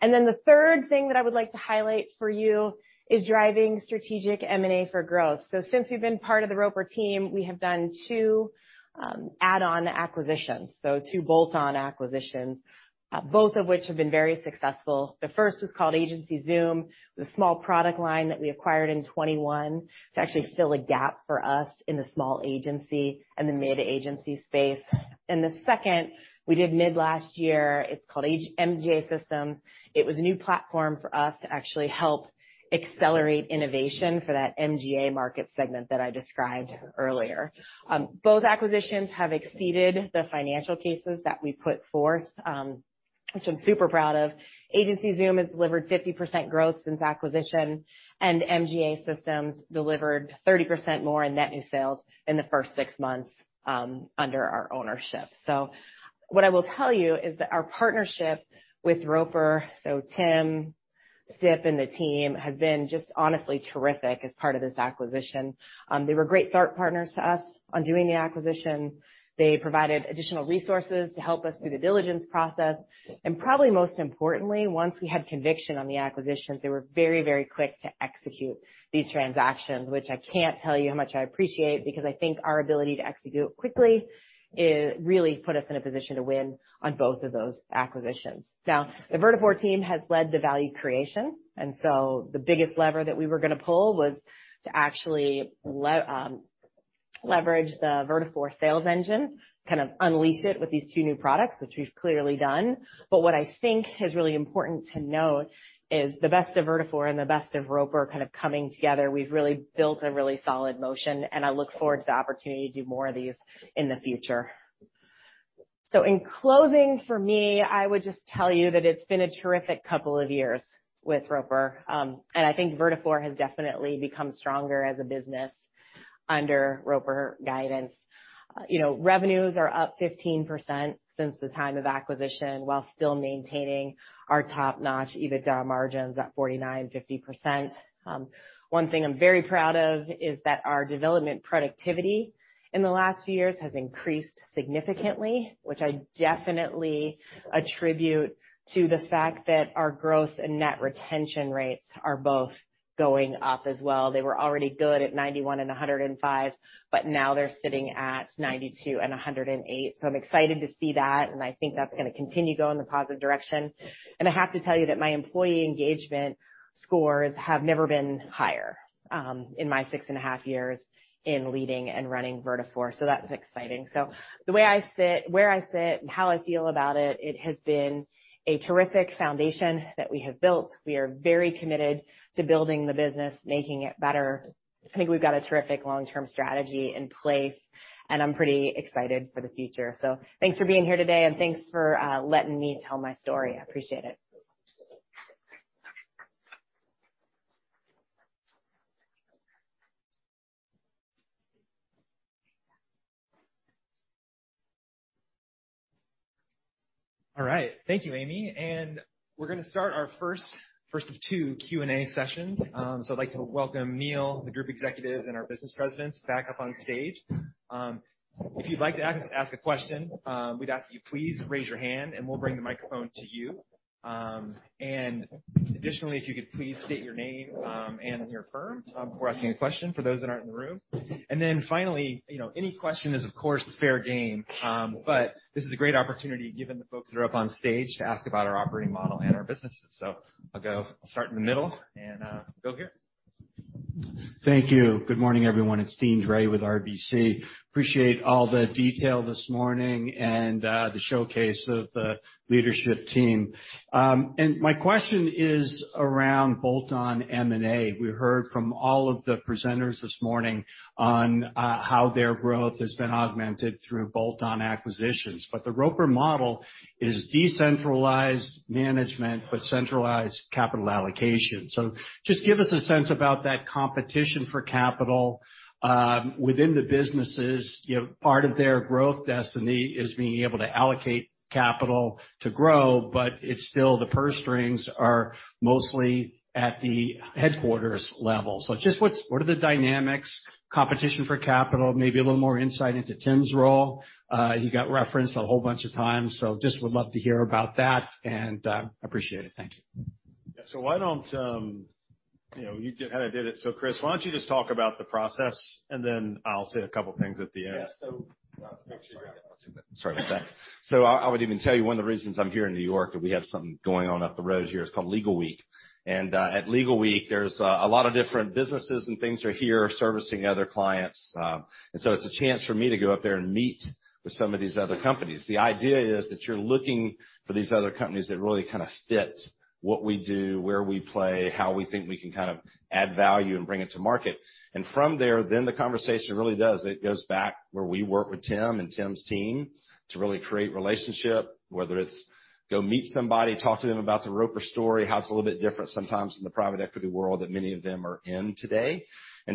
S7: Then the third thing that I would like to highlight for you is driving strategic M&A for growth. Since we've been part of the Roper team, we have done two add-on acquisitions, so two bolt-on acquisitions, both of which have been very successful. The first was called AgencyZoom. It was a small product line that we acquired in 2021 to actually fill a gap for us in the small agency and the mid-agency space. The second we did mid last year, it's called MGA Systems. It was a new platform for us to actually help accelerate innovation for that MGA market segment that I described earlier. Both acquisitions have exceeded the financial cases that we put forth, which I'm super proud of. AgencyZoom has delivered 50% growth since acquisition, and MGA Systems delivered 30% more in net new sales in the first six months under our ownership. What I will tell you is that our partnership with Roper, so Tim, Sip, and the team, have been just honestly terrific as part of this acquisition. They were great thought partners to us on doing the acquisition. They provided additional resources to help us through the diligence process. Probably most importantly, once we had conviction on the acquisitions, they were very, very quick to execute these transactions, which I can't tell you how much I appreciate, because I think our ability to execute quickly, really put us in a position to win on both of those acquisitions. The Vertafore team has led the value creation, and so the biggest lever that we were gonna pull was to actually leverage the Vertafore sales engine, kind of unleash it with these two new products, which we've clearly done. What I think is really important to note is the best of Vertafore and the best of Roper kind of coming together. We've really built a really solid motion, and I look forward to the opportunity to do more of these in the future. In closing for me, I would just tell you that it's been a terrific couple of years with Roper. I think Vertafore has definitely become stronger as a business under Roper guidance. You know, revenues are up 15% since the time of acquisition, while still maintaining our top-notch EBITDA margins at 49%-50%. One thing I'm very proud of is that our development productivity in the last few years has increased significantly, which I definitely attribute to the fact that our growth and net retention rates are both going up as well. They were already good at 91% and 105%, but now they're sitting at 92% and 108%. I'm excited to see that, I think that's gonna continue going in the positive direction. I have to tell you that my employee engagement scores have never been higher, in my 6.5 years in leading and running Vertafore. That's exciting. The way I sit, where I sit and how I feel about it has been a terrific foundation that we have built. We are very committed to building the business, making it better. I think we've got a terrific long-term strategy in place, and I'm pretty excited for the future. Thanks for being here today, and thanks for letting me tell my story. I appreciate it.
S8: All right. Thank you, Amy. We're gonna start our first of two Q&A sessions. I'd like to welcome Neil, the group executives, and our business presidents back up on stage. If you'd like to ask a question, we'd ask that you please raise your hand, and we'll bring the microphone to you. Additionally, if you could please state your name and your firm before asking a question for those that aren't in the room. Finally, you know, any question is of course, fair game, but this is a great opportunity given the folks that are up on stage to ask about our operating model and our businesses. I'll go. I'll start in the middle and go here.
S9: Thank you. Good morning, everyone. It's Deane Dray with RBC. Appreciate all the detail this morning and the showcase of the leadership team. And my question is around bolt-on M&A. We heard from all of the presenters this morning on how their growth has been augmented through bolt-on acquisitions. The Roper model is decentralized management but centralized capital allocation. Just give us a sense about that competition for capital within the businesses. You know, part of their growth destiny is being able to allocate capital to grow, but it's still the purse strings are mostly at the headquarters level. Just what are the dynamics, competition for capital, maybe a little more insight into Tim's role? He got referenced a whole bunch of times, so just would love to hear about that, and appreciate it. Thank you.
S1: Yeah. why don't, you know, you kinda did it. Chris, why don't you just talk about the process, and then I'll say a couple things at the end.
S4: Sorry. Sorry about that. I would even tell you one of the reasons I'm here in New York, and we have something going on up the road here. It's called Legalweek. at Legalweek, there's a lot of different businesses and things are here servicing other clients. it's a chance for me to go up there and meet with some of these other companies. The idea is that you're looking for these other companies that really kinda fit what we do, where we play, how we think we can kind of add value and bring it to market. From there, then the conversation really does, it goes back where we work with Tim and Tim's team to really create relationship, whether it's go meet somebody, talk to them about the Roper story, how it's a little bit different sometimes in the private equity world that many of them are in today.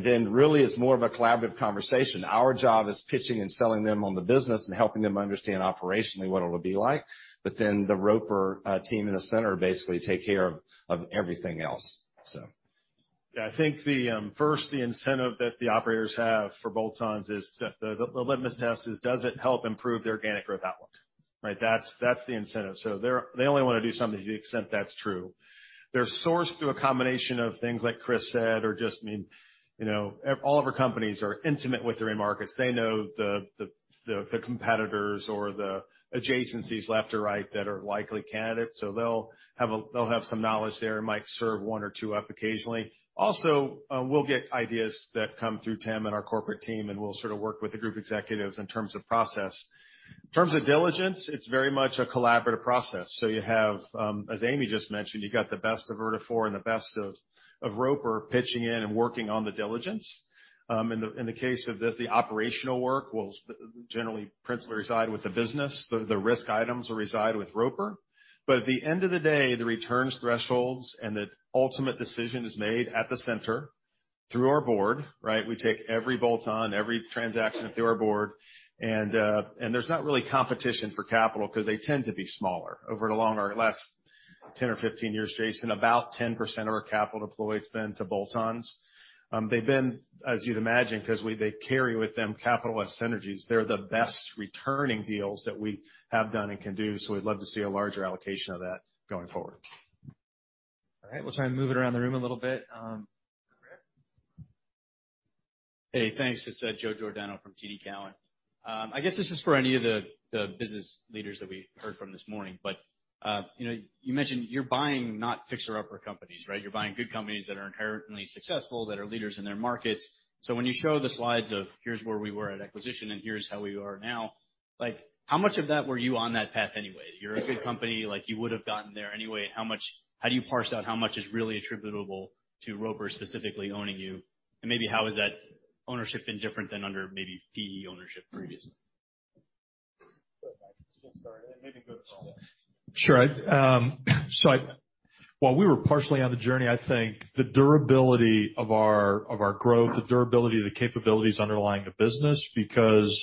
S4: Really it's more of a collaborative conversation. Our job is pitching and selling them on the business and helping them understand operationally what it'll be like. The Roper team in the center basically take care of everything else. So...
S1: I think the first, the incentive that the operators have for bolt-ons is the litmus test is does it help improve the organic growth outlook, right? That's the incentive. They only wanna do something to the extent that's true. They're sourced through a combination of things like Chris said or just, I mean, you know, all of our companies are intimate with their markets. They know the competitors or the adjacencies left or right that are likely candidates. They'll have some knowledge there and might serve one or two up occasionally. Also, we'll get ideas that come through Tim and our corporate team, we'll sort of work with the group executives in terms of process. In terms of diligence, it's very much a collaborative process. You have, as Amy Zupon just mentioned, you got the best of Vertafore and the best of Roper pitching in and working on the diligence. In the case of this, the operational work will generally principally reside with the business. The risk items will reside with Roper. At the end of the day, the returns thresholds and the ultimate decision is made at the center through our board, right? We take every bolt-on, every transaction through our board. There's not really competition for capital 'cause they tend to be smaller. Over the long or last 10 or 15 years, Jason Conley, about 10% of our capital deployed's been to bolt-ons. They've been, as you'd imagine, 'cause they carry with them capital S synergies. They're the best returning deals that we have done and can do. We'd love to see a larger allocation of that going forward.
S8: All right. We'll try and move it around the room a little bit.
S10: Hey, thanks. It's Joe Giordano from TD Cowen. I guess this is for any of the business leaders that we heard from this morning. You know, you mentioned you're buying not fixer upper companies, right? You're buying good companies that are inherently successful, that are leaders in their markets. When you show the slides of here's where we were at acquisition and here's how we are now, like, how much of that were you on that path anyway? You're a good company, like you would have gotten there anyway. How do you parse out how much is really attributable to Roper specifically owning you? Maybe how has that ownership been different than under maybe PE ownership previously?
S3: Sure. I, while we were partially on the journey, I think the durability of our, of our growth, the durability of the capabilities underlying the business, because,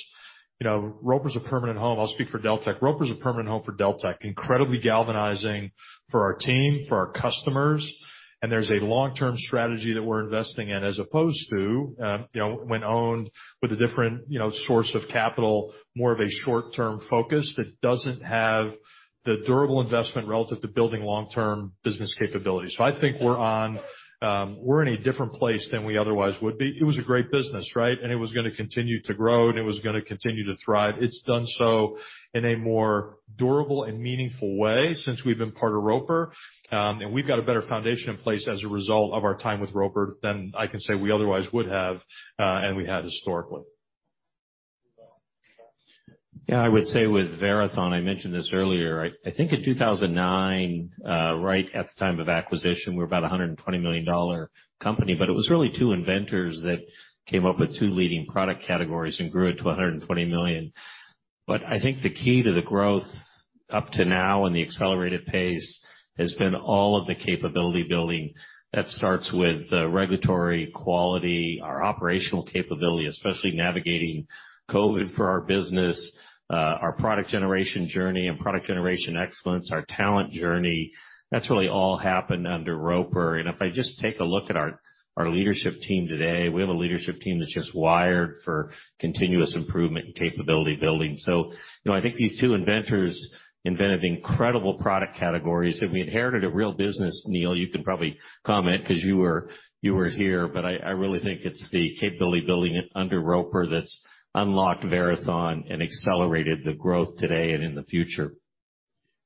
S3: you know, Roper's a permanent home. I'll speak for Deltek. Roper is a permanent home for Deltek. Incredibly galvanizing for our team, for our customers, there's a long-term strategy that we're investing in as opposed to, you know, when owned with a different, you know, source of capital, more of a short-term focus that doesn't have the durable investment relative to building long-term business capabilities. I think we're on, we're in a different place than we otherwise would be. It was a great business, right? It was gonna continue to grow, and it was gonna continue to thrive. It's done so in a more durable and meaningful way since we've been part of Roper. We've got a better foundation in place as a result of our time with Roper than I can say we otherwise would have, and we had historically.
S2: Yeah, I would say with Verathon, I mentioned this earlier, I think in 2009, right at the time of acquisition, we were about a $120 million company, it was really two inventors that came up with two leading product categories and grew it to $120 million. I think the key to the growth up to now and the accelerated pace has been all of the capability building that starts with regulatory quality, our operational capability, especially navigating COVID for our business, our product generation journey and product generation excellence, our talent journey. That's really all happened under Roper. If I just take a look at our leadership team today, we have a leadership team that's just wired for continuous improvement and capability building. you know, I think these two inventors invented incredible product categories, and we inherited a real business. Neil, you can probably comment 'cause you were here, but I really think it's the capability building under Roper that's unlocked Verathon and accelerated the growth today and in the future.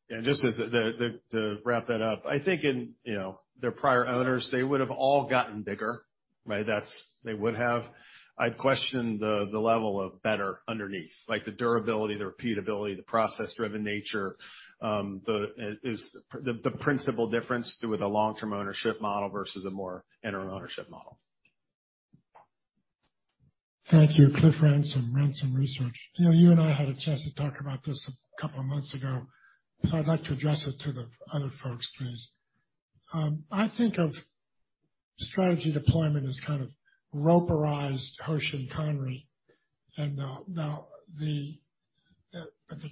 S3: Yeah, just as the to wrap that up, I think in, you know, their prior owners, they would have all gotten bigger, right? That's. They would have. I'd question the level of better underneath, like the durability, the repeatability, the process-driven nature, the principal difference with a long-term ownership model versus a more interim ownership model.
S11: Thank you. Cliff Ransom, Ransom Research. You know, you and I had a chance to talk about this a couple of months ago, so I'd like to address it to the other folks, please. I think of strategy deployment as kind of Roperized Hoshin Kanri. The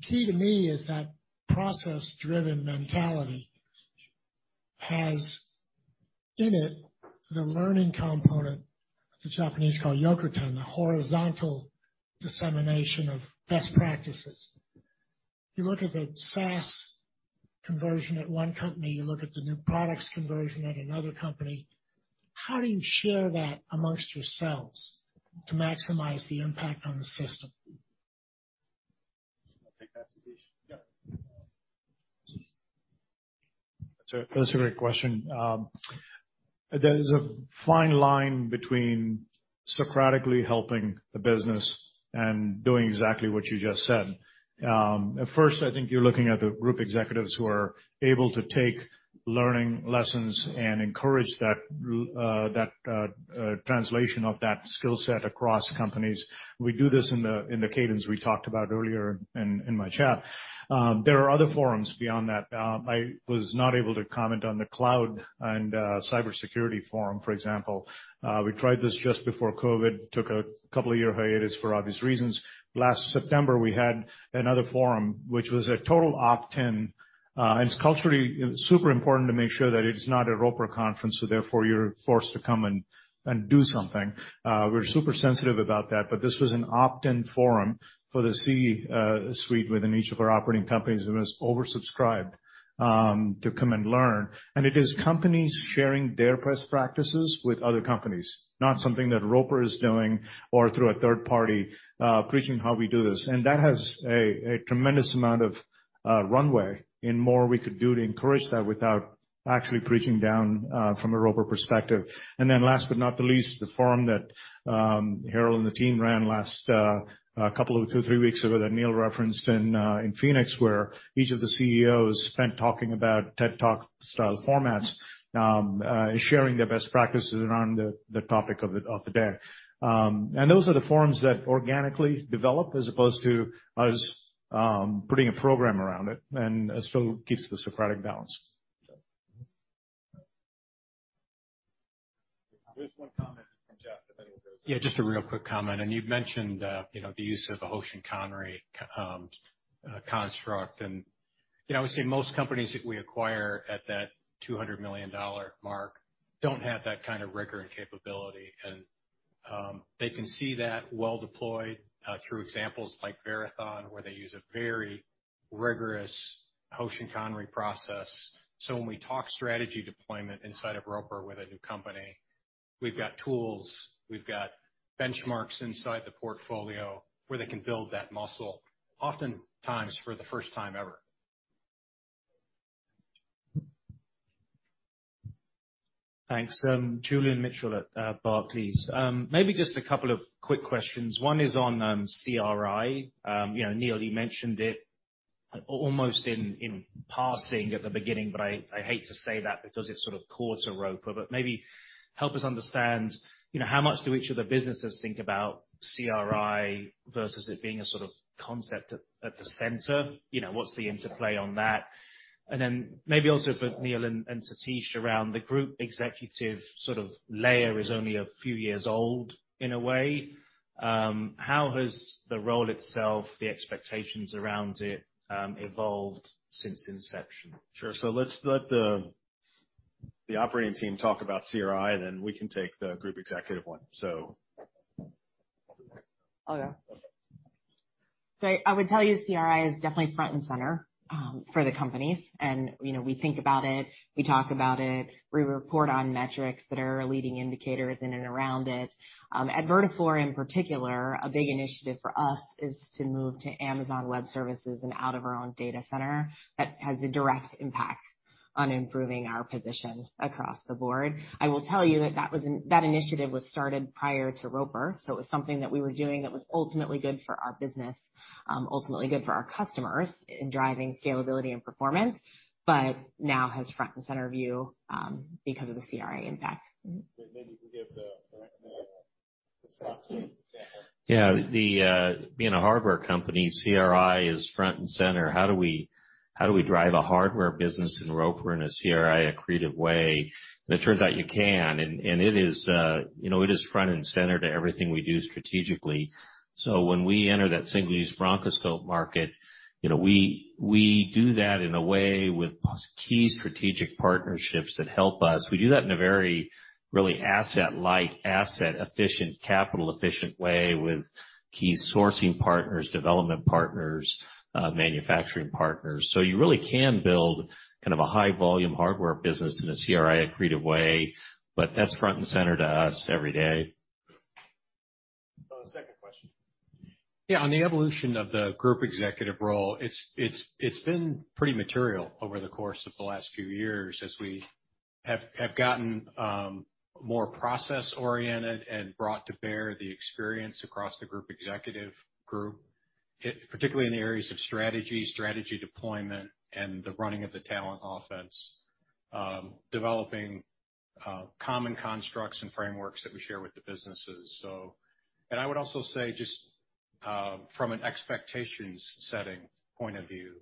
S11: key to me is that process-driven mentality has in it the learning component that the Japanese call yokoten, the horizontal dissemination of best practices. You look at the SaaS conversion at one company, you look at the new products conversion at another company, how do you share that amongst yourselves to maximize the impact on the system?
S2: I'll take that, Satish.
S3: Yeah.
S2: That's a great question. There is a fine line between socratically helping the business and doing exactly what you just said. At first, I think you're looking at the group executives who are able to take learning lessons and encourage that translation of that skill set across companies. We do this in the cadence we talked about earlier in my chat. There are other forums beyond that. I was not able to comment on the cloud and cybersecurity forum, for example. We tried this just before COVID, took a couple of year hiatus for obvious reasons. Last September, we had another forum, which was a total opt-in, and it's culturally super important to make sure that it is not a Roper conference, so therefore you're forced to come and do something. We're super sensitive about that, but this was an opt-in forum for the C suite within each of our operating companies, and it was oversubscribed to come and learn. It is companies sharing their best practices with other companies, not something that Roper is doing or through a third party preaching how we do this. That has a tremendous amount of runway and more we could do to encourage that without actually preaching down from a Roper perspective. Last but not the least, the forum that Harold and the team ran last couple of two, three weeks ago that Neil referenced in Phoenix, where each of the CEOs spent talking about TED Talk style formats, sharing their best practices around the topic of the day. Those are the forums that organically develop as opposed to us, putting a program around it and still keeps the Socratic balance.
S3: There's one comment from Jeff, then we'll go-
S5: Yeah, just a real quick comment. You've mentioned, you know, the use of the Hoshin Kanri construct. You know, I would say most companies that we acquire at that $200 million mark don't have that kind of rigor and capability. They can see that well deployed through examples like Verathon, where they use a very rigorous Hoshin Kanri process. When we talk strategy deployment inside of Roper with a new company, we've got tools, we've got benchmarks inside the portfolio where they can build that muscle, oftentimes for the first time ever.
S12: Thanks. Julian Mitchell at Barclays. Maybe just a couple of quick questions. One is on CRI. You know, Neil, you mentioned it.
S4: Almost in passing at the beginning, I hate to say that because it sort of caught a Roper. Maybe help us understand, you know, how much do each of the businesses think about CRI versus it being a sort of concept at the center? You know, what's the interplay on that? Maybe also for Neil and Satish around the group executive sort of layer is only a few years old in a way. How has the role itself, the expectations around it, evolved since inception?
S2: Sure. let's let the operating team talk about CRI, and then we can take the Group Executive one. So.
S7: I'll go. I would tell you CRI is definitely front and center for the company. You know, we think about it, we talk about it, we report on metrics that are leading indicators in and around it. At Vertafore in particular, a big initiative for us is to move to Amazon Web Services and out of our own data center. That has a direct impact on improving our position across the board. I will tell you that that initiative was started prior to Roper, so it was something that we were doing that was ultimately good for our business, ultimately good for our customers in driving scalability and performance, but now has front and center view because of the CRI impact.
S2: Maybe you can give the perspective.
S6: Yeah. The being a hardware company, CRI is front and center. How do we drive a hardware business in Roper in a CRI-accretive way? It turns out you can, and it is, you know, it is front and center to everything we do strategically. When we enter that single-use BFlex market, you know, we do that in a way with key strategic partnerships that help us. We do that in a very really asset-light, asset-efficient, capital-efficient way with key sourcing partners, development partners, manufacturing partners. You really can build kind of a high volume hardware business in a CRI-accretive way, but that's front and center to us every day.
S2: The second question.
S5: Yeah. On the evolution of the group executive role, it's been pretty material over the course of the last few years as we have gotten more process-oriented and brought to bear the experience across the group executive group, particularly in the areas of strategy deployment, and the running of the talent offense, developing common constructs and frameworks that we share with the businesses. I would also say, just, from an expectations setting point of view,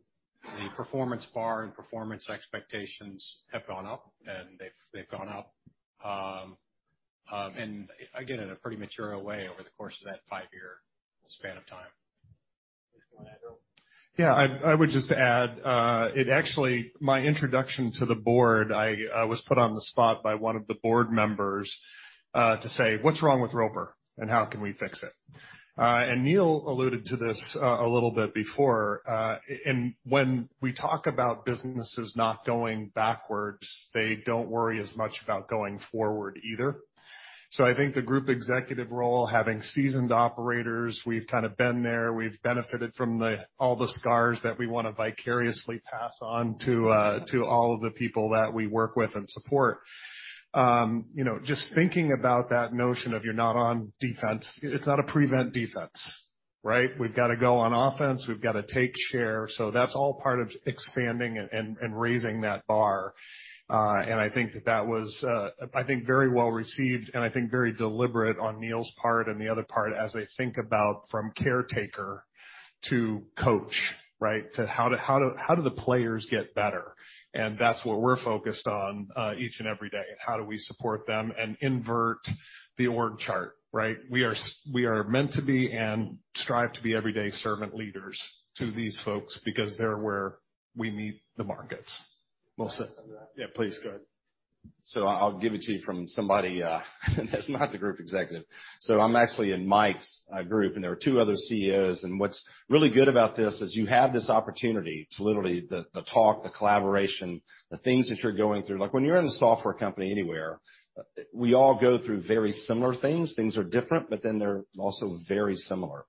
S5: the performance bar and performance expectations have gone up, and they've gone up. Again, in a pretty material way over the course of that five-year span of time.
S2: If you wanna go.
S1: Yeah. I would just add, my introduction to the board, I was put on the spot by one of the board members, to say: "What's wrong with Roper, and how can we fix it?" Neil alluded to this a little bit before. When we talk about businesses not going backwards, they don't worry as much about going forward either. I think the group executive role, having seasoned operators, we've kind of been there. We've benefited from the, all the scars that we wanna vicariously pass on to all of the people that we work with and support. You know, just thinking about that notion of you're not on defense. It's not a prevent defense, right? We've gotta go on offense. We've gotta take share. That's all part of expanding and raising that bar. I think that that was, I think very well received and I think very deliberate on Neil's part and the other part as they think about from caretaker to coach, right? To how do the players get better? That's what we're focused on each and every day. How do we support them and invert the org chart, right? We are meant to be and strive to be everyday servant leaders to these folks because they're where we meet the markets.
S2: Most of that.
S1: Yeah, please go ahead.
S4: I'll give it to you from somebody, that's not the group executive. I'm actually in Mike's group, and there are two other CEOs. What's really good about this is you have this opportunity to literally the talk, the collaboration, the things that you're going through. Like, when you're in a software company anywhere, we all go through very similar things. Things are different, but then they're also very similar.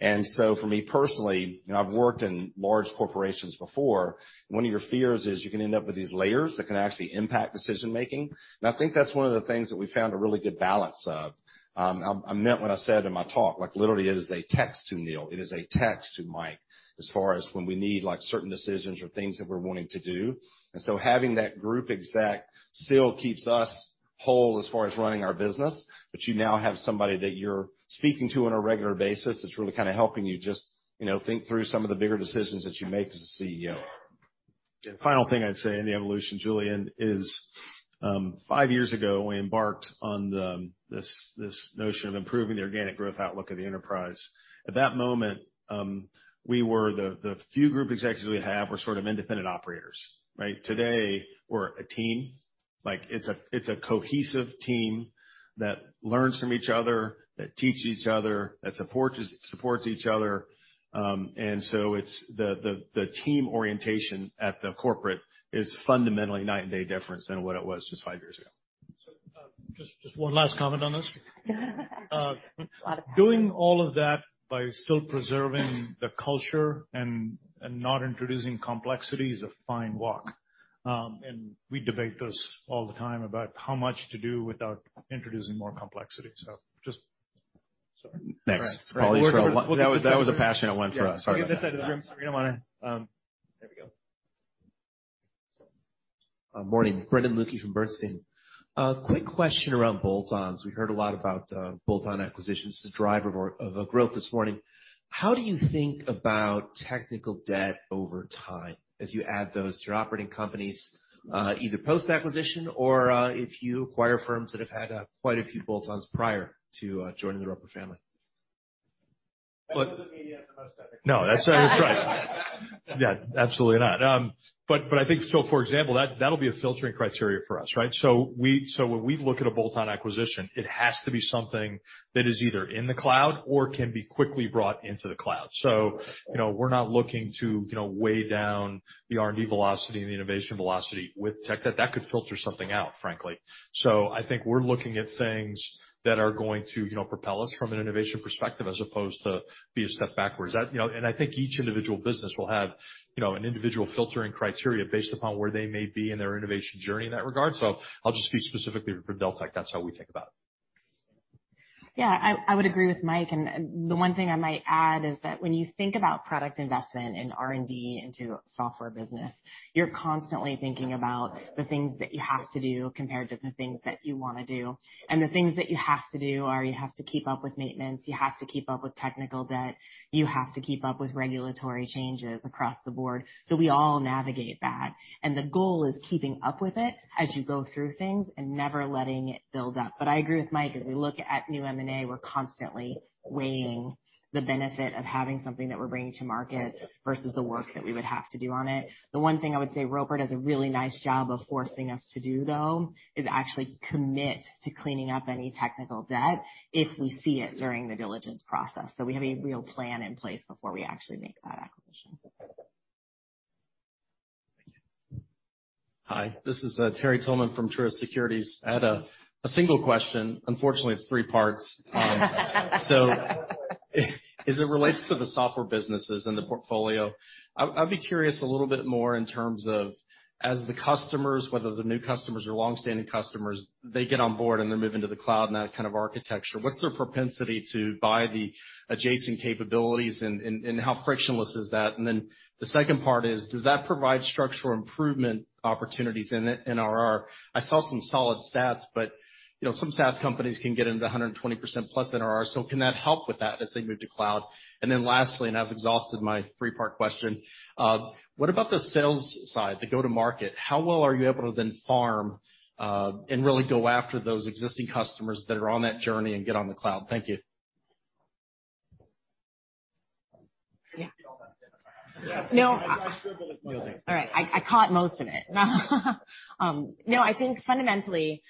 S4: For me personally, and I've worked in large corporations before, one of your fears is you can end up with these layers that can actually impact decision-making. I think that's one of the things that we found a really good balance of. I meant what I said in my talk, like literally it is a text to Neil. It is a text to Mike as far as when we need, like, certain decisions or things that we're wanting to do. Having that group exec still keeps us whole as far as running our business, but you now have somebody that you're speaking to on a regular basis that's really kinda helping you just, you know, think through some of the bigger decisions that you make as a CEO.
S1: Final thing I'd say in the evolution, Julian, is, five years ago, we embarked on this notion of improving the organic growth outlook of the enterprise. At that moment, we were the few group executives we have were sort of independent operators, right? Today, we're a team. Like it's a cohesive team that learns from each other, that teaches each other, that supports each other. It's the team orientation at the corporate is fundamentally night and day difference than what it was just five years ago.
S2: Just one last comment on this.
S7: A lot of comments.
S2: Doing all of that by still preserving the culture and not introducing complexity is a fine walk. We debate this all the time about how much to do without introducing more complexity.
S3: Thanks. That was a passionate one for us.
S7: Yeah. Sorry, this side of the room. Sorry, I don't wanna. There we go.
S13: Morning. Brendan Luecke from Bernstein. Quick question around bolt-ons. We heard a lot about bolt-on acquisitions, the driver of the growth this morning. How do you think about technical debt over time as you add those to your operating companies, either post-acquisition or, if you acquire firms that have had quite a few bolt-ons prior to joining the Roper family?
S7: That was as meaty as the most epic.
S3: No, that's right. Yeah, absolutely not. I think for example, that'll be a filtering criteria for us, right? When we look at a bolt-on acquisition, it has to be something that is either in the cloud or can be quickly brought into the cloud. You know, we're not looking to, you know, weigh down the R&D velocity and the innovation velocity with tech. That could filter something out, frankly. I think we're looking at things that are going to, you know, propel us from an innovation perspective as opposed to be a step backwards. You know, and I think each individual business will have, you know, an individual filtering criteria based upon where they may be in their innovation journey in that regard. I'll just speak specifically for Deltek, that's how we think about it.
S7: Yeah, I would agree with Mike. The one thing I might add is that when you think about product investment and R&D into software business, you're constantly thinking about the things that you have to do compared to the things that you wanna do. The things that you have to do are you have to keep up with maintenance, you have to keep up with technical debt, you have to keep up with regulatory changes across the board. We all navigate that. The goal is keeping up with it as you go through things and never letting it build up. I agree with Mike. As we look at new M&A, we're constantly weighing the benefit of having something that we're bringing to market versus the work that we would have to do on it. The one thing I would say Roper does a really nice job of forcing us to do, though, is actually commit to cleaning up any technical debt if we see it during the diligence process, so we have a real plan in place before we actually make that acquisition.
S14: Hi, this is Terry Tillman from Truist Securities. I had a single question. Unfortunately, it's three parts. As it relates to the software businesses and the portfolio, I'd be curious a little bit more in terms of as the customers, whether they're new customers or long-standing customers, they get on board, and they're moving to the cloud and that kind of architecture, what's their propensity to buy the adjacent capabilities and how frictionless is that? The second part is, does that provide structural improvement opportunities in NRR? I saw some solid stats, you know, some SaaS companies can get into 120% plus NRR. Can that help with that as they move to cloud? Lastly, I've exhausted my 3-part question, what about the sales side, the go-to market? How well are you able to then farm, and really go after those existing customers that are on that journey and get on the cloud? Thank you.
S7: Yeah.
S3: You get all that, Dennis?
S7: No.
S3: I scribbled a few things.
S7: All right. I caught most of it. No, I think fundamentally,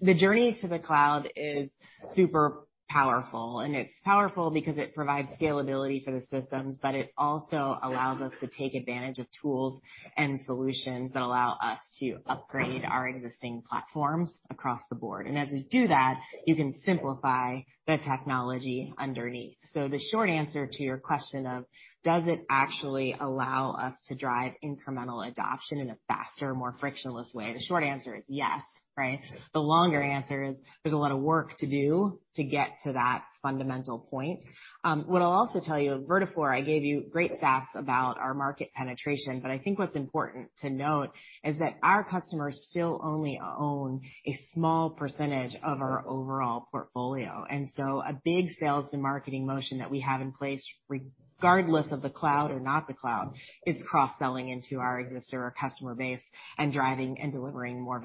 S7: the journey to the cloud is super powerful, and it's powerful because it provides scalability for the systems, but it also allows us to take advantage of tools and solutions that allow us to upgrade our existing platforms across the board. As we do that, you can simplify the technology underneath. The short answer to your question of does it actually allow us to drive incremental adoption in a faster, more frictionless way? The short answer is yes, right? The longer answer is there's a lot of work to do to get to that fundamental point. What I'll also tell you, Vertafore, I gave you great stats about our market penetration, but I think what's important to note is that our customers still only own a small percentage of our overall portfolio. A big sales and marketing motion that we have in place, regardless of the cloud or not the cloud, is cross-selling into our existing customer base and driving and delivering more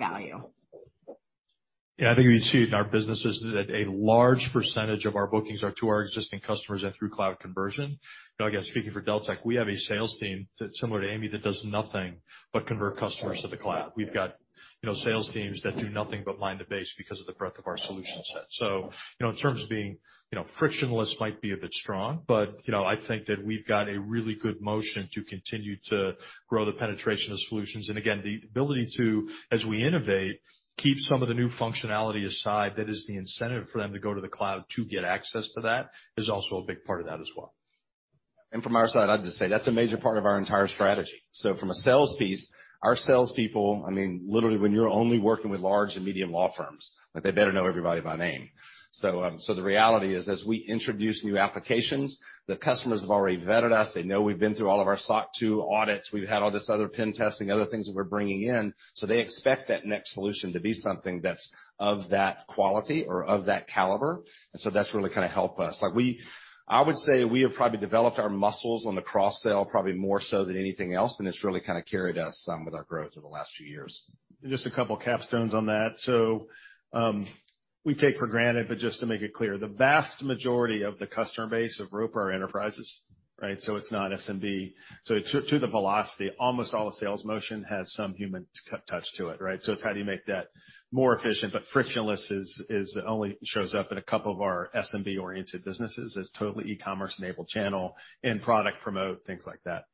S7: value.
S3: Yeah. I think we see it in our businesses that a large percentage of our bookings are to our existing customers and through cloud conversion. You know, again, speaking for Deltek, we have a sales team that's similar to Amy that does nothing but convert customers to the cloud. We've got, you know, sales teams that do nothing but mind the base because of the breadth of our solution set. In terms of being, you know, frictionless might be a bit strong, but, you know, I think that we've got a really good motion to continue to grow the penetration of solutions. Again, the ability to, as we innovate, keep some of the new functionality aside, that is the incentive for them to go to the cloud to get access to that is also a big part of that as well.
S4: From our side, I'd just say that's a major part of our entire strategy. From a sales piece, our salespeople, I mean, literally when you're only working with large and medium law firms, like, they better know everybody by name. The reality is, as we introduce new applications, the customers have already vetted us. They know we've been through all of our SOC 2 audits. We've had all this other pen testing, other things that we're bringing in. They expect that next solution to be something that's of that quality or of that caliber. That's really gonna help us. Like, I would say we have probably developed our muscles on the cross-sell probably more so than anything else, and it's really kinda carried us some with our growth over the last few years.
S7: Just a couple of capstones on that. We take for granted, but just to make it clear, the vast majority of the customer base of Roper are enterprises, right? It's not SMB. To the velocity, almost all the sales motion has some human t-touch to it, right? It's how do you make that more efficient, but frictionless is only shows up in a couple of our SMB-oriented businesses as totally e-commerce-enabled channel and product promote, things like that.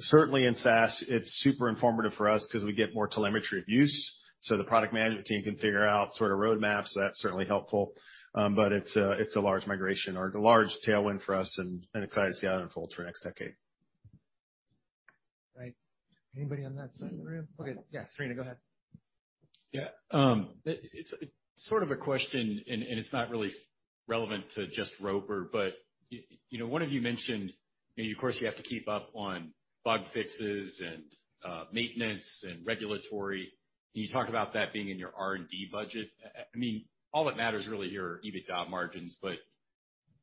S7: Certainly in SaaS, it's super informative for us 'cause we get more telemetry of use, so the product management team can figure out sort of roadmaps. That's certainly helpful. It's a large migration or a large tailwind for us and excited to see how that unfolds for the next decade.
S1: Right. Anybody on that side of the room? Okay. Yeah, Serena, go ahead.
S15: Yeah. It's sort of a question, and it's not really relevant to just Roper, but you know, one of you mentioned, you know, of course, you have to keep up on bug fixes and maintenance and regulatory. Can you talk about that being in your R&D budget? I mean, all that matters really are your EBITDA margins, but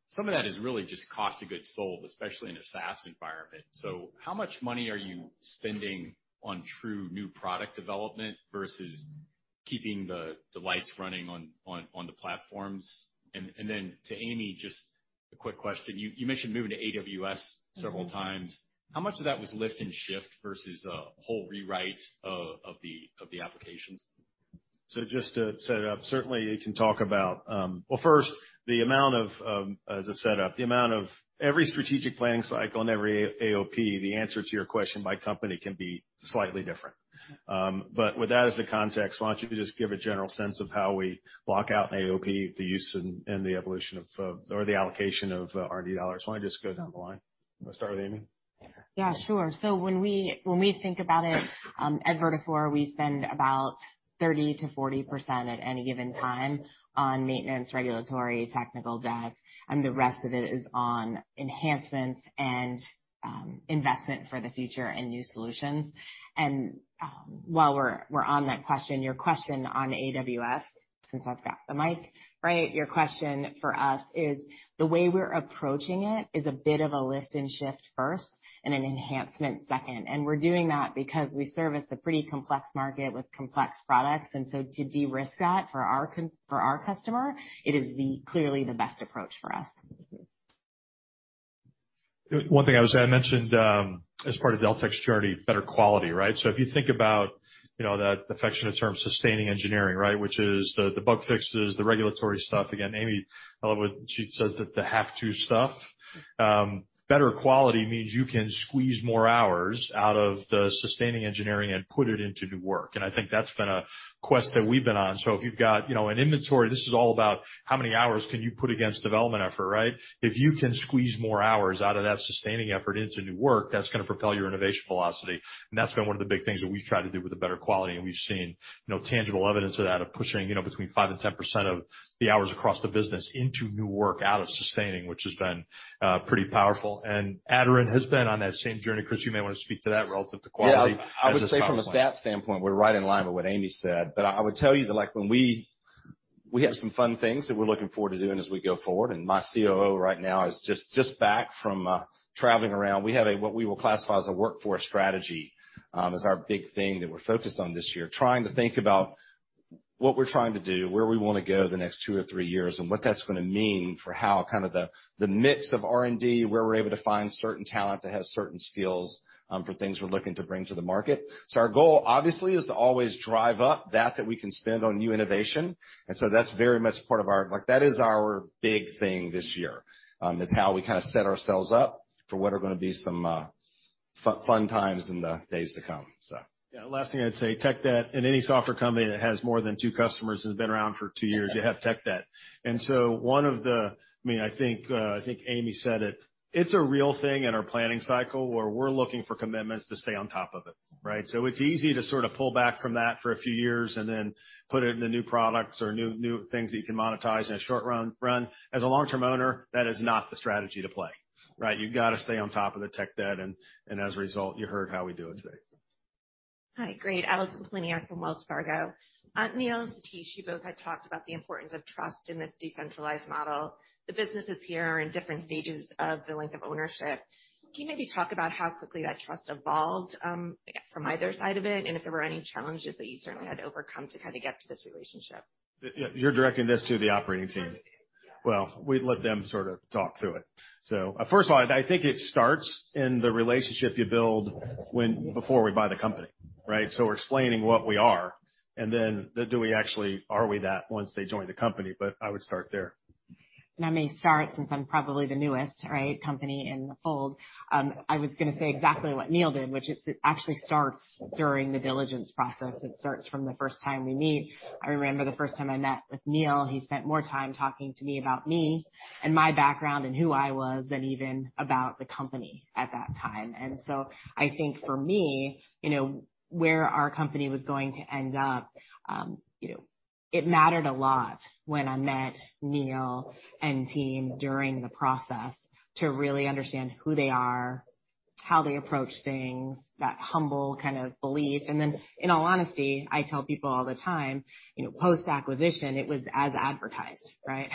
S15: some of that is really just cost of goods sold, especially in a SaaS environment. How much money are you spending on true new product development versus keeping the lights running on the platforms? Then to Amy, just a quick question. You mentioned moving to AWS several times. How much of that was lift and shift versus a whole rewrite of the applications?
S1: Just to set it up, certainly you can talk about. Well, first, the amount of, as a setup, the amount of every strategic planning cycle and every AOP, the answer to your question by company can be slightly different. With that as the context, why don't you just give a general sense of how we block out an AOP, the use and the evolution of, or the allocation of R&D dollars? Why don't just go down the line? Wanna start with Amy?
S7: Yeah, sure. When we think about it, at Vertafore, we spend about 30%-40% at any given time on maintenance, regulatory, technical debt, and the rest of it is on enhancements and investment for the future and new solutions. While we're on that question, your question on AWS, since I've got the mic, right? Your question for us is, the way we're approaching it is a bit of a lift and shift first and an enhancement second. We're doing that because we service a pretty complex market with complex products, to de-risk that for our customer, it is clearly the best approach for us.
S1: One thing I would say, I mentioned as part of Deltek's journey, better quality, right? If you think about, you know, the affectionate term sustaining engineering, right? Which is the bug fixes, the regulatory stuff. Again, Amy, I love what she says that the have-to stuff. Better quality means you can squeeze more hours out of the sustaining engineering and put it into new work. I think that's been a quest that we've been on. If you've got, you know, an inventory, this is all about how many hours can you put against development effort, right? If you can squeeze more hours out of that sustaining effort into new work, that's gonna propel your innovation velocity. That's been one of the big things that we've tried to do with the better quality, and we've seen, you know, tangible evidence of that, of pushing, you know, between 5% and 10% of the hours across the business into new work out of sustaining, which has been pretty powerful. Aderant has been on that same journey. Chris, you may wanna speak to that relative to quality.
S3: Yeah. I would say from a stat standpoint, we're right in line with what Amy said. I would tell you that, like, when we have some fun things that we're looking forward to doing as we go forward, and my COO right now is just back from traveling around. We have a, what we will classify as a workforce strategy, as our big thing that we're focused on this year, trying to think about what we're trying to do, where we wanna go the next two or three years, and what that's gonna mean for how kinda the mix of R&D, where we're able to find certain talent that has certain skills, for things we're looking to bring to the market. Our goal, obviously, is to always drive up that we can spend on new innovation. That's very much part of Like, that is our big thing this year, is how we kind of set ourselves up for what are going to be some fun times in the days to come.
S1: Yeah. Last thing I'd say, tech debt. In any software company that has more than two customers that's been around for two years, you have tech debt. One of the... I mean, I think Amy said it. It's a real thing in our planning cycle, where we're looking for commitments to stay on top of it, right? It's easy to sorta pull back from that for a few years and then put it into new products or new things that you can monetize in a short run. As a long-term owner, that is not the strategy to play, right? You've gotta stay on top of the tech debt, and as a result, you heard how we do it today.
S16: Hi. Allison Poliniak-Cusic from Wells Fargo. Neil, Satish, you both had talked about the importance of trust in this decentralized model. The businesses here are in different stages of the length of ownership. Can you maybe talk about how quickly that trust evolved, from either side of it, and if there were any challenges that you certainly had to overcome to kinda get to this relationship?
S1: You're directing this to the operating team?
S16: Operating team, yeah.
S1: We let them sort of talk through it. First of all, I think it starts in the relationship you build before we buy the company, right? We're explaining what we are, and then do we actually are we that once they join the company, I would start there.
S7: I may start since I'm probably the newest, right, company in the fold. I was gonna say exactly what Neil did, which is it actually starts during the diligence process. It starts from the first time we meet. I remember the first time I met with Neil, he spent more time talking to me about me and my background and who I was than even about the company at that time. I think for me, you know, where our company was going to end up, you know, it mattered a lot when I met Neil and team during the process to really understand who they are, how they approach things, that humble kind of belief. Then, in all honesty, I tell people all the time, you know, post-acquisition, it was as advertised, right?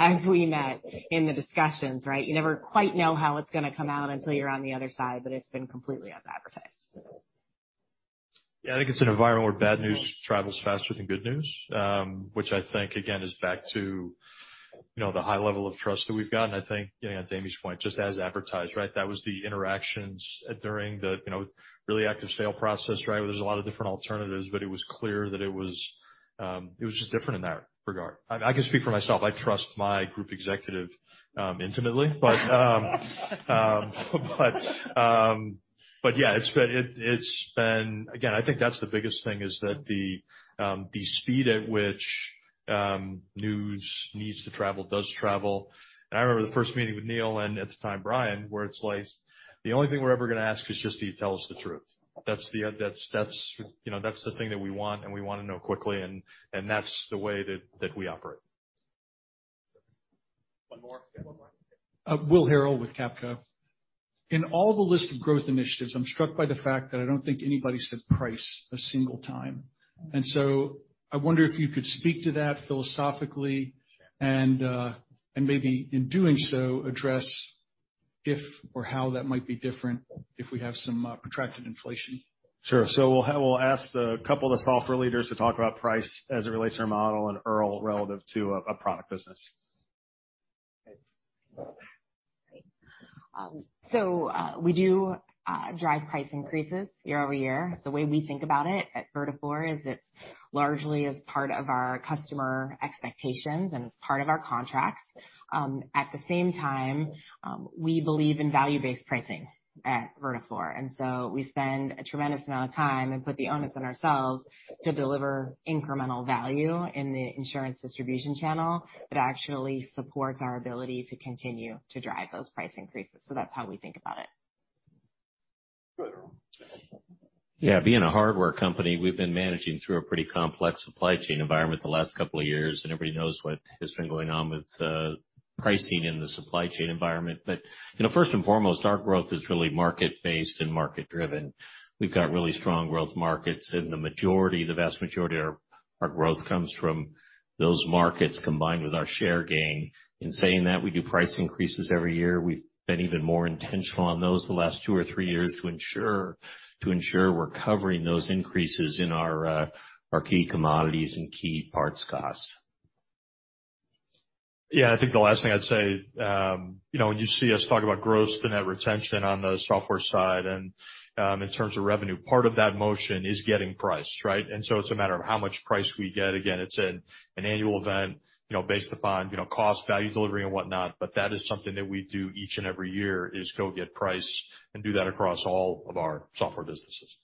S7: As we met in the discussions, right, you never quite know how it's gonna come out until you're on the other side, but it's been completely as advertised.
S3: Yeah, I think it's an environment where bad news travels faster than good news, which I think again, is back to, you know, the high level of trust that we've gotten. I think, you know, to Amy's point, just as advertised, right? That was the interactions during the, you know, really active sale process, right? Where there's a lot of different alternatives, but it was clear that it was just different in that regard. I can speak for myself. I trust my group executive intimately. Yeah, again, I think that's the biggest thing is that the speed at which news needs to travel does travel. I remember the first meeting with Neil, and at the time, Brian, where it's like, "The only thing we're ever gonna ask is just for you to tell us the truth." That's the, you know, that's the thing that we want, and we wanna know quickly and that's the way that we operate.
S17: Will Harrell with Capco. In all the list of growth initiatives, I'm struck by the fact that I don't think anybody said price a single time. I wonder if you could speak to that philosophically and maybe in doing so, address if or how that might be different if we have some protracted inflation.
S3: Sure. We'll ask the couple of the software leaders to talk about price as it relates to our model and Earl relative to a product business.
S7: Great. We do drive price increases year-over-year. The way we think about it at Vertafore is it's largely as part of our customer expectations and as part of our contracts. At the same time, we believe in value-based pricing at Vertafore, and so we spend a tremendous amount of time and put the onus on ourselves to deliver incremental value in the insurance distribution channel that actually supports our ability to continue to drive those price increases. That's how we think about it.
S3: Go ahead, Earl.
S6: Yeah. Being a hardware company, we've been managing through a pretty complex supply chain environment the last couple of years, everybody knows what has been going on with pricing in the supply chain environment. You know, first and foremost, our growth is really market-based and market-driven. We've got really strong growth markets, the vast majority of our growth comes from those markets combined with our share gain. In saying that, we do price increases every year. We've been even more intentional on those the last two or three years to ensure we're covering those increases in our key commodities and key parts costs.
S3: Yeah. I think the last thing I'd say, you know, when you see us talk about gross to net retention on the software side and, in terms of revenue, part of that motion is getting priced, right? It's a matter of how much price we get. Again, it's an annual event, you know, based upon, you know, cost, value delivery and whatnot. That is something that we do each and every year, is go get price and do that across all of our software businesses.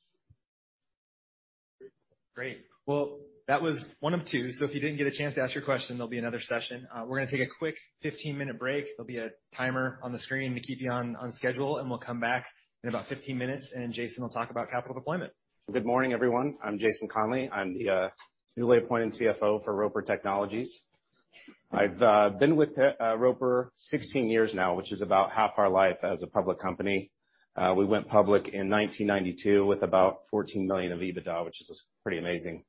S17: Great. Well, that was one of two, so if you didn't get a chance to ask your question, there'll be another session. We're gonna take a quick 15-minute break. There'll be a timer on the screen to keep you on schedule, and we'll come back in about 15 minutes, and Jason will talk about capital deployment.
S18: Good morning, everyone. I'm Jason Conley. I'm the newly appointed CFO for Roper Technologies. I've been with the Roper 16 years now, which is about half our life as a public company. We went public in 1992 with about $14 million of EBITDA, which is pretty amazing.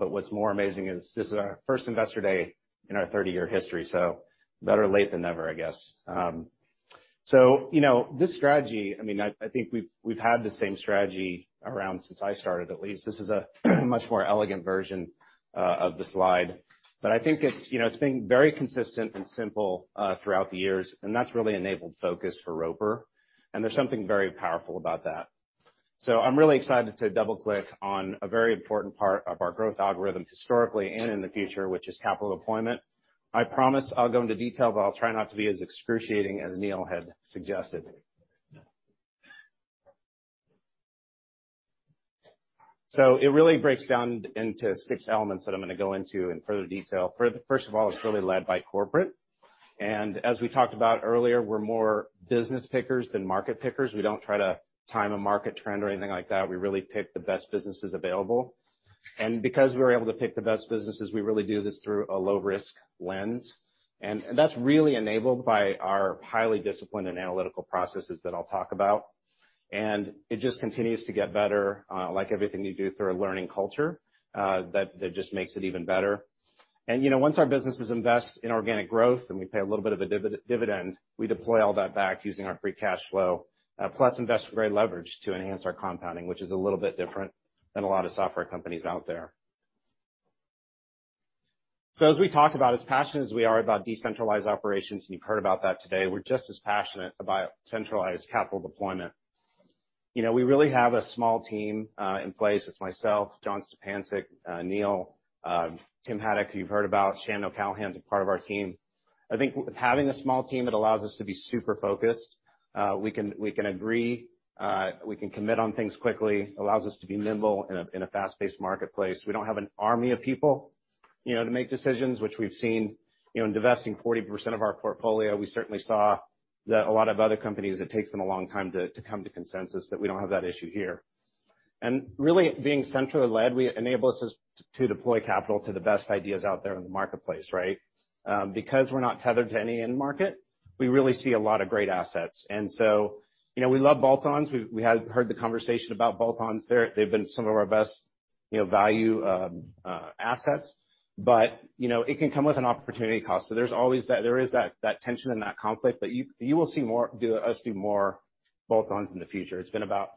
S18: What's more amazing is this is our first Investor Day in our 30-year history, so better late than never, I guess. You know, this strategy, I mean, I think we've had the same strategy around since I started at least. This is a much more elegant version of the slide, but I think it's, you know, it's been very consistent and simple throughout the years, and that's really enabled focus for Roper, and there's something very powerful about that. I'm really excited to double-click on a very important part of our growth algorithm historically and in the future, which is capital deployment. I promise I'll go into detail, but I'll try not to be as excruciating as Neil had suggested. It really breaks down into six elements that I'm gonna go into in further detail. First of all, it's really led by corporate. As we talked about earlier, we're more business pickers than market pickers. We don't try to time a market trend or anything like that. We really pick the best businesses available. Because we're able to pick the best businesses, we really do this through a low-risk lens. That's really enabled by our highly disciplined and analytical processes that I'll talk about. It just continues to get better, like everything you do through a learning culture, that just makes it even better. You know, once our businesses invest in organic growth and we pay a little bit of a dividend, we deploy all that back using our free cash flow, plus invest grade leverage to enhance our compounding, which is a little bit different than a lot of software companies out there. As we talked about, as passionate as we are about decentralized operations, and you've heard about that today, we're just as passionate about centralized capital deployment. You know, we really have a small team in place. It's myself, John Stipancich, Neil, Tim Haddock, who you've heard about. Shannon O'Callaghan's a part of our team. I think having a small team, it allows us to be super focused. We can agree, we can commit on things quickly, allows us to be nimble in a fast-paced marketplace. We don't have an army of people, you know, to make decisions, which we've seen, you know, in divesting 40% of our portfolio. We certainly saw that a lot of other companies, it takes them a long time to come to consensus, that we don't have that issue here. Really, being centrally led, it enables us to deploy capital to the best ideas out there in the marketplace, right? Because we're not tethered to any end market, we really see a lot of great assets. So, you know, we love bolt-ons. We have heard the conversation about bolt-ons there. They've been some of our best, you know, value, assets. You know, it can come with an opportunity cost. There's always that, there is that tension and that conflict. You, you will see us do more bolt-ons in the future. It's been about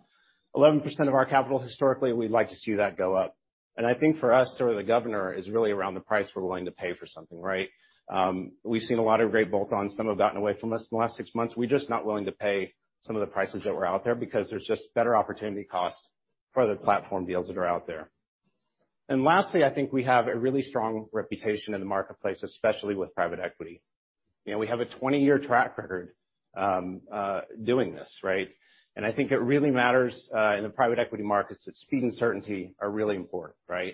S18: 11% of our capital historically. We'd like to see that go up. I think for us, sort of the governor is really around the price we're willing to pay for something, right? We've seen a lot of great bolt-ons. Some have gotten away from us in the last six months. We're just not willing to pay some of the prices that were out there because there's just better opportunity costs for the platform deals that are out there. Lastly, I think we have a really strong reputation in the marketplace, especially with private equity. You know, we have a 20-year track record doing this, right? I think it really matters in the private equity markets that speed and certainty are really important, right?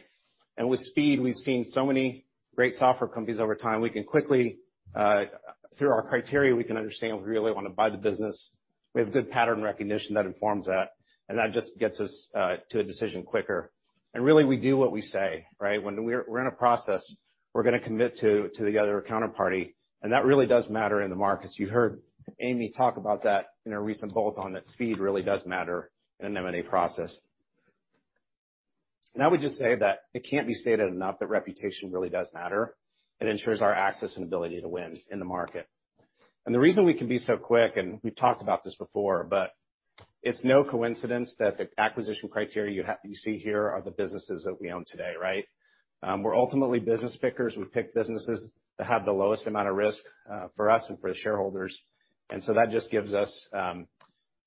S18: With speed, we've seen so many great software companies over time. We can quickly through our criteria, we can understand if we really wanna buy the business. We have good pattern recognition that informs that, and that just gets us to a decision quicker. Really we do what we say, right? When we're in a process, we're gonna commit to the other counterparty, and that really does matter in the markets. You heard Amy talk about that in a recent bolt on that speed really does matter in an M&A process. I would just say that it can't be stated enough that reputation really does matter. It ensures our access and ability to win in the market. The reason we can be so quick, and we've talked about this before, but it's no coincidence that the acquisition criteria you see here are the businesses that we own today, right? We're ultimately business pickers. We pick businesses that have the lowest amount of risk for us and for the shareholders. That just gives us,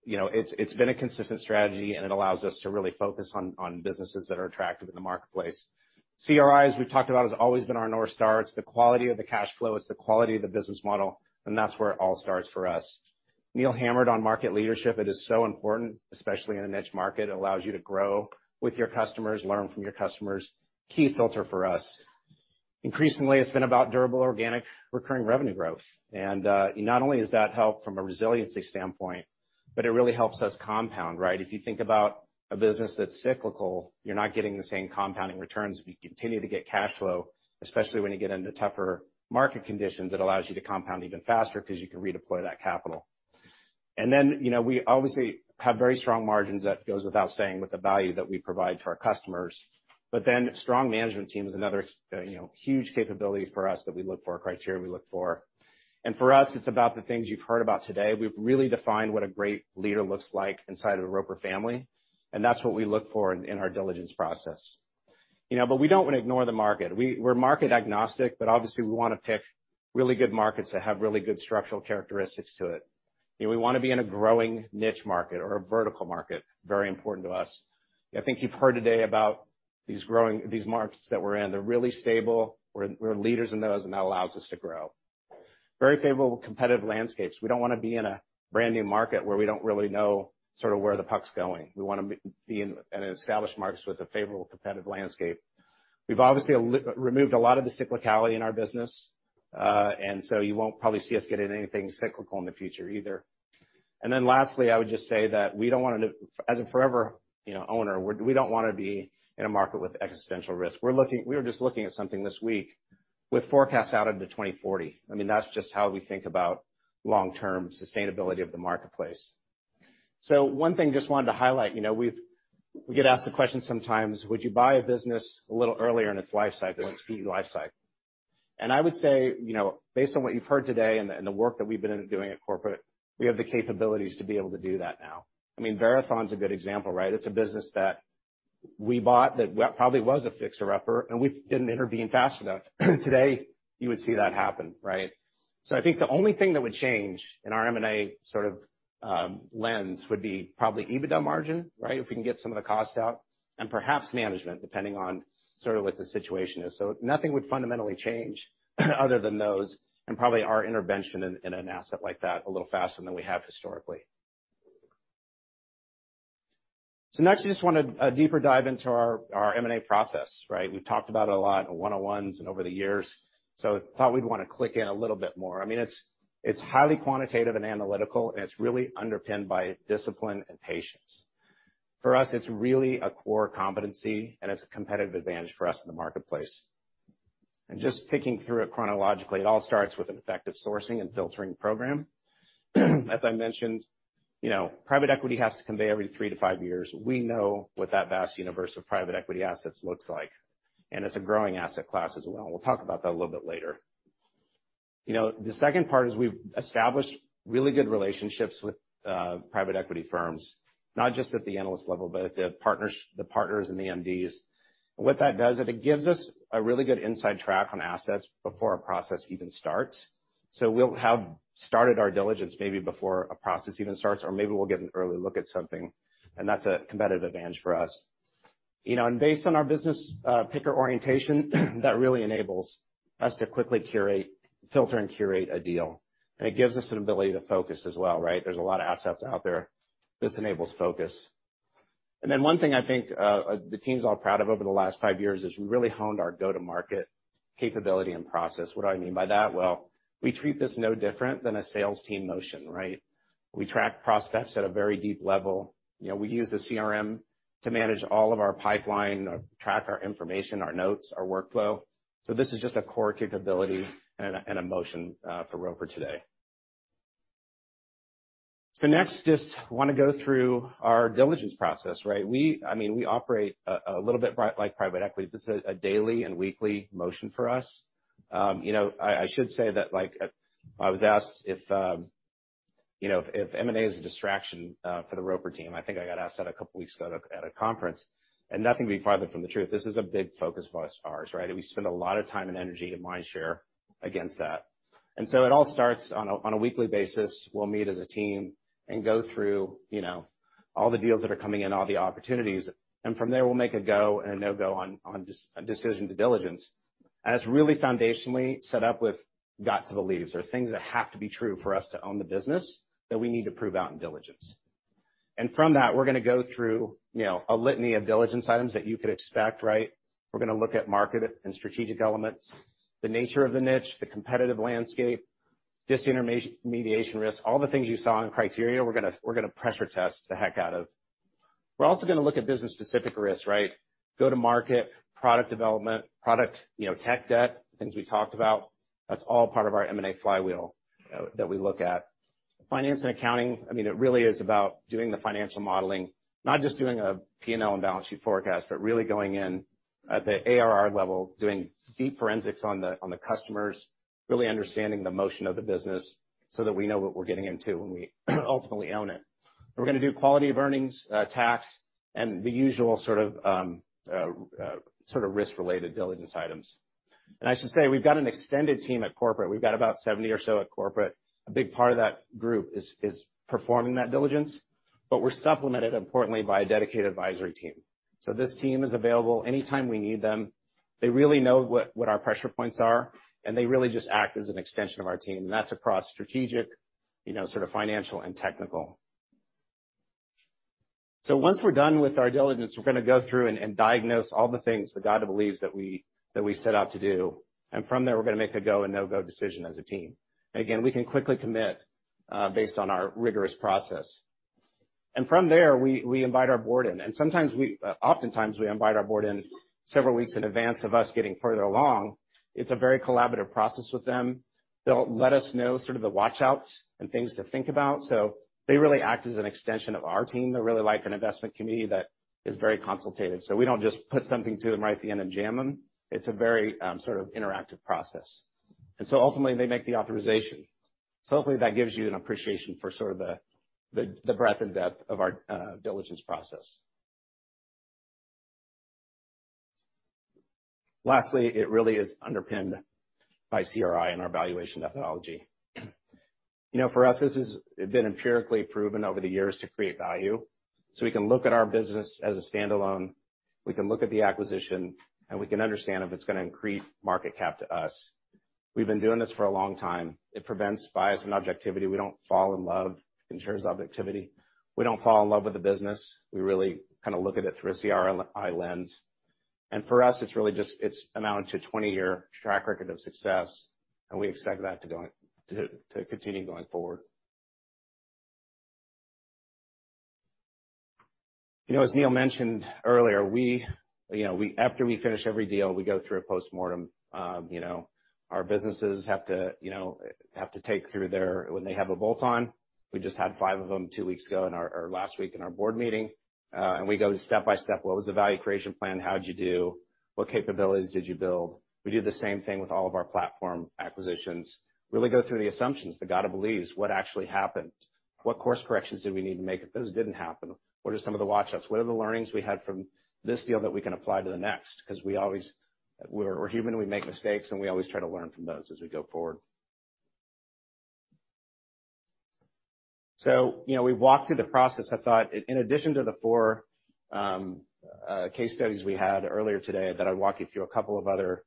S18: you know, it's been a consistent strategy, and it allows us to really focus on businesses that are attractive in the marketplace. CRIs, we've talked about, has always been our North Star. It's the quality of the cash flow, it's the quality of the business model, and that's where it all starts for us. Neil hammered on market leadership. It is so important, especially in a niche market. It allows you to grow with your customers, learn from your customers. Key filter for us. Increasingly, it's been about durable, organic, recurring revenue growth. Not only does that help from a resiliency standpoint, but it really helps us compound, right? If you think about a business that's cyclical, you're not getting the same compounding returns. If you continue to get cash flow, especially when you get into tougher market conditions, it allows you to compound even faster 'cause you can redeploy that capital. Then, you know, we obviously have very strong margins. That goes without saying with the value that we provide to our customers. Then strong management team is another, you know, huge capability for us that we look for, a criteria we look for. For us, it's about the things you've heard about today. We've really defined what a great leader looks like inside of the Roper family. That's what we look for in our diligence process. You know, we don't wanna ignore the market. We're market agnostic, obviously we wanna pick really good markets that have really good structural characteristics to it. You know, we wanna be in a growing niche market or a vertical market. Very important to us. I think you've heard today about these markets that we're in. They're really stable. We're leaders in those. That allows us to grow. Very favorable competitive landscapes. We don't wanna be in a brand-new market where we don't really know sort of where the puck's going. We wanna be in an established market with a favorable competitive landscape. We've obviously removed a lot of the cyclicality in our business, you won't probably see us get into anything cyclical in the future either. Lastly, I would just say that as a forever, you know, owner, we don't wanna be in a market with existential risk. We were just looking at something this week with forecasts out into 2040. I mean, that's just how we think about long-term sustainability of the marketplace. One thing just wanted to highlight, you know, we get asked the question sometimes, "Would you buy a business a little earlier in its life cycle, in its peak life cycle?" I would say, you know, based on what you've heard today and the work that we've been doing at corporate, we have the capabilities to be able to do that now. I mean, Verathon's a good example, right? It's a business that we bought that probably was a fixer-upper, and we didn't intervene fast enough. Today, you would see that happen, right? I think the only thing that would change in our M&A sort of lens would be probably EBITDA margin, right? If we can get some of the cost out, and perhaps management, depending on sort of what the situation is. Nothing would fundamentally change other than those, and probably our intervention in an asset like that a little faster than we have historically. Next, I just want a deeper dive into our M&A process, right? We've talked about it a lot in one-on-ones and over the years, so thought we'd wanna click in a little bit more. I mean, it's highly quantitative and analytical, and it's really underpinned by discipline and patience. For us, it's really a core competency, and it's a competitive advantage for us in the marketplace. Just ticking through it chronologically, it all starts with an effective sourcing and filtering program. As I mentioned, you know, private equity has to convey every 3-5 years. We know what that vast universe of private equity assets looks like, and it's a growing asset class as well. We'll talk about that a little bit later. You know, the second part is we've established really good relationships with private equity firms, not just at the analyst level, but at the partners and the MDs. What that does is it gives us a really good inside track on assets before a process even starts. We'll have started our diligence maybe before a process even starts, or maybe we'll get an early look at something, and that's a competitive advantage for us. You know, based on our business picker orientation, that really enables us to quickly curate, filter and curate a deal. It gives us an ability to focus as well, right? There's a lot of assets out there. This enables focus. One thing I think the team's all proud of over the last five years is we really honed our go-to-market capability and process. What do I mean by that? Well, we treat this no different than a sales team motion, right? We track prospects at a very deep level. You know, we use the CRM to manage all of our pipeline, track our information, our notes, our workflow. This is just a core capability and a motion for Roper today. Next, just wanna go through our diligence process, right? We, I mean, we operate a little bit like private equity. This is a daily and weekly motion for us. You know, I should say that, like, I was asked if, you know, if M&A is a distraction for the Roper team. I think I got asked that a couple weeks ago at a conference. Nothing could be farther from the truth. This is a big focus of ours, right? We spend a lot of time and energy and mindshare against that. It all starts on a weekly basis. We'll meet as a team and go through, you know, all the deals that are coming in, all the opportunities. From there, we'll make a go and a no-go on decision to diligence. It's really foundationally set up with gotta believes or things that have to be true for us to own the business that we need to prove out in diligence. From that, we're gonna go through, you know, a litany of diligence items that you could expect, right? We're gonna look at market and strategic elements, the nature of the niche, the competitive landscape. Disintermediation risk, all the things you saw in criteria, we're gonna pressure test the heck out of. We're also gonna look at business-specific risks, right? Go-to-market, product development, product, you know, tech debt, things we talked about. That's all part of our M&A flywheel that we look at. Finance and accounting, I mean, it really is about doing the financial modeling, not just doing a P&L and balance sheet forecast, but really going in at the ARR level, doing deep forensics on the customers, really understanding the motion of the business so that we know what we're getting into when we ultimately own it. We're gonna do quality of earnings, tax, and the usual sort of risk-related diligence items. I should say, we've got an extended team at corporate. We've got about 70 or so at corporate. A big part of that group is performing that diligence, but we're supplemented importantly by a dedicated advisory team. This team is available anytime we need them. They really know what our pressure points are, and they really just act as an extension of our team. That's across strategic, you know, sort of financial and technical. Once we're done with our diligence, we're gonna go through and diagnose all the things that gotta believes that we set out to do. From there, we're gonna make a go and no-go decision as a team. Again, we can quickly commit based on our rigorous process. From there, we invite our board in. Oftentimes we invite our board in several weeks in advance of us getting further along. It's a very collaborative process with them. They'll let us know sort of the watch outs and things to think about. They really act as an extension of our team. They're really like an investment committee that is very consultative. We don't just put something to them right at the end and jam them. It's a very sort of interactive process. Ultimately they make the authorization. Hopefully that gives you an appreciation for sort of the breadth and depth of our diligence process. Lastly, it really is underpinned by CRI and our valuation methodology. You know, for us, this has been empirically proven over the years to create value. We can look at our business as a standalone, we can look at the acquisition, and we can understand if it's gonna increase market cap to us. We've been doing this for a long time. It prevents bias and objectivity. We don't fall in love, ensures objectivity. We don't fall in love with the business. We really kinda look at it through a CRI lens. For us, it's really it's amounted to a 20-year track record of success, and we expect that to continue going forward. You know, as Neil mentioned earlier, we after we finish every deal, we go through a postmortem. Our businesses have to take through when they have a bolt-on. We just had five of them two weeks ago in our last week in our board meeting. We go step-by-step, what was the value creation plan? How'd you do? What capabilities did you build? We do the same thing with all of our platform acquisitions. Really go through the assumptions, they gotta believe, what actually happened? What course corrections do we need to make if those didn't happen? What are some of the watch-outs? What are the learnings we had from this deal that we can apply to the next? 'Cause we're human, we make mistakes, and we always try to learn from those as we go forward. You know, we've walked through the process. I thought in addition to the four case studies we had earlier today, that I'd walk you through a couple of other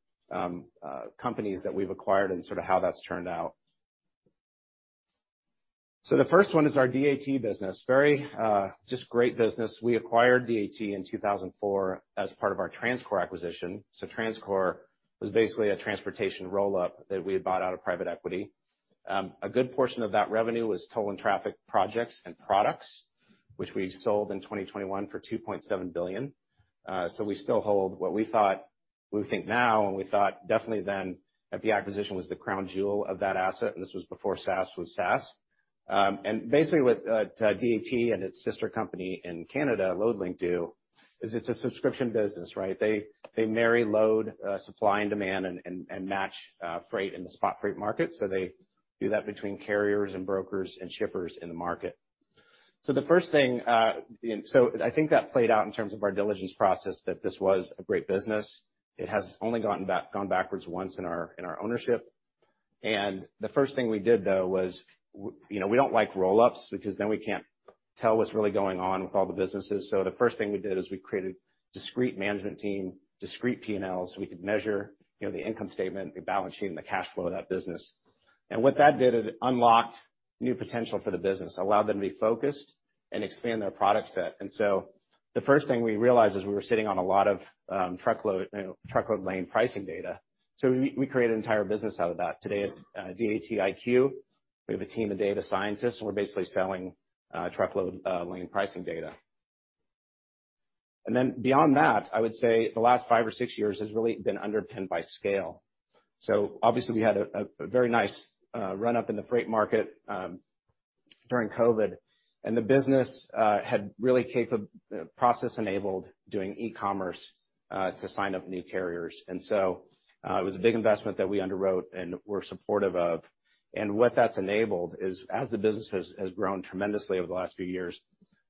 S18: companies that we've acquired and sort of how that's turned out. The first one is our DAT business. Very just great business. We acquired DAT in 2004 as part of our TransCore acquisition. TransCore was basically a transportation roll-up that we had bought out of private equity. A good portion of that revenue was toll and traffic projects and products, which we sold in 2021 for $2.7 billion. We still hold what we think now, and we thought definitely then, that the acquisition was the crown jewel of that asset, and this was before SaaS was SaaS. Basically, what DAT and its sister company in Canada, Loadlink, do is it's a subscription business, right? They marry load supply and demand and match freight in the spot freight market. They do that between carriers and brokers and shippers in the market. The first thing I think that played out in terms of our diligence process, that this was a great business. It has only gone backwards once in our ownership. The first thing we did, though, was, you know, we don't like roll-ups because then we can't tell what's really going on with all the businesses. The first thing we did is we created discrete management team, discrete P&Ls, so we could measure, you know, the income statement, the balance sheet, and the cash flow of that business. What that did, it unlocked new potential for the business, allowed them to be focused and expand their product set. The first thing we realized is we were sitting on a lot of truckload, you know, truckload lane pricing data. We created an entire business out of that. Today, it's DAT iQ. We have a team of data scientists, and we're basically selling truckload lane pricing data. Beyond that, I would say the last five or six years has really been underpinned by scale. Obviously, we had a very nice run-up in the freight market during COVID, and the business had really process-enabled doing e-commerce to sign up new carriers. It was a big investment that we underwrote and were supportive of. What that's enabled is, as the business has grown tremendously over the last few years,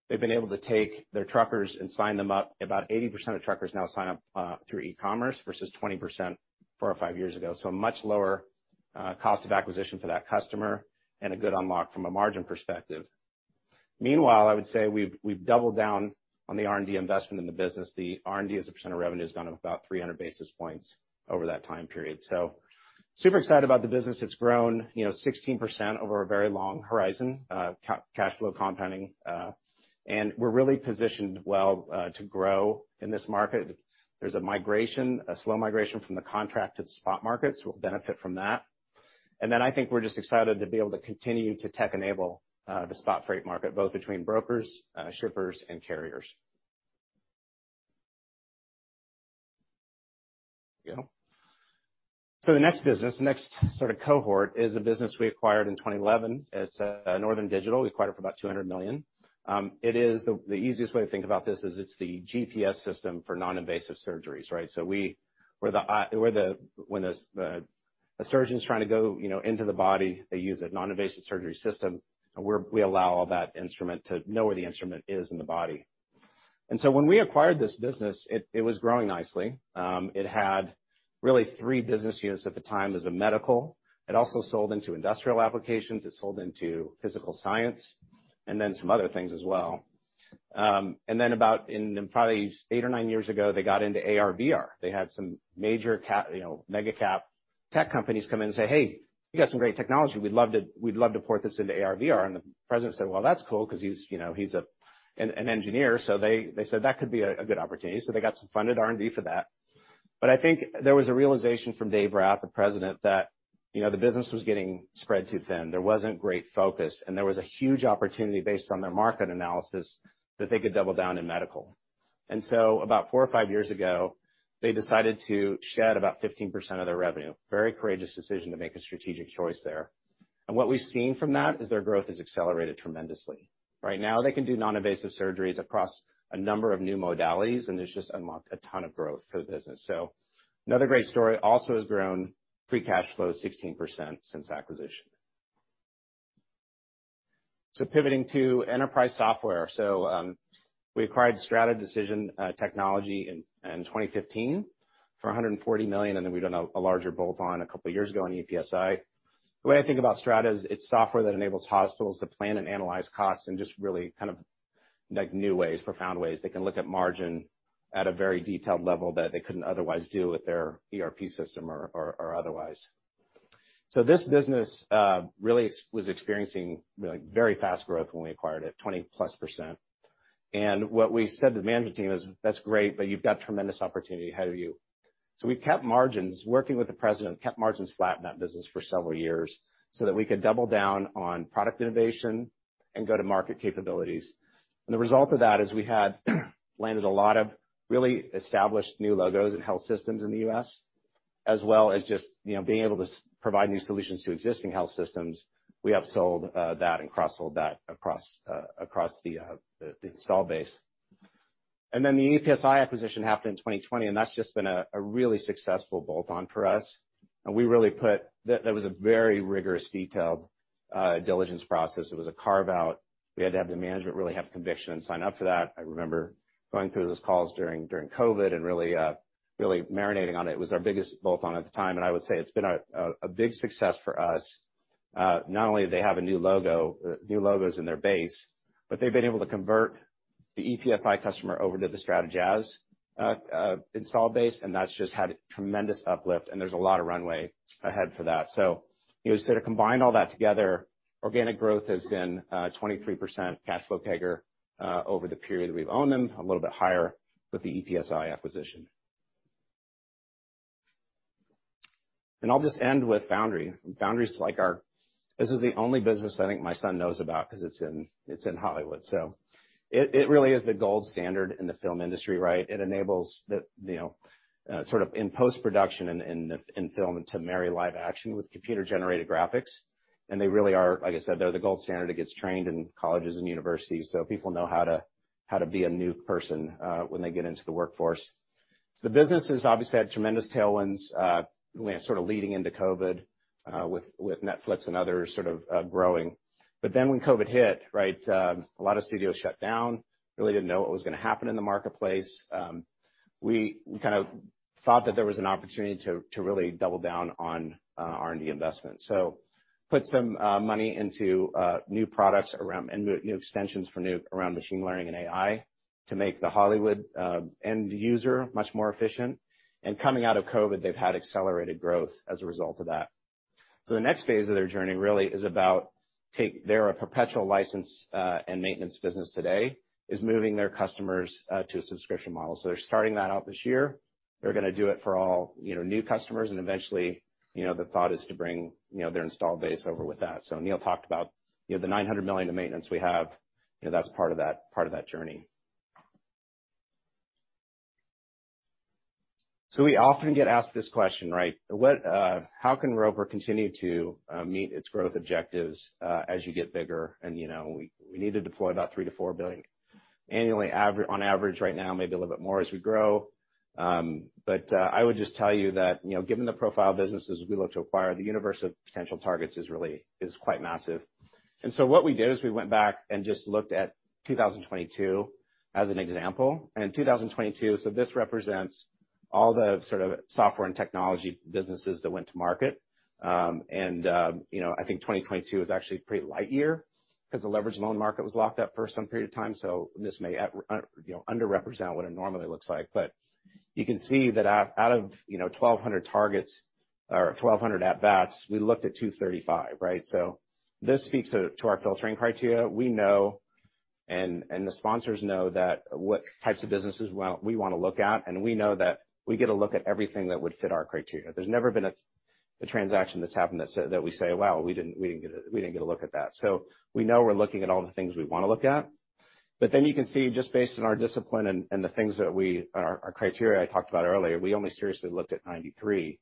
S18: they've been able to take their truckers and sign them up. About 80% of truckers now sign up through e-commerce versus 20% four or five years ago. A much lower cost of acquisition for that customer and a good unlock from a margin perspective. Meanwhile, I would say we've doubled down on the R&D investment in the business. The R&D as a % of revenue has gone up about 300 basis points over that time period. Super excited about the business. It's grown, you know, 16% over a very long horizon, cash flow compounding. We're really positioned well to grow in this market. There's a migration, a slow migration from the contract to the spot markets. We'll benefit from that. I think we're just excited to be able to continue to tech enable the spot freight market, both between brokers, shippers, and carriers. You know? The next business, next sort of cohort is a business we acquired in 2011. It's Northern Digital. We acquired it for about $200 million. It is the easiest way to think about this is it's the GPS system for non-invasive surgeries, right? We're the When the surgeon's trying to go, you know, into the body, they use a non-invasive surgery system, and we allow that instrument to know where the instrument is in the body. When we acquired this business, it was growing nicely. It had really three business units at the time. It was a medical. It also sold into industrial applications. It sold into physical science and then some other things as well. Then about in probably eight or nine years ago, they got into AR/VR. They had some major, you know, mega cap tech companies come in and say, "Hey, you got some great technology. We'd love to, we'd love to port this into AR/VR." The president said, "Well, that's cool," 'cause he's, you know, he's an engineer. They said, "That could be a good opportunity." They got some funded R&D for that. I think there was a realization from Dave Rath, the president, that, you know, the business was getting spread too thin. There wasn't great focus. There was a huge opportunity based on their market analysis that they could double down in medical. About four or five years ago, they decided to shed about 15% of their revenue. Very courageous decision to make a strategic choice there. What we've seen from that is their growth has accelerated tremendously. Right now they can do non-invasive surgeries across a number of new modalities, and there's just a ton of growth for the business. Another great story also has grown free cash flow 16% since acquisition. Pivoting to enterprise software. We acquired Strata Decision Technology in 2015 for $140 million, and then we've done a larger bolt-on a couple years ago on EPSi. The way I think about Strata is it's software that enables hospitals to plan and analyze costs in just really kind of like new ways, profound ways. They can look at margin at a very detailed level that they couldn't otherwise do with their ERP system or otherwise. This business really was experiencing like very fast growth when we acquired it, 20+%. What we said to the management team is, "That's great, but you've got tremendous opportunity ahead of you." We kept margins. Working with the president, kept margins flat in that business for several years so that we could double down on product innovation and go-to-market capabilities. The result of that is we had landed a lot of really established new logos and health systems in the US, as well as just, you know, being able to provide new solutions to existing health systems. We upsold that and cross-sold that across across the install base. The EPSi acquisition happened in 2020, and that's just been a really successful bolt-on for us. That was a very rigorous, detailed diligence process. It was a carve-out. We had to have the management really have conviction and sign up for that. I remember going through those calls during COVID and really marinating on it. It was our biggest bolt-on at the time, and I would say it's been a big success for us. Not only do they have a new logo, new logos in their base, but they've been able to convert the EPSi customer over to the StrataJazz install base, that's just had tremendous uplift, and there's a lot of runway ahead for that. You know, so to combine all that together, organic growth has been 23% cash flow CAGR over the period that we've owned them, a little bit higher with the EPSI acquisition. I'll just end with Foundry. Foundry's like our... This is the only business I think my son knows about 'cause it's in, it's in Hollywood. It really is the gold standard in the film industry, right? It enables the, you know, sort of in post-production in the film to marry live action with computer-generated graphics. They really are, like I said, they're the gold standard. It gets trained in colleges and universities, so people know how to be a Nuke person when they get into the workforce. The business has obviously had tremendous tailwinds, sort of leading into COVID, with Netflix and others sort of, growing. When COVID hit, right, a lot of studios shut down, really didn't know what was gonna happen in the marketplace. We kind of thought that there was an opportunity to really double down on R&D investment. put some money into new products around new extensions for Nuke around machine learning and AI to make the Hollywood end user much more efficient. Coming out of COVID, they've had accelerated growth as a result of that. The next phase of their journey really is about moving their customers to a subscription model. They're a perpetual license and maintenance business today, is moving their customers to a subscription model. They're starting that out this year. They're gonna do it for all, you know, new customers, and eventually, you know, the thought is to bring, you know, their installed base over with that. Neil talked about, you know, the $900 million of maintenance we have, you know, that's part of that, part of that journey. We often get asked this question, right? What, how can Roper continue to meet its growth objectives, as you get bigger? You know, we need to deploy about $3 billion-$4 billion annually on average right now, maybe a little bit more as we grow. I would just tell you that, you know, given the profile of businesses we look to acquire, the universe of potential targets is really, is quite massive. What we did is we went back and just looked at 2022 as an example. In 2022, this represents all the sort of software and technology businesses that went to market. You know, I think 2022 is actually a pretty light year 'cause the leverage loan market was locked up for some period of time, so this may at, you know, underrepresent what it normally looks like. You can see that out of, you know, 1,200 targets or 1,200 at-bats, we looked at 235, right? This speaks to our filtering criteria. We know, and the sponsors know that what types of businesses we wanna look at, and we know that we get a look at everything that would fit our criteria. There's never been a transaction that's happened that we say, "Wow, we didn't get a look at that." We know we're looking at all the things we wanna look at. You can see, just based on our discipline and the things that we. Our criteria I talked about earlier, we only seriously looked at 93.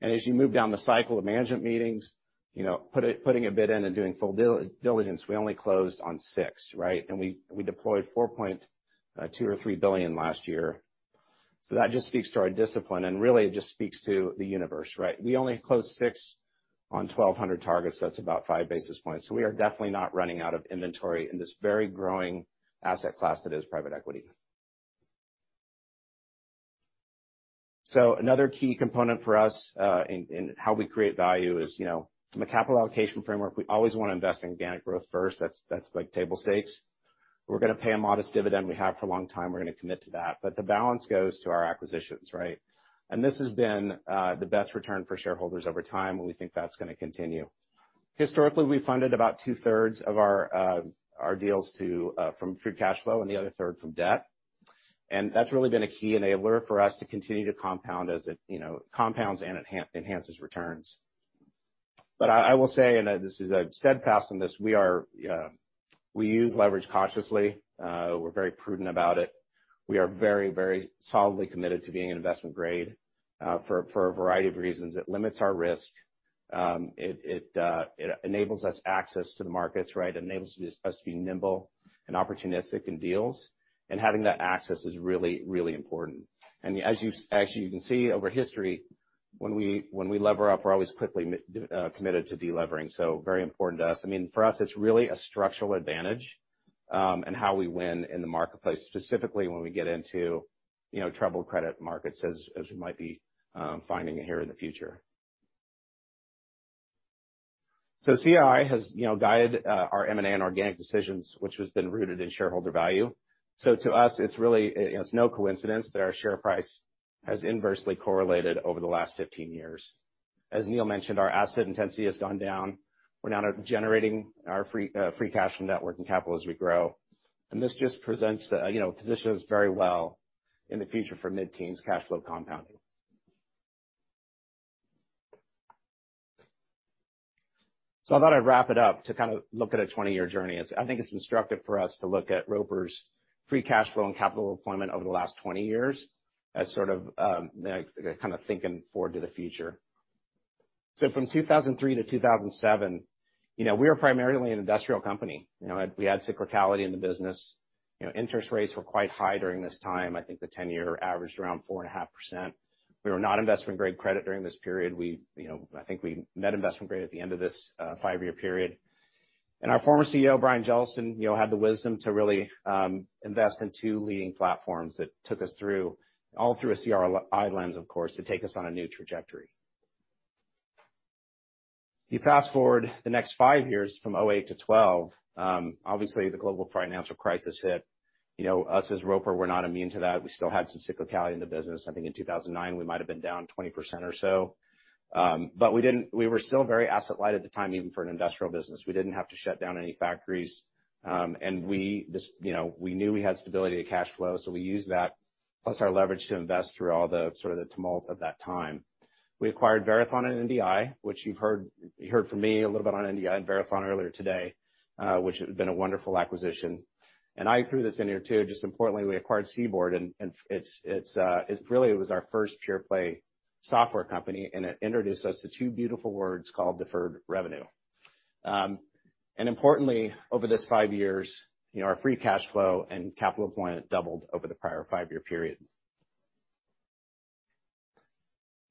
S18: As you move down the cycle of management meetings, you know, putting a bid in and doing full diligence, we only closed on six, right? We, we deployed $4.2 billion-$4.3 billion last year. That just speaks to our discipline, and really it just speaks to the universe, right? We only closed six on 1,200 targets, so that's about five basis points. We are definitely not running out of inventory in this very growing asset class that is private equity. Another key component for us in how we create value is, you know, from a capital allocation framework, we always wanna invest in organic growth first. That's like table stakes. We're gonna pay a modest dividend. We have for a long time, we're gonna commit to that. The balance goes to our acquisitions, right. This has been the best return for shareholders over time, and we think that's gonna continue. Historically, we funded about two-thirds of our deals to from free cash flow and the other third from debt. That's really been a key enabler for us to continue to compound as it, you know, compounds and enhances returns. I will say, and this is... I've steadfast on this, we are, we use leverage cautiously. We're very prudent about it. We are very, very solidly committed to being an investment grade, for a variety of reasons. It limits our risk. It enables us access to the markets, right? Enables us to be nimble and opportunistic in deals. Having that access is really, really important. As you can see over history, when we lever up, we're always quickly committed to delevering. Very important to us. I mean, for us, it's really a structural advantage in how we win in the marketplace, specifically when we get into, you know, troubled credit markets as we might be finding here in the future. CRI has, you know, guided our M&A and organic decisions, which has been rooted in shareholder value. To us, it's really no coincidence that our share price has inversely correlated over the last 15 years. As Neil mentioned, our asset intensity has gone down. We're now generating our free, free cash from net working capital as we grow. This just presents, you know, positions very well in the future for mid-teens cash flow compounding. I thought I'd wrap it up to kind of look at a 20-year journey. I think it's instructive for us to look at Roper's free cash flow and capital deployment over the last 20 years as sort of, kind of thinking forward to the future. From 2003 to 2007, you know, we were primarily an industrial company. You know, we had cyclicality in the business. You know, interest rates were quite high during this time. I think the 10-year averaged around 4.5%. We were not investment-grade credit during this period. We, you know, I think we met investment grade at the end of this 5-year period. Our former CEO, Brian Jellison, you know, had the wisdom to really invest in two leading platforms that took us through, all through a CRI lens, of course, to take us on a new trajectory. You fast-forward the next five years from 2008 to 2012, obviously, the global financial crisis hit. You know, us as Roper were not immune to that. We still had some cyclicality in the business. I think in 2009, we might've been down 20% or so. We were still very asset light at the time, even for an industrial business. We didn't have to shut down any factories. We, this, you know, we knew we had stability to cash flow, so we used that, plus our leverage to invest through all the sort of the tumult at that time. We acquired Verathon and NDI, which you've heard, you heard from me a little bit on NDI and Verathon earlier today, which has been a wonderful acquisition. I threw this in here too, just importantly, we acquired CBORD, and it's really was our first pure play software company, and it introduced us to two beautiful words called deferred revenue. Importantly, over this five years, you know, our free cash flow and capital deployment doubled over the prior five-year period.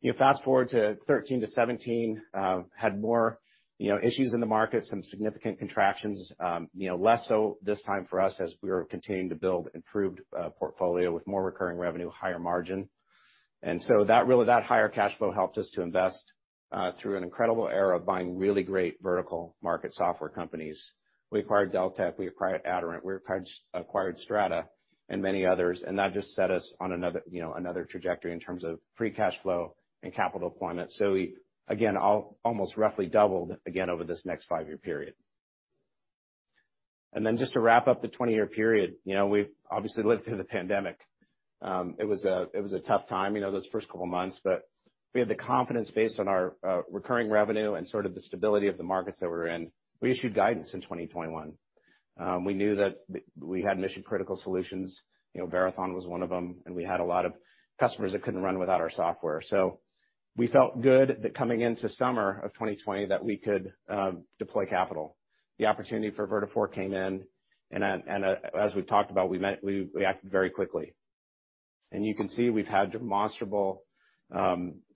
S18: You fast-forward to 2013 to 2017, had more, you know, issues in the market, some significant contractions, you know, less so this time for us as we were continuing to build improved portfolio with more recurring revenue, higher margin. That really, that higher cash flow helped us to invest through an incredible era of buying really great vertical market software companies. We acquired Deltek, we acquired Aderant, we acquired Strata and many others, and that just set us on another, you know, another trajectory in terms of free cash flow and capital deployment. We, again, almost roughly doubled again over this next five-year period. Just to wrap up the 20-year period, you know, we've obviously lived through the pandemic. It was a tough time, you know, those first couple of months, we had the confidence based on our recurring revenue and sort of the stability of the markets that we're in. We issued guidance in 2021. We knew that we had mission-critical solutions, you know, Verathon was one of them, we had a lot of customers that couldn't run without our software. We felt good that coming into summer of 2020 that we could deploy capital. The opportunity for Vertafore came in as we talked about, we acted very quickly. You can see we've had demonstrable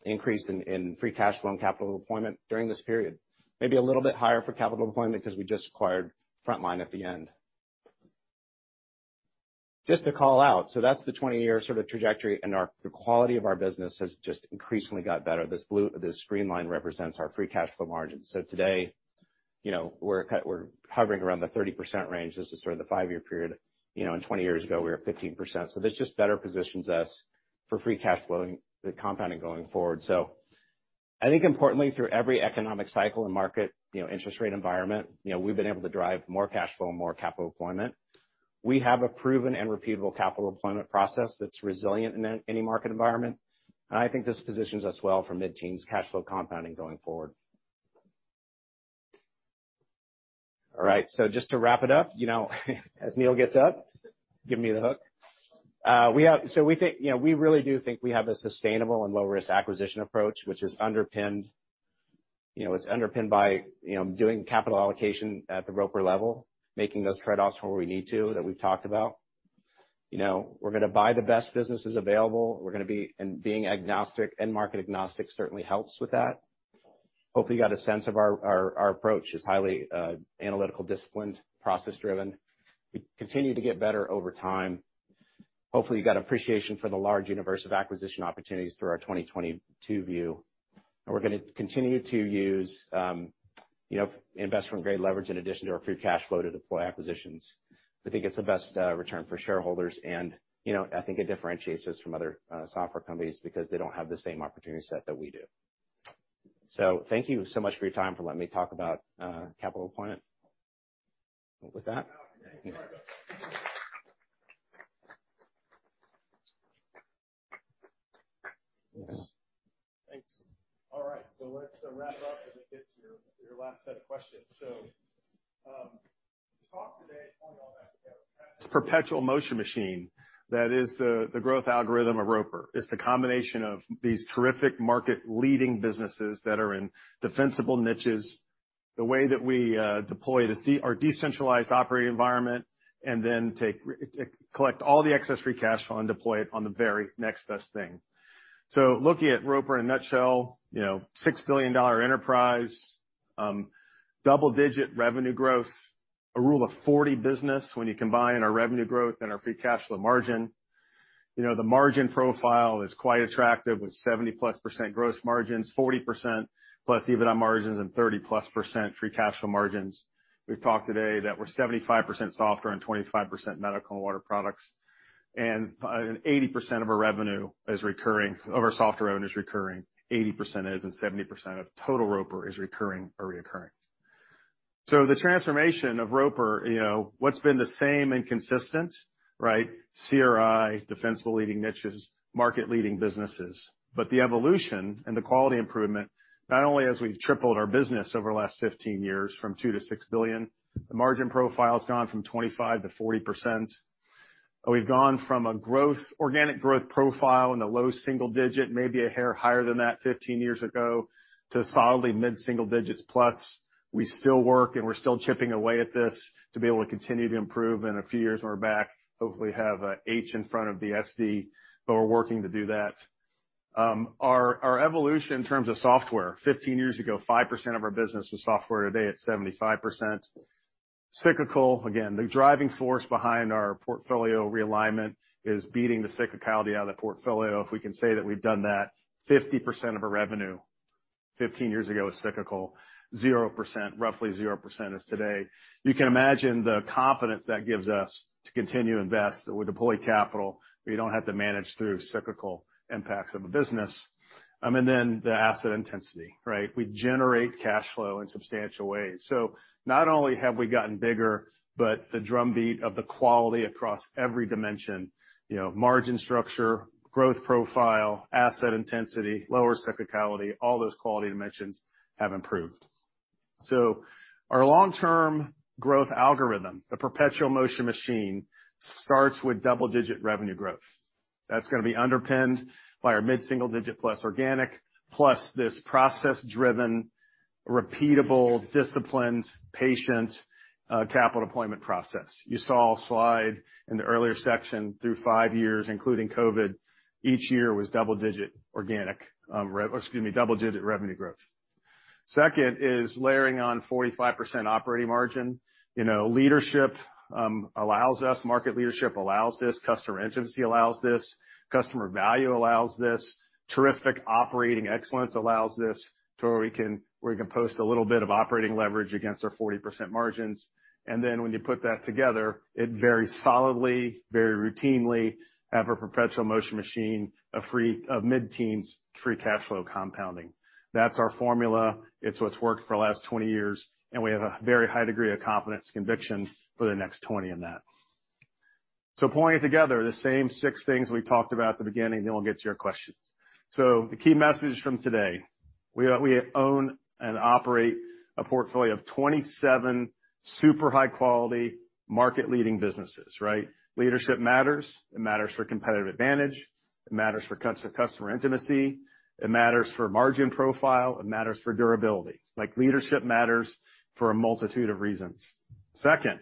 S18: increase in free cash flow and capital deployment during this period. Maybe a little bit higher for capital deployment 'cause we just acquired Frontline at the end. Just to call out, that's the 20-year sort of trajectory and the quality of our business has just increasingly got better. This green line represents our free cash flow margins. You know, we're hovering around the 30% range. This is sort of the 5-year period. You know, 20 years ago, we were at 15%. This just better positions us for free cash flow compounding going forward. I think importantly, through every economic cycle and market, you know, interest rate environment, you know, we've been able to drive more cash flow and more capital deployment. We have a proven and repeatable capital deployment process that's resilient in any market environment. I think this positions us well for mid-teens cash flow compounding going forward. All right. Just to wrap it up, you know as Neil gets up, giving me the hook. We think. You know, we really do think we have a sustainable and low-risk acquisition approach which is underpinned. You know, it's underpinned by, you know, doing capital allocation at the Roper level, making those trade-offs where we need to, that we've talked about. You know, we're gonna buy the best businesses available. Being agnostic, end market agnostic certainly helps with that. Hopefully, you got a sense of our approach. It's highly analytical, disciplined, process-driven. We continue to get better over time. Hopefully, you got appreciation for the large universe of acquisition opportunities through our 2022 view. We're gonna continue to use, you know, investment-grade leverage in addition to our free cash flow to deploy acquisitions. We think it's the best return for shareholders and, you know, I think it differentiates us from other software companies because they don't have the same opportunity set that we do. Thank you so much for your time for letting me talk about capital deployment. With that.
S1: Thanks. All right. Let's wrap up as we get to your last set of questions. The talk today pointed all back to this perpetual motion machine that is the growth algorithm of Roper. It's the combination of these terrific market leading businesses that are in defensible niches, the way that we deploy our decentralized operating environment, and then collect all the excess free cash flow and deploy it on the very next best thing. Looking at Roper in a nutshell, you know, $6 billion enterprise, double-digit revenue growth, a rule of 40 business when you combine our revenue growth and our free cash flow margin. You know, the margin profile is quite attractive with 70%+ gross margins, 40%+ EBITDA margins, and 30%+ free cash flow margins. We've talked today that we're 75% software and 25% medical and water products. 80% of our software revenue is recurring. 80% is, 70% of total Roper is recurring or reoccurring. The transformation of Roper, you know, what's been the same and consistent, right? CRI, defensible leading niches, market leading businesses. The evolution and the quality improvement, not only as we've tripled our business over the last 15 years from $2 billion-$6 billion, the margin profile's gone from 25%-40%. We've gone from an organic growth profile in the low single digit, maybe a hair higher than that 15 years ago, to solidly mid-single digits plus. We still work, we're still chipping away at this to be able to continue to improve. In a few years when we're back, hopefully have a H in front of the SD, we're working to do that. Our evolution in terms of software, 15 years ago, 5% of our business was software. Today, it's 75%. Cyclical, again, the driving force behind our portfolio realignment is beating the cyclicality out of the portfolio, if we can say that we've done that. 50% of our revenue 15 years ago was cyclical. 0%, roughly 0% is today. You can imagine the confidence that gives us to continue to invest or deploy capital, where you don't have to manage through cyclical impacts of a business. Then the asset intensity, right? We generate cash flow in substantial ways. Not only have we gotten bigger, but the drumbeat of the quality across every dimension, you know, margin structure, growth profile, asset intensity, lower cyclicality, all those quality dimensions have improved. Our long-term growth algorithm, the perpetual motion machine, starts with double-digit revenue growth. That's gonna be underpinned by our mid-single-digit plus organic, plus this process-driven, repeatable, disciplined, patient, capital deployment process. You saw a slide in the earlier section through five years, including COVID, each year was double-digit organic, or excuse me, double-digit revenue growth. Second is layering on 45% operating margin. You know, leadership allows us, market leadership allows this, customer intimacy allows this, customer value allows this, terrific operating excellence allows this to where we can post a little bit of operating leverage against our 40% margins. When you put that together, it very solidly, very routinely have a perpetual motion machine of mid-teens free cash flow compounding. That's our formula. It's what's worked for the last 20 years, and we have a very high degree of confidence and conviction for the next 20 in that. Pulling it together, the same six things we talked about at the beginning, then we'll get to your questions. The key message from today, we own and operate a portfolio of 27 super high-quality market-leading businesses, right? Leadership matters. It matters for competitive advantage. It matters for customer intimacy. It matters for margin profile. It matters for durability. Like leadership matters for a multitude of reasons. Second,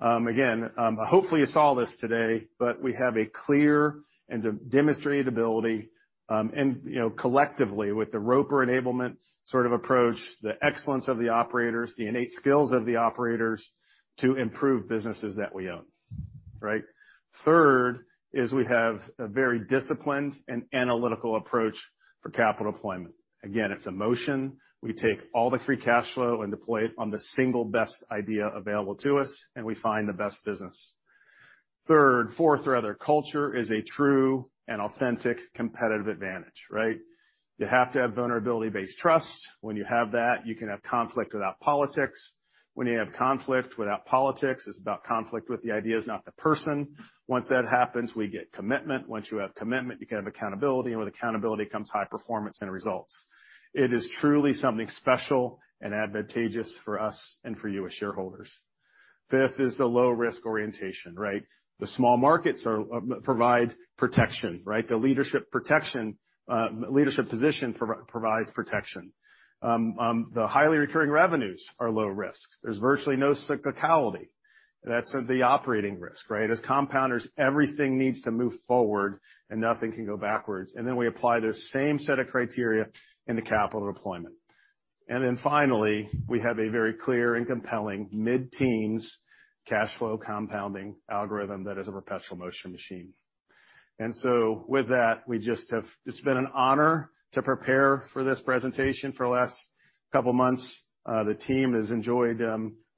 S1: again, hopefully you saw this today, but we have a clear and de-demonstrated ability, and, you know, collectively with the Roper enablement sort of approach, the excellence of the operators, the innate skills of the operators to improve businesses that we own. Right? Third is we have a very disciplined and analytical approach for capital deployment. Again, it's a motion. We take all the free cash flow and deploy it on the single best idea available to us, and we find the best business. Fourth rather, culture is a true and authentic competitive advantage, right? You have to have vulnerability-based trust. When you have that, you can have conflict without politics. When you have conflict without politics, it's about conflict with the ideas, not the person. Once that happens, we get commitment. Once you have commitment, you can have accountability, and with accountability comes high performance and results. It is truly something special and advantageous for us and for you as shareholders. Fifth is the low risk orientation, right? The small markets provide protection, right? The leadership position provides protection. The highly recurring revenues are low risk. There's virtually no cyclicality. That's the operating risk, right? As compounders, everything needs to move forward and nothing can go backwards. We apply the same set of criteria in the capital deployment. Finally, we have a very clear and compelling mid-teens cash flow compounding algorithm that is a perpetual motion machine. With that, it's been an honor to prepare for this presentation for the last couple months. The team has enjoyed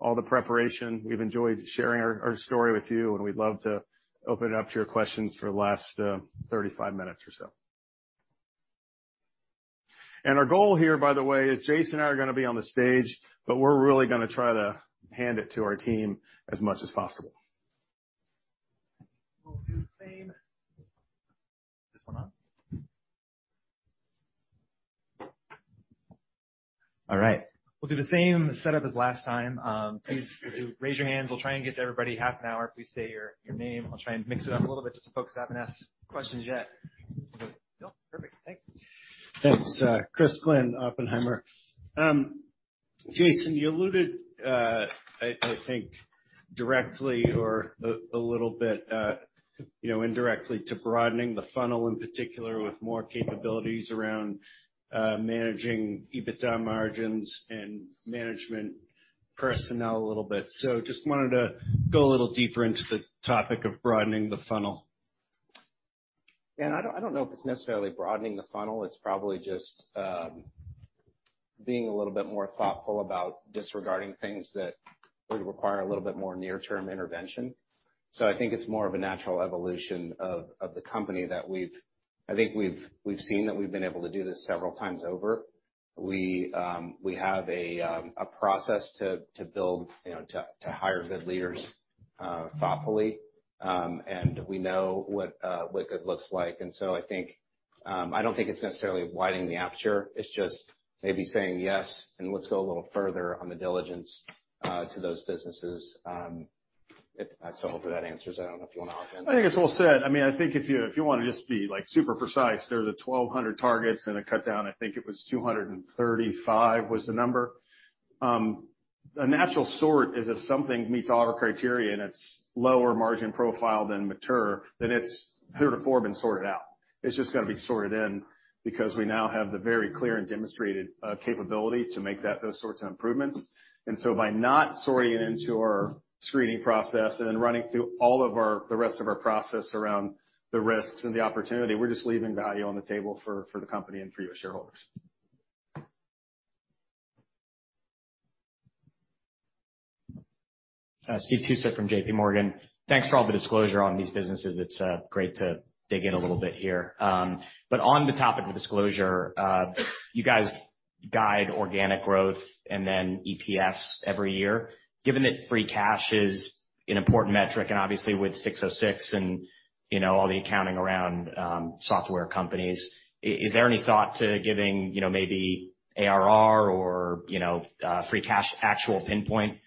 S1: all the preparation. We've enjoyed sharing our story with you, and we'd love to open it up to your questions for the last 35 minutes or so. Our goal here, by the way, is Jason and I are gonna be on the stage, but we're really gonna try to hand it to our team as much as possible.
S19: We'll do the same. Is this one on? All right. We'll do the same setup as last time. Please do raise your hands. We'll try and get to everybody in half an hour. Please say your name. I'll try and mix it up a little bit to some folks that haven't asked questions yet. Perfect. Thanks.
S20: Thanks. Chris Glynn, Oppenheimer. Jason, you alluded, I think directly or a little bit, you know, indirectly to broadening the funnel, in particular with more capabilities around, managing EBITDA margins and management personnel a little bit. Just wanted to go a little deeper into the topic of broadening the funnel.
S18: I don't, I don't know if it's necessarily broadening the funnel. It's probably just, being a little bit more thoughtful about disregarding things that would require a little bit more near-term intervention. I think it's more of a natural evolution of the company that we've seen that we've been able to do this several times over. We, we have a process to build, you know, to hire good leaders, thoughtfully. We know what good looks like. I think, I don't think it's necessarily widening the aperture. It's just maybe saying yes, and let's go a little further on the diligence, to those businesses. I so hope that answers that. I don't know if you wanna.
S1: I think it's well said. I mean, I think if you, if you wanna just be, like, super precise, there are the 1,200 targets in a cut down, I think it was 235 was the number. A natural sort is if something meets all of our criteria and it's lower margin profile than mature, then it's 3-4 been sorted out. It's just gotta be sorted in because we now have the very clear and demonstrated capability to make those sorts of improvements. By not sorting it into our screening process and then running through all of the rest of our process around the risks and the opportunity, we're just leaving value on the table for the company and for you as shareholders.
S21: Steve Tusa from J.P. Morgan. Thanks for all the disclosure on these businesses. It's great to dig in a little bit here. On the topic of disclosure, you guys guide organic growth and then EPS every year. Given that free cash is an important metric, and obviously with ASC 606 and, you know, all the accounting around software companies, is there any thought to giving, you know, maybe ARR or, you know, free cash, actual pinpoint,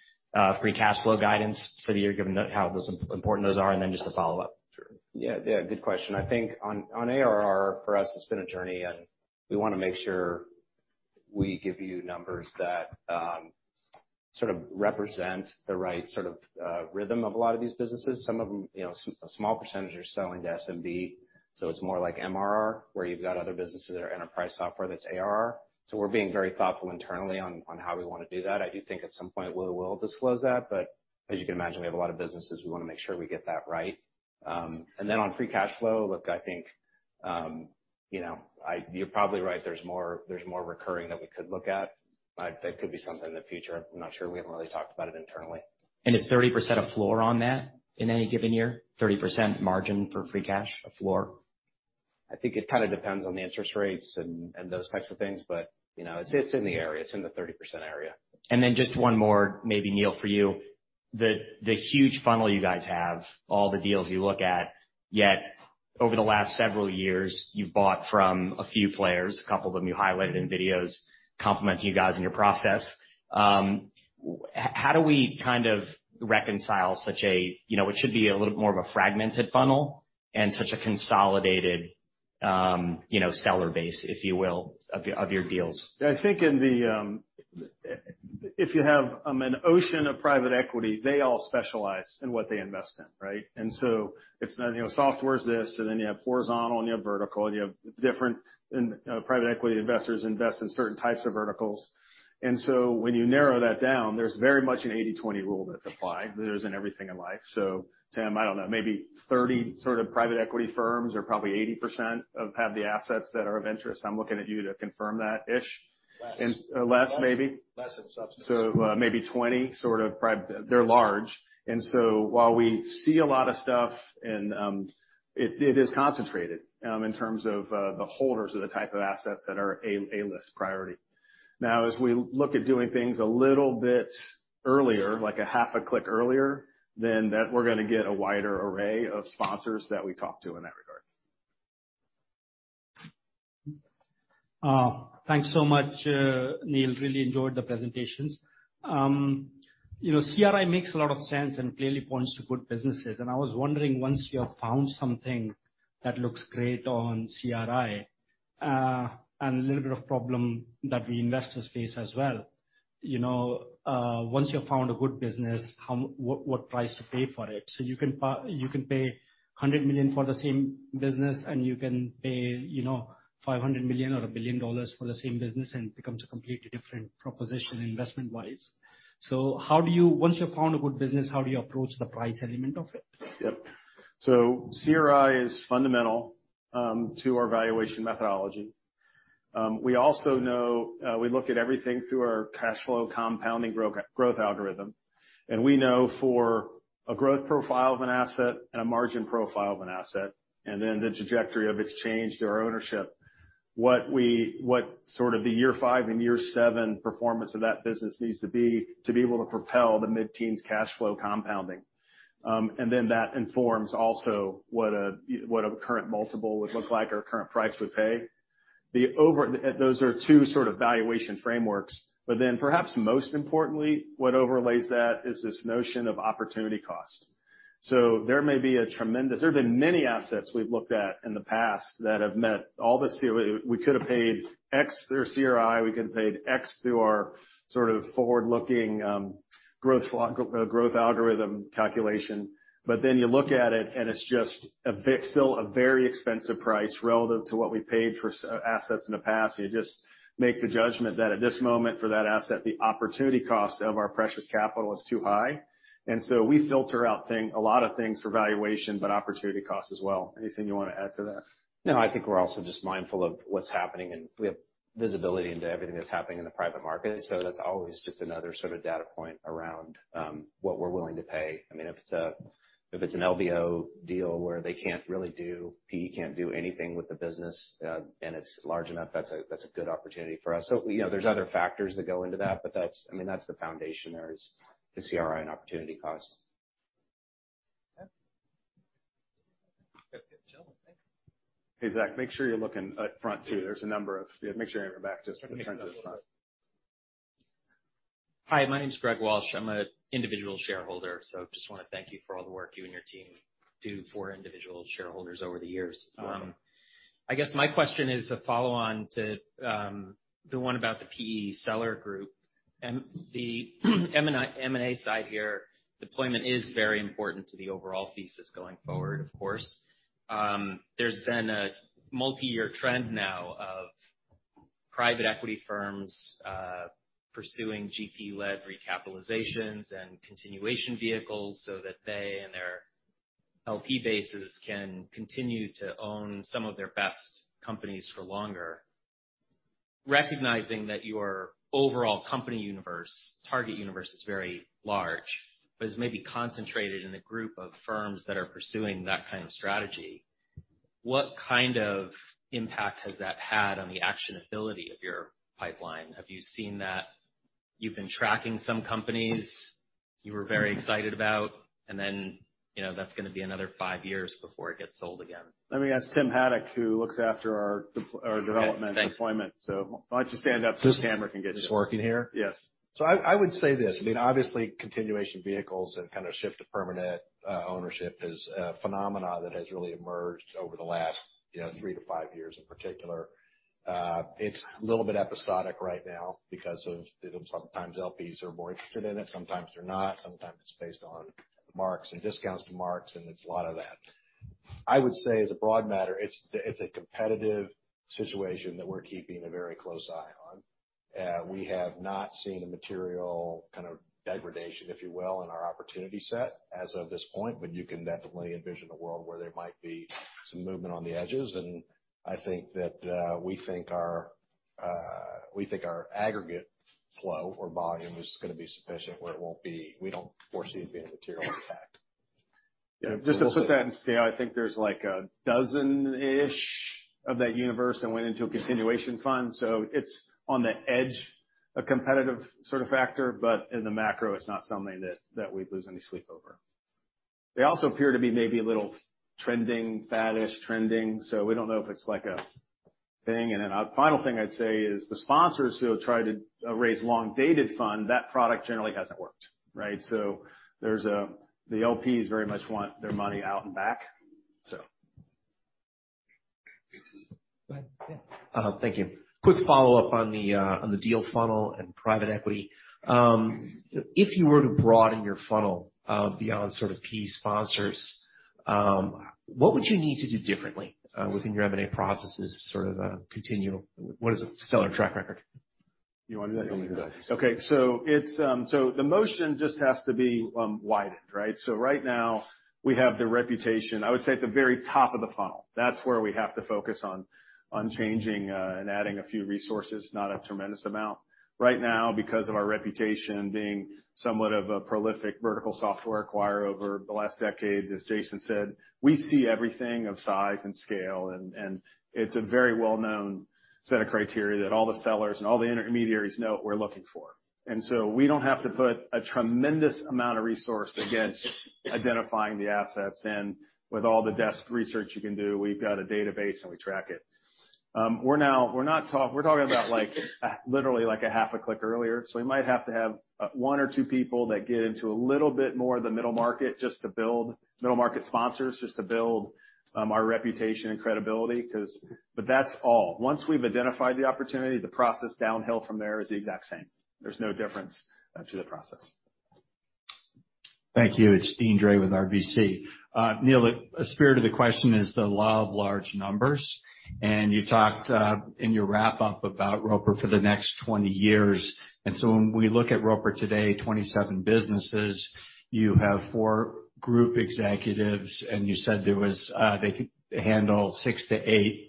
S21: free cash flow guidance for the year given how important those are? Just a follow-up.
S18: Sure. Yeah, yeah, good question. I think on ARR for us, it's been a journey, we wanna make sure we give you numbers that sort of represent the right sort of rhythm of a lot of these businesses. Some of them, you know, a small % are selling to SMB, it's more like MRR, where you've got other businesses that are enterprise software that's ARR. We're being very thoughtful internally on how we wanna do that. I do think at some point we will disclose that, as you can imagine, we have a lot of businesses, we wanna make sure we get that right. Then on free cash flow, look, I think, you know, you're probably right. There's more recurring that we could look at. That could be something in the future. I'm not sure. We haven't really talked about it internally.
S21: Is 30% a floor on that in any given year? 30% margin for free cash, a floor?
S18: I think it kinda depends on the interest rates and those types of things. you know, it's in the area, it's in the 30% area.
S21: Just one more maybe, Neil, for you? The huge funnel you guys have, all the deals you look at, yet over the last several years, you've bought from a few players, a couple of them you highlighted in videos, complimenting you guys on your process. How do we kind of reconcile such a, you know, what should be a little more of a fragmented funnel and such a consolidated, you know, seller base, if you will, of your deals?
S1: I think in the, if you have an ocean of private equity, they all specialize in what they invest in, right? It's not, you know, software is this, so then you have horizontal and you have vertical, and you have different, private equity investors invest in certain types of verticals. When you narrow that down, there's very much an 80/20 rule that's applied. There isn't everything in life. Tim, I don't know, maybe 30 sort of private equity firms are probably 80% of the assets that are of interest. I'm looking at you to confirm that-ish. Less maybe 20, sort of They're large. while we see a lot of stuff and, it is concentrated, in terms of, the holders of the type of assets that are A-list priority. as we look at doing things a little bit earlier, like a half a click earlier, then that we're gonna get a wider array of sponsors that we talk to in that regard.
S22: Thanks so much, Neil. Really enjoyed the presentations. You know, CRI makes a lot of sense and clearly points to good businesses. I was wondering, once you have found something that looks great on CRI, and a little bit of problem that we investors face as well, you know, once you've found a good business, what price to pay for it. You can pay $100 million for the same business and you can pay, you know, $500 million or $1 billion for the same business and becomes a completely different proposition investment-wise. Once you've found a good business, how do you approach the price element of it?
S1: Yep. CRI is fundamental to our valuation methodology. We also know, we look at everything through our cash flow compounding growth algorithm. We know for a growth profile of an asset and a margin profile of an asset, and then the trajectory of its change to our ownership, what sort of the year five and year seven performance of that business needs to be to be able to propel the mid-teens cash flow compounding. That informs also what a, what a current multiple would look like or current price would pay. Those are two sort of valuation frameworks. Perhaps most importantly, what overlays that is this notion of opportunity cost. There have been many assets we've looked at in the past that have met all the CRI. We could have paid X through CRI, we could have paid X through our sort of forward-looking growth algorithm calculation. You look at it and it's just still a very expensive price relative to what we paid for assets in the past. You just make the judgment that at this moment for that asset, the opportunity cost of our precious capital is too high. We filter out a lot of things for valuation, but opportunity cost as well. Anything you wanna add to that?
S18: I think we're also just mindful of what's happening, and we have visibility into everything that's happening in the private market. That's always just another sort of data point around what we're willing to pay. I mean, if it's an LBO deal where they can't really PE can't do anything with the business, and it's large enough, that's a good opportunity for us. You know, there's other factors that go into that, but that's, I mean, that's the foundation there is the CRI and opportunity cost.
S1: Okay. Gentlemen, thanks. Hey, Zach, make sure you're looking up front, too. Yeah, make sure you're in the back, just the front to the front.
S22: Okay.
S23: Hi, my name is Greg Walsh. I'm an individual shareholder, so just wanna thank you for all the work you and your team do for individual shareholders over the years. I guess my question is a follow on to the one about the PE seller group. The M&A side here, deployment is very important to the overall thesis going forward, of course. There's been a multi-year trend now of private equity firms pursuing GP-led recapitalizations and continuation vehicles so that they and their LP bases can continue to own some of their best companies for longer. Recognizing that your overall company universe, target universe is very large, but is maybe concentrated in a group of firms that are pursuing that kind of strategy, what kind of impact has that had on the actionability of your pipeline? Have you seen that you've been tracking some companies you were very excited about, and then, you know, that's gonna be another five years before it gets sold again?
S1: Let me ask Tim Haddock, who looks after our development deployment.
S23: Okay, thanks.
S1: Why don't you stand up so this camera can get you.
S22: Just working here?
S1: Yes.
S22: I would say this, I mean, obviously continuation vehicles have kind of shift to permanent ownership is a phenomena that has really emerged over the last, you know, three to five years in particular. It's a little bit episodic right now because of sometimes LPs are more interested in it, sometimes they're not, sometimes it's based on marks and discounts to marks, and it's a lot of that. I would say as a broad matter, it's a competitive situation that we're keeping a very close eye on. We have not seen a material kind of degradation, if you will, in our opportunity set as of this point, but you can definitely envision a world where there might be some movement on the edges. I think that, we think our, we think our aggregate flow or volume is gonna be sufficient where we don't foresee it being a material impact.
S1: Just to put that in scale, I think there's like a 12-ish of that universe that went into a continuation fund. It's on the edge, a competitive sort of factor, but in the macro, it's not something that we'd lose any sleep over. They also appear to be maybe a little trending, faddish trending. We don't know if it's like a thing. A final thing I'd say is the sponsors who have tried to raise long-dated fund, that product generally hasn't worked, right? There's the LPs very much want their money out and back, so.
S22: Go ahead. Yeah.
S13: Thank you. Quick follow-up on the deal funnel and private equity. If you were to broaden your funnel beyond sort of PE sponsors, what would you need to do differently within your M&A processes to sort of continue? What is a stellar track record?
S1: You want to do that?
S24: You can do that.
S1: Okay. The motion just has to be widened, right? Right now we have the reputation, I would say, at the very top of the funnel. That's where we have to focus on changing and adding a few resources, not a tremendous amount. Right now, because of our reputation being somewhat of a prolific vertical software acquirer over the last decade, as Jason said, we see everything of size and scale, and it's a very well-known set of criteria that all the sellers and all the intermediaries know what we're looking for. We don't have to put a tremendous amount of resource against identifying the assets. With all the desk research you can do, we've got a database, and we track it. We're talking about, like, literally like a half a click earlier. We might have to have one or two people that get into a little bit more of the middle market just to build middle market sponsors, just to build our reputation and credibility. That's all. Once we've identified the opportunity, the process downhill from there is the exact same. There's no difference to the process.
S9: Thank you. It's Deane Dray with RBC. Neil, the spirit of the question is the law of large numbers. You talked in your wrap up about Roper for the next 20 years. When we look at Roper today, 27 businesses, you have four group executives, and you said there was they could handle six to eight businesses.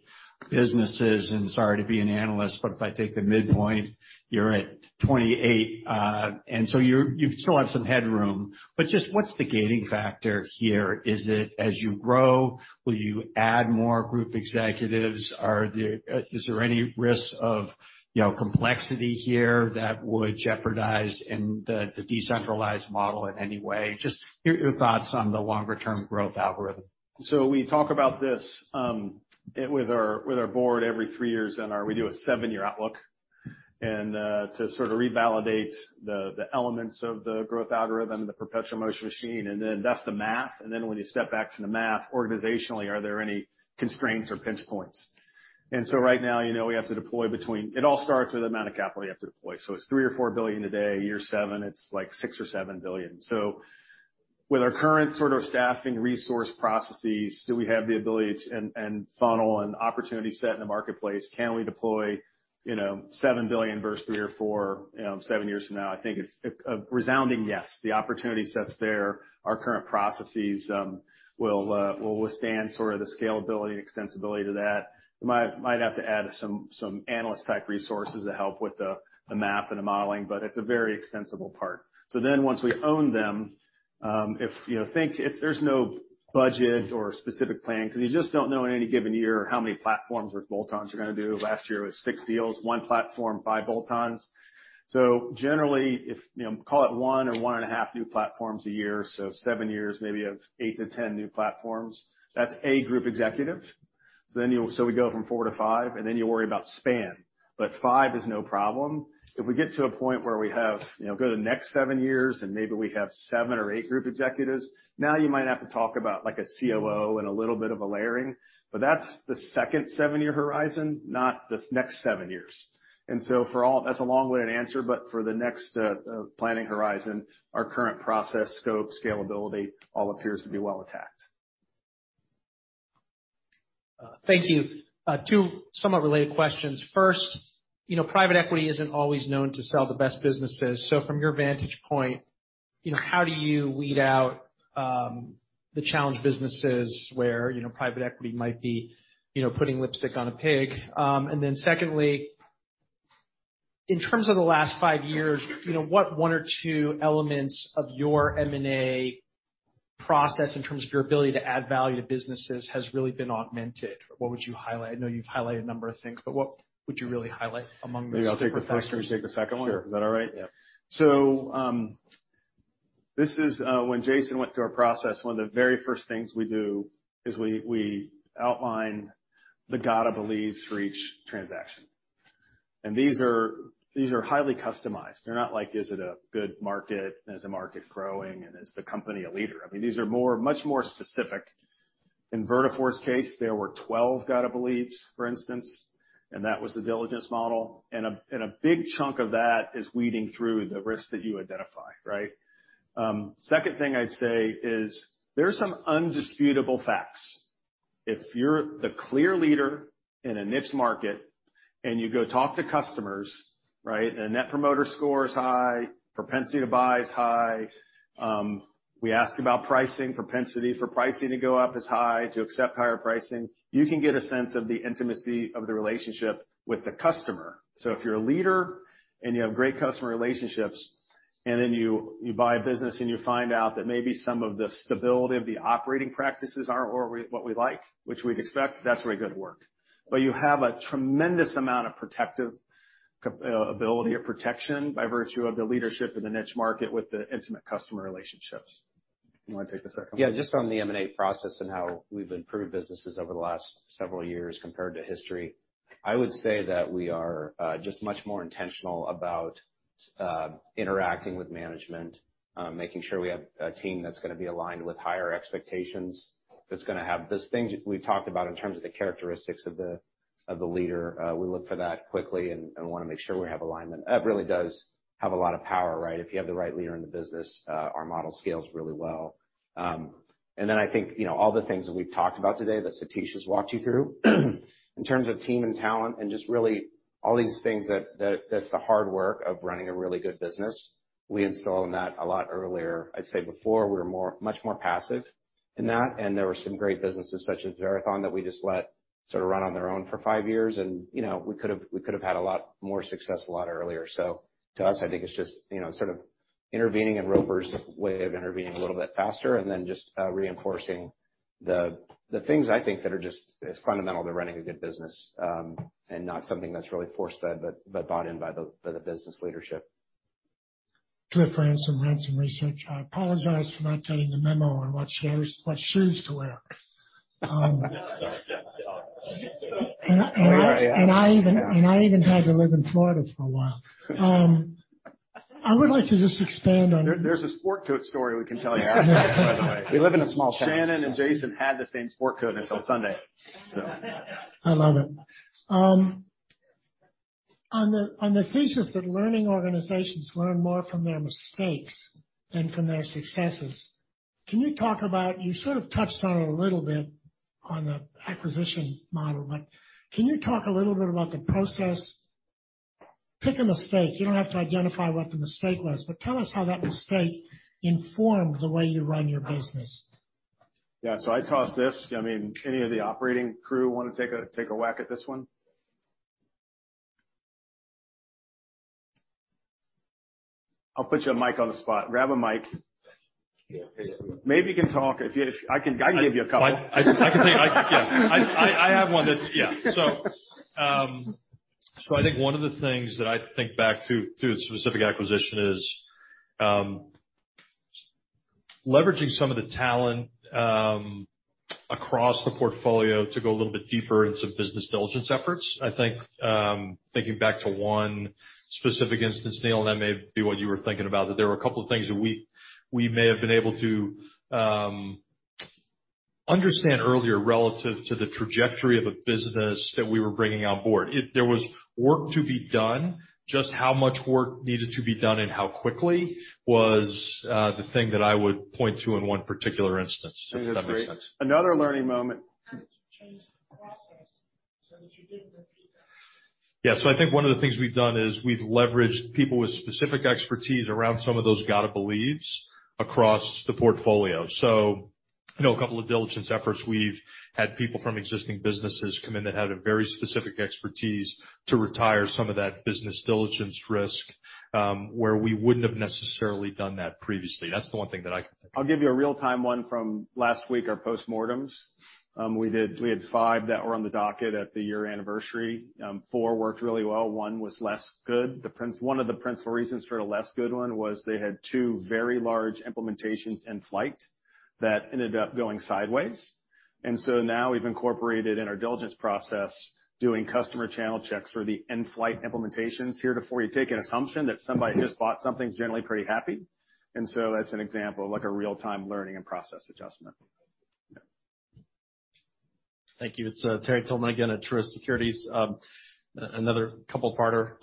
S9: Sorry to be an analyst, but if I take the midpoint, you're at 28. You still have some headroom. Just what's the gating factor here? Is it as you grow, will you add more group executives? Is there any risk of, you know, complexity here that would jeopardize in the decentralized model in any way? Just your thoughts on the longer term growth algorithm.
S1: We talk about this with our board every three years. We do a seven-year outlook to sort of revalidate the elements of the growth algorithm, the perpetual motion machine. Then that's the math. When you step back from the math, organizationally, are there any constraints or pinch points? Right now, you know, we have to deploy. It all starts with the amount of capital you have to deploy. It's $3 billion or $4 billion today. Year seven, it's like $6 billion or $7 billion. With our current sort of staffing resource processes, do we have the ability and funnel and opportunity set in the marketplace? Can we deploy, you know, $7 billion versus $3 billion or $4 billion, you know, seven years from now? I think it's a resounding yes. The opportunity set's there. Our current processes will withstand sort of the scalability and extensibility to that. Might have to add some analyst type resources to help with the math and the modeling, but it's a very extensible part. Once we own them, if, you know, think if there's no budget or specific plan because you just don't know in any given year how many platforms or bolt-ons you're gonna do. Last year, it was six deals, one platform, five bolt-ons. Generally, if, you know, call it one or 1.5 new platforms a year, seven years maybe of 8-10 new platforms, that's a group executive. We go from four to five, you worry about span. Five is no problem. If we get to a point where we have, you know, go to the next seven years, and maybe we have seven or eight group executives, now you might have to talk about like a COO and a little bit of a layering. That's the second seven-year horizon, not the next seven years. That's a long-winded answer, but for the next planning horizon, our current process, scope, scalability, all appears to be well attacked.
S24: Thank you. Two somewhat related questions. First, you know, private equity isn't always known to sell the best businesses. From your vantage point, you know, how do you weed out the challenged businesses where, you know, private equity might be, you know, putting lipstick on a pig? Secondly, in terms of the last five years, you know, what one or two elements of your M&A process in terms of your ability to add value to businesses has really been augmented? What would you highlight? I know you've highlighted a number of things, but what would you really highlight among those factors?
S1: Maybe I'll take the first, and you take the second one.
S18: Sure.
S1: Is that all right?
S18: Yeah.
S1: This is when Jason went through our process, one of the very first things we do is we outline the gotta believes for each transaction. These are highly customized. They're not like, is it a good market? Is the market growing? Is the company a leader? I mean, these are much more specific. In Vertafore's case, there were 12 gotta believes, for instance, and that was the diligence model. A big chunk of that is weeding through the risks that you identify, right? Second thing I'd say is there are some undisputable facts. If you're the clear leader in a niche market and you go talk to customers, right, and the Net Promoter Score is high, propensity to buy is high, we ask about pricing, propensity for pricing to go up is high, to accept higher pricing. You can get a sense of the intimacy of the relationship with the customer. If you're a leader and you have great customer relationships, and then you buy a business and you find out that maybe some of the stability of the operating practices aren't or what we like, which we'd expect, that's where we go to work. You have a tremendous amount of protective ability or protection by virtue of the leadership in the niche market with the intimate customer relationships. You wanna take the second one?
S18: Just on the M&A process and how we've improved businesses over the last several years compared to history, I would say that we are just much more intentional about interacting with management, making sure we have a team that's gonna be aligned with higher expectations, that's gonna have those things we've talked about in terms of the. Of the leader. We look for that quickly and wanna make sure we have alignment. That really does have a lot of power, right? If you have the right leader in the business, our model scales really well. I think, you know, all the things that we've talked about today that Satish has walked you through, in terms of team and talent and just really all these things that that's the hard work of running a really good business, we install in that a lot earlier. I'd say before, we were much more passive in that, and there were some great businesses such as Verathon, that we just let sort of run on their own for five years. You know, we could have had a lot more success a lot earlier. To us, I think it's just, you know, sort of intervening in Roper's way of intervening a little bit faster and then just reinforcing the things I think that are just as fundamental to running a good business, and not something that's really force fed, but bought in by the business leadership.
S11: Cliff Ransom, Ransom Research. I apologize for not getting the memo on what shoes to wear. I even had to live in Florida for a while. I would like to just expand on.
S1: There, there's a sport coat story we can tell you after this, by the way.
S18: We live in a small town.
S1: Shannon and Jason had the same sport coat until Sunday, so.
S11: I love it. On the thesis that learning organizations learn more from their mistakes than from their successes, can you talk about... You sort of touched on it a little bit on the acquisition model. Can you talk a little bit about the process? Pick a mistake. You don't have to identify what the mistake was, but tell us how that mistake informed the way you run your business.
S1: Yeah. I toss this. I mean, any of the operating crew wanna take a whack at this one? I'll put you on mic on the spot. Grab a mic. Maybe you can talk if you... I can give you a couple.
S3: I can take. Yes. I have one that's. I think one of the things that I think back to a specific acquisition is leveraging some of the talent across the portfolio to go a little bit deeper into business diligence efforts. I think, thinking back to one specific instance, Neil, that may be what you were thinking about, that there were a couple of things that we may have been able to understand earlier relative to the trajectory of a business that we were bringing on board. There was work to be done. Just how much work needed to be done and how quickly was the thing that I would point to in one particular instance, if that makes sense.
S1: Another learning moment.
S19: How did you change the process so that you didn't repeat that?
S3: I think one of the things we've done is we've leveraged people with specific expertise around some of those gotta-believes across the portfolio. You know, a couple of diligence efforts, we've had people from existing businesses come in that had a very specific expertise to retire some of that business diligence risk, where we wouldn't have necessarily done that previously. That's the one thing that I can think of.
S1: I'll give you a real-time one from last week, our postmortems. We had five that were on the docket at the year anniversary. Fourtwo worked really well. One was less good. One of the principal reasons for a less good one was they had two very large implementations in flight that ended up going sideways. Now we've incorporated in our diligence process doing customer channel checks for the in-flight implementations heretofore. You take an assumption that somebody who just bought something is generally pretty happy. That's an example of like a real-time learning and process adjustment.
S18: Yeah.
S14: Thank you. It's Terry Tillman again at Truist Securities. Another couple parter.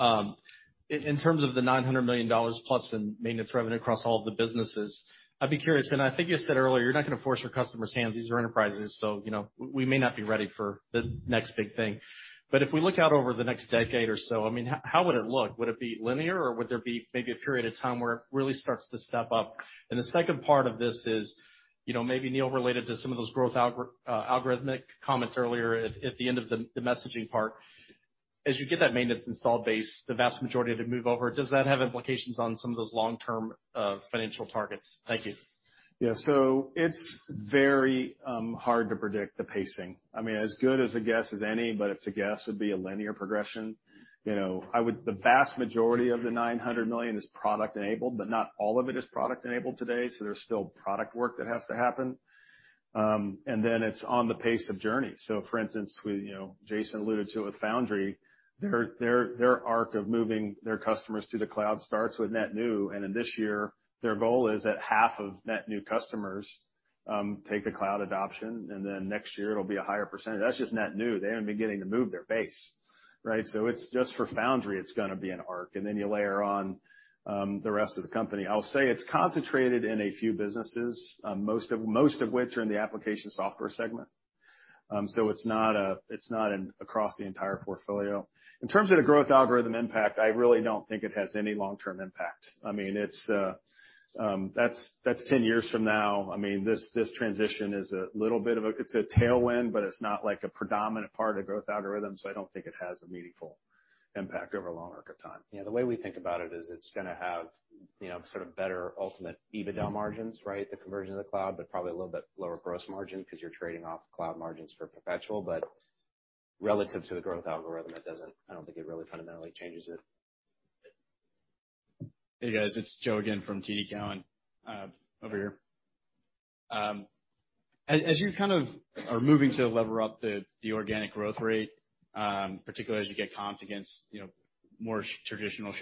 S14: In terms of the $900 million plus in maintenance revenue across all the businesses, I'd be curious, and I think you said earlier, you're not gonna force your customers' hands, these are enterprises, so, you know, we may not be ready for the next big thing. If we look out over the next decade or so, I mean, how would it look? Would it be linear, or would there be maybe a period of time where it really starts to step up? The second part of this is, you know, maybe Neil related to some of those growth algorithmic comments earlier at the end of the messaging part. As you get that maintenance installed base, the vast majority of it move over, does that have implications on some of those long-term financial targets? Thank you.
S1: It's very hard to predict the pacing. I mean, as good as a guess as any, but it's a guess, would be a linear progression. You know, the vast majority of the $900 million is product enabled, but not all of it is product enabled today, so there's still product work that has to happen. It's on the pace of journey. For instance, you know, Jason alluded to it with Foundry. Their arc of moving their customers to the cloud starts with net new. In this year, their goal is that half of net new customers take the cloud adoption, next year it'll be a higher percentage. That's just net new. They haven't been getting to move their base, right? It's just for Foundry, it's gonna be an arc. You layer on the rest of the company. I'll say it's concentrated in a few businesses, most of which are in the application software segment. It's not across the entire portfolio. In terms of the growth algorithm impact, I really don't think it has any long-term impact. I mean, it's 10 years from now. I mean, this transition is a little bit of a... It's a tailwind, but it's not like a predominant part of growth algorithm, so I don't think it has a meaningful impact over a long arc of time.
S18: Yeah. The way we think about it is it's gonna have, you know, sort of better ultimate EBITDA margins, right? The conversion to the cloud, but probably a little bit lower gross margin 'cause you're trading off cloud margins for perpetual. Relative to the growth algorithm, it doesn't. I don't think it really fundamentally changes it.
S10: Hey, guys. It's Joe again from TD Cowen. Over here. As you kind of are moving to lever up the organic growth rate, particularly as you get comped against, you know.
S25: More traditional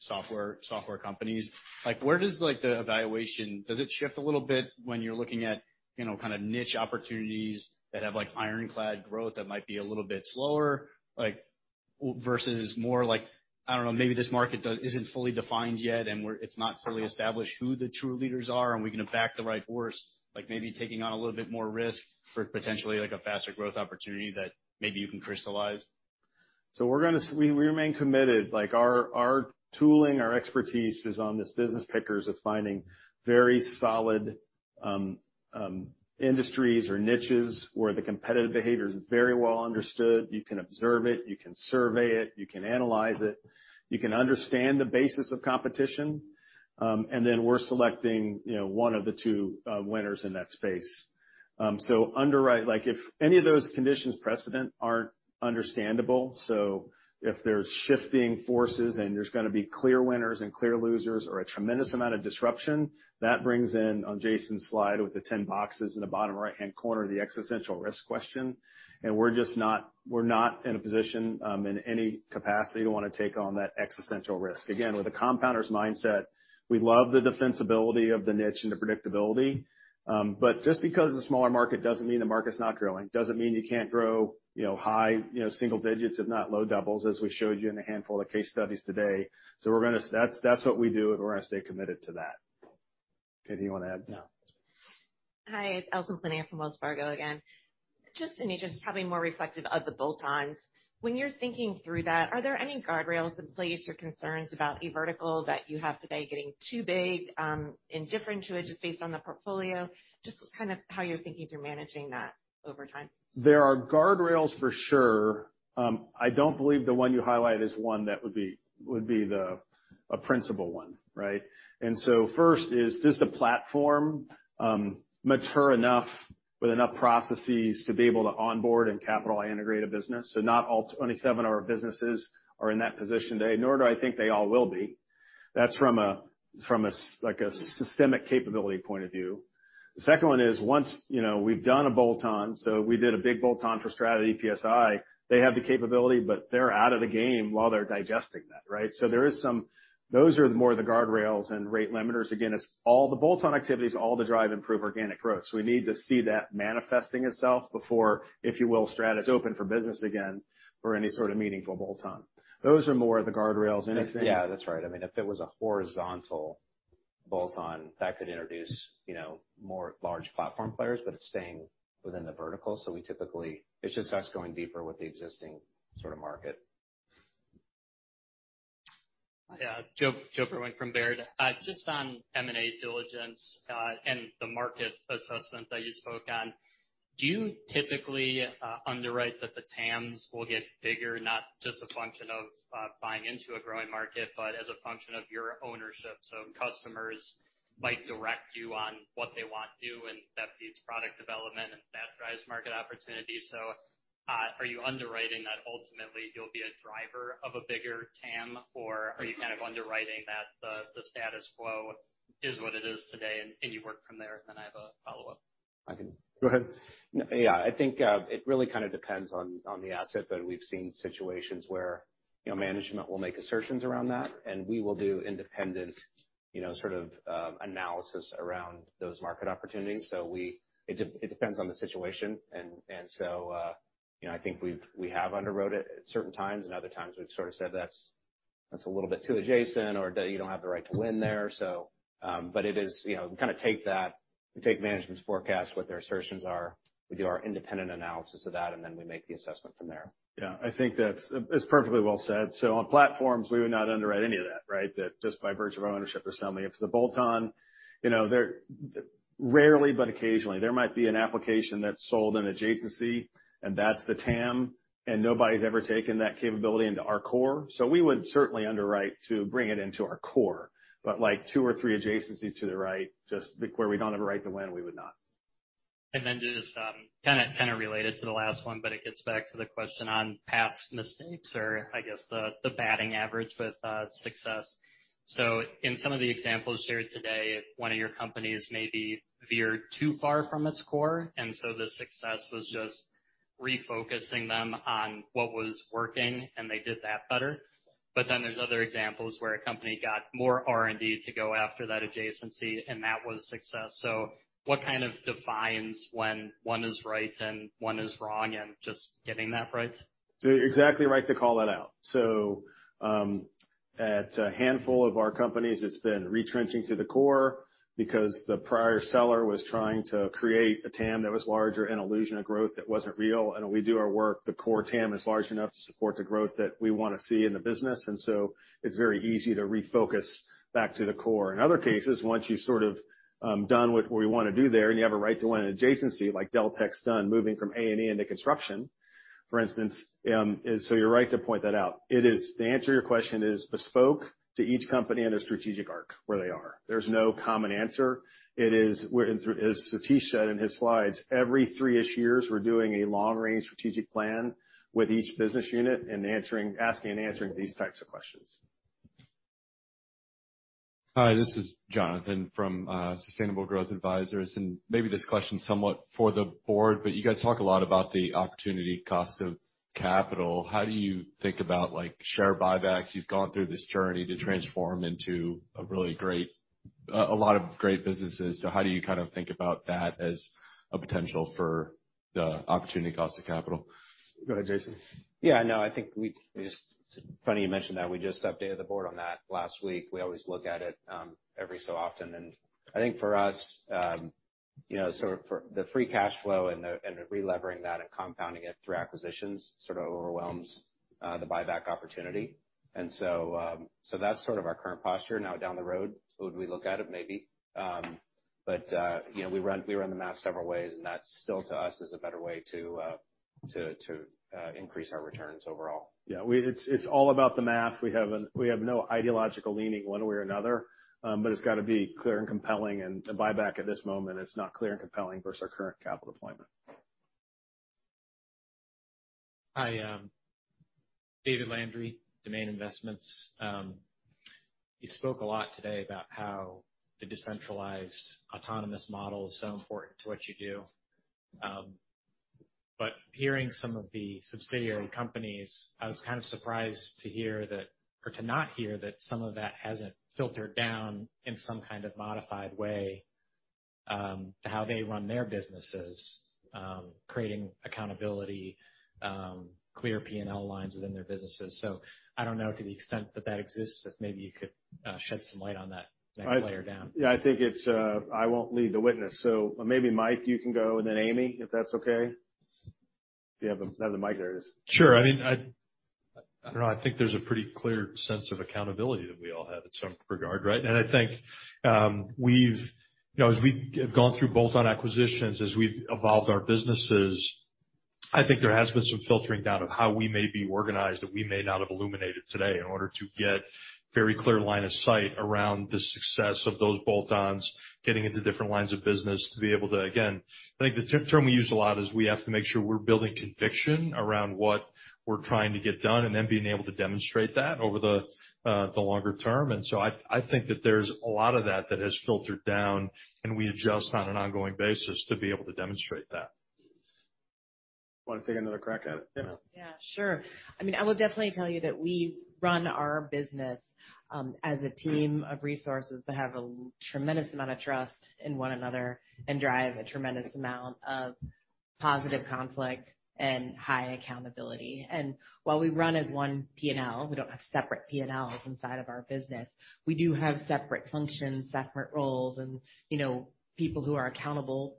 S25: software companies. Like, where does, like, the evaluation, does it shift a little bit when you're looking at, you know, kind of niche opportunities that have, like, ironclad growth that might be a little bit slower? Like, versus more like, I don't know, maybe this market isn't fully defined yet, and it's not fully established who the true leaders are, and we can back the right horse, like maybe taking on a little bit more risk for potentially like a faster growth opportunity that maybe you can crystallize?
S1: We remain committed. Like, our tooling, our expertise is on this business pickers of finding very solid, industries or niches where the competitive behavior is very well understood. You can observe it, you can survey it, you can analyze it, you can understand the basis of competition, and then we're selecting, you know, one of the two winners in that space. Underwrite, like, if any of those conditions precedent aren't understandable, if there's shifting forces and there's gonna be clear winners and clear losers or a tremendous amount of disruption, that brings in, on Jason's slide with the 10 boxes in the bottom right-hand corner, the existential risk question. We're just not in a position, in any capacity to wanna take on that existential risk. Again, with a compounder's mindset, we love the defensibility of the niche and the predictability, just because it's a smaller market doesn't mean the market's not growing. Doesn't mean you can't grow, you know, high, you know, single digits, if not low doubles, as we showed you in a handful of case studies today. That's what we do, and we're gonna stay committed to that. Anything you wanna add?
S18: No. Hi, it's Allison Poliniak-Cusic from Wells Fargo again. You probably more reflective of the bolt-ons. When you're thinking through that, are there any guardrails in place or concerns about a vertical that you have today getting too big, indifferent to it based on the portfolio? Kind of how you're thinking through managing that over time?
S1: There are guardrails for sure. I don't believe the one you highlight is one that would be a principle one, right? First is the platform mature enough with enough processes to be able to onboard and capital integrate a business? Not all 27 of our businesses are in that position today, nor do I think they all will be. That's from a systemic capability point of view. The second one is, once, you know, we've done a bolt-on, so we did a big bolt-on for Strata EPSi. They have the capability, but they're out of the game while they're digesting that, right? There is some. Those are more the guardrails and rate limiters. Again, it's all the bolt-on activities, all to drive improved organic growth. We need to see that manifesting itself before, if you will, Strata's open for business again for any sort of meaningful bolt-on. Those are more the guardrails.
S18: Yeah, that's right. I mean, if it was a horizontal bolt-on, that could introduce, you know, more large platform players, but it's staying within the vertical, so we typically, it's just us going deeper with the existing sort of market.
S25: Yeah. Joe Vruwink from Baird. Just on M&A diligence and the market assessment that you spoke on. Do you typically underwrite that the TAMs will get bigger, not just a function of buying into a growing market, but as a function of your ownership? Customers might direct you on what they want new, and that feeds product development, and that drives market opportunity. Are you underwriting that ultimately you'll be a driver of a bigger TAM, or are you kind of underwriting that the status quo is what it is today and you work from there? I have a follow-up.
S18: I can.
S1: Go ahead.
S18: Yeah. I think, it really kind of depends on the asset, but we've seen situations where, you know, management will make assertions around that, and we will do independent, you know, sort of, analysis around those market opportunities. It depends on the situation. You know, I think we have underwrote it at certain times, and other times we've sort of said that's a little bit too adjacent or that you don't have the right to win there. But it is... You know, we kind of take that, we take management's forecast, what their assertions are, we do our independent analysis of that, and then we make the assessment from there.
S1: Yeah. I think that's, it's perfectly well said. On platforms, we would not underwrite any of that, right? That just by virtue of our ownership or something. If it's a bolt-on, you know, Rarely, but occasionally, there might be an application that's sold in adjacency, and that's the TAM, and nobody's ever taken that capability into our core. We would certainly underwrite to bring it into our core. Like, two or three adjacencies to the right, just where we don't have a right to win, we would not.
S25: Just kind of related to the last one, but it gets back to the question on past mistakes or I guess the batting average with success. In some of the examples shared today, if one of your companies maybe veered too far from its core, and so the success was just refocusing them on what was working, and they did that better. There's other examples where a company got more R&D to go after that adjacency, and that was a success. What kind of defines when one is right and one is wrong and just getting that right?
S1: You're exactly right to call that out. At a handful of our companies, it's been retrenching to the core because the prior seller was trying to create a TAM that was larger, an illusion of growth that wasn't real. When we do our work, the core TAM is large enough to support the growth that we wanna see in the business. It's very easy to refocus back to the core. In other cases, once you've sort of done what we wanna do there, and you have a right to an adjacency, like Deltek's done, moving from A&E into construction, for instance. You're right to point that out. To answer your question is bespoke to each company and a strategic arc where they are. There's no common answer. As Satish said in his slides, every three-ish years, we're doing a long-range strategic plan with each business unit and asking and answering these types of questions.
S26: Hi, this is Jonathan from Sustainable Growth Advisers. Maybe this question is somewhat for the board. You guys talk a lot about the opportunity cost of capital. How do you think about, like, share buybacks? You've gone through this journey to transform into a really great, a lot of great businesses. How do you kind of think about that as a potential for the opportunity cost of capital?
S1: Go ahead, Jason.
S18: Yeah, no, I think it's funny you mentioned that. We just updated the board on that last week. We always look at it, every so often. I think for us, you know, sort of for the free cash flow and relevering that and compounding it through acquisitions sort of overwhelms the buyback opportunity. So that's sort of our current posture now down the road. Would we look at it? Maybe. But, you know, we run the math several ways, and that's still, to us, is a better way to increase our returns overall.
S1: Yeah, it's all about the math. We have no ideological leaning one way or another, it's got to be clear and compelling. A buyback at this moment is not clear and compelling versus our current capital deployment.
S27: Hi, David Landry, Demesne Investments. You spoke a lot today about how the decentralized autonomous model is so important to what you do. Hearing some of the subsidiary companies, I was kind of surprised to hear that or to not hear that some of that hasn't filtered down in some kind of modified way, to how they run their businesses, creating accountability, clear P&L lines within their businesses. I don't know, to the extent that that exists, if maybe you could shed some light on that next layer down.
S1: Yeah, I think it's, I won't lead the witness. Maybe, Mike, you can go and then Amy, if that's okay. Do you have the mic there it is?
S3: Sure. I mean, I don't know. I think there's a pretty clear sense of accountability that we all have in some regard, right? I think, You know, as we've gone through bolt-on acquisitions, as we've evolved our businesses, I think there has been some filtering down of how we may be organized that we may not have illuminated today in order to get very clear line of sight around the success of those bolt-ons, getting into different lines of business to be able to, again, I think the term we use a lot is we have to make sure we're building conviction around what we're trying to get done and then being able to demonstrate that over the longer term. I think that there's a lot of that that has filtered down, and we adjust on an ongoing basis to be able to demonstrate that.
S1: Want to take another crack at it, Amy?
S7: Yeah, sure. I mean, I will definitely tell you that we run our business as a team of resources that have a tremendous amount of trust in one another and drive a tremendous amount of positive conflict and high accountability. While we run as one P&L, we don't have separate P&Ls inside of our business. We do have separate functions, separate roles, and, you know, people who are accountable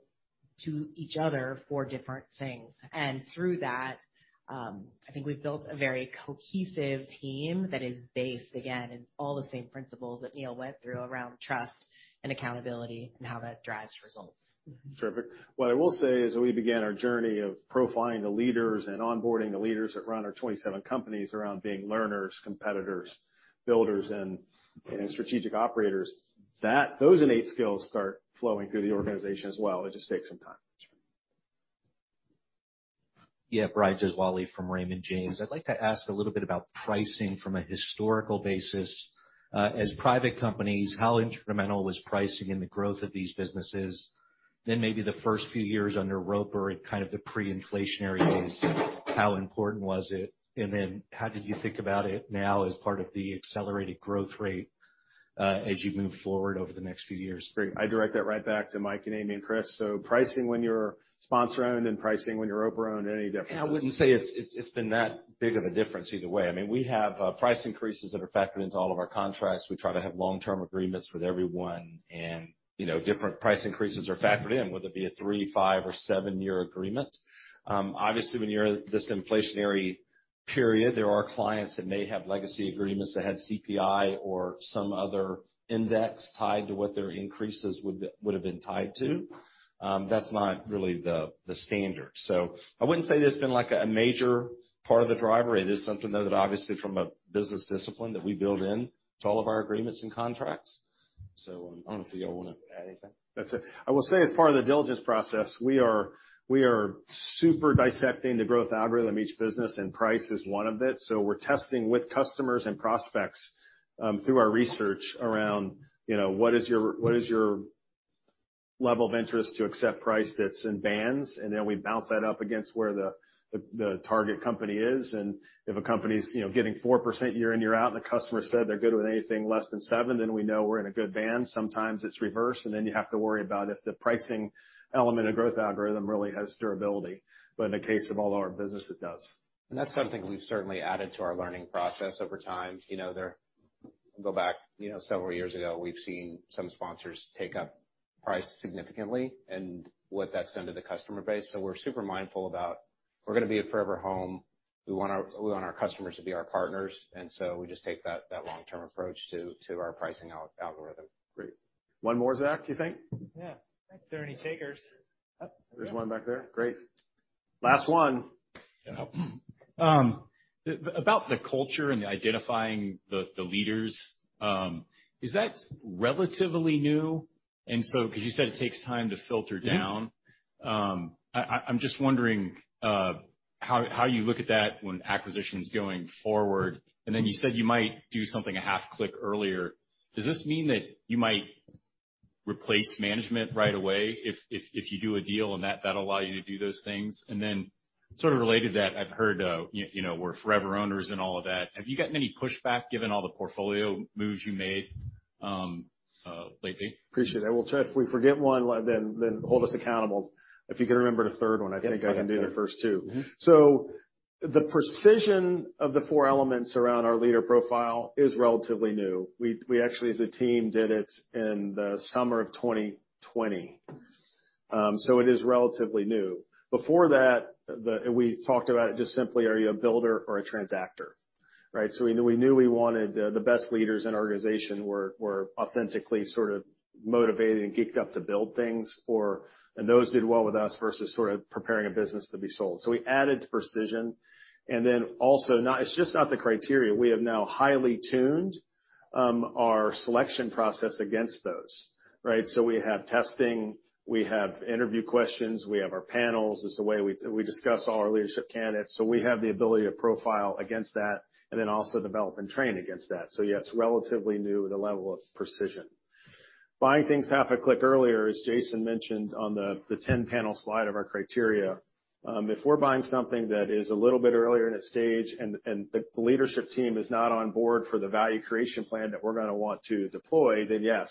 S7: to each other for different things. Through that, I think we've built a very cohesive team that is based, again, in all the same principles that Neil went through around trust and accountability and how that drives results.
S1: Terrific. What I will say is we began our journey of profiling the leaders and onboarding the leaders that run our 27 companies around being learners, competitors, builders, and strategic operators. Those innate skills start flowing through the organization as well. It just takes some time.
S28: Yeah. Brian Gesuale from Raymond James. I'd like to ask a little bit about pricing from a historical basis. As private companies, how instrumental was pricing in the growth of these businesses? Then maybe the first few years under Roper, in kind of the pre-inflationary days, how important was it? How did you think about it now as part of the accelerated growth rate, as you move forward over the next few years?
S1: Great. I direct that right back to Mike and Amy and Chris. Pricing when you're sponsor-owned and pricing when you're Roper-owned, any differences?
S3: Yeah, I wouldn't say it's been that big of a difference either way. I mean, we have price increases that are factored into all of our contracts. We try to have long-term agreements with everyone, and you know, different price increases are factored in, whether it be a 3, 5, or 7-year agreement. Obviously, when you're in this inflationary period, there are clients that may have legacy agreements that had CPI or some other index tied to what their increases would have been tied to. That's not really the standard. I wouldn't say there's been, like, a major part of the driver. It is something, though, that obviously from a business discipline that we build in to all of our agreements and contracts. I don't know if you all want to add anything.
S1: That's it. I will say as part of the diligence process, we are super dissecting the growth algorithm of each business and price is one of it. We're testing with customers and prospects, through our research around, you know, what is your level of interest to accept price that's in bands? We bounce that up against where the target company is. If a company's, you know, getting 4% year-in, year-out, and the customer said they're good with anything less than 7%, then we know we're in a good band. Sometimes it's reverse, you have to worry about if the pricing element of growth algorithm really has durability. In the case of all our business, it does.
S18: That's something we've certainly added to our learning process over time. You know, Go back, you know, several years ago, we've seen some sponsors take up price significantly and what that's done to the customer base. We're super mindful about we're gonna be a forever home. We want our customers to be our partners, and so we just take that long-term approach to our pricing algorithm.
S1: Great. One more, Zach, you think?
S26: Are there any takers? Oh.
S1: There's one back there. Great. Last one.
S28: Yep. About the culture and identifying the leaders, is that relatively new? Because you said it takes time to filter down. I'm just wondering. How you look at that when acquisition's going forward? You said you might do something a half click earlier. Does this mean that you might replace management right away if you do a deal and that'll allow you to do those things? Sort of related to that, I've heard, you know, we're forever owners and all of that. Have you gotten any pushback given all the portfolio moves you made lately?
S1: Appreciate it. If we forget one, then hold us accountable. If you can remember the third one, I think I can do the first two. The precision of the four elements around our leader profile is relatively new. We actually as a team did it in the summer of 2020. It is relatively new. Before that, we talked about it just simply, are you a builder or a transactor, right? We knew we wanted the best leaders in our organization were authentically sort of motivated and geeked up to build things for. Those did well with us versus sort of preparing a business to be sold. We added precision. Then also, it's just not the criteria. We have now highly tuned our selection process against those, right? We have testing, we have interview questions, we have our panels. It's the way we discuss all our leadership candidates. We have the ability to profile against that and then also develop and train against that. Yes, relatively new with a level of precision. Buying things half a click earlier, as Jason mentioned on the 10-panel slide of our criteria, if we're buying something that is a little bit earlier in its stage and the leadership team is not on board for the value creation plan that we're gonna want to deploy, then yes,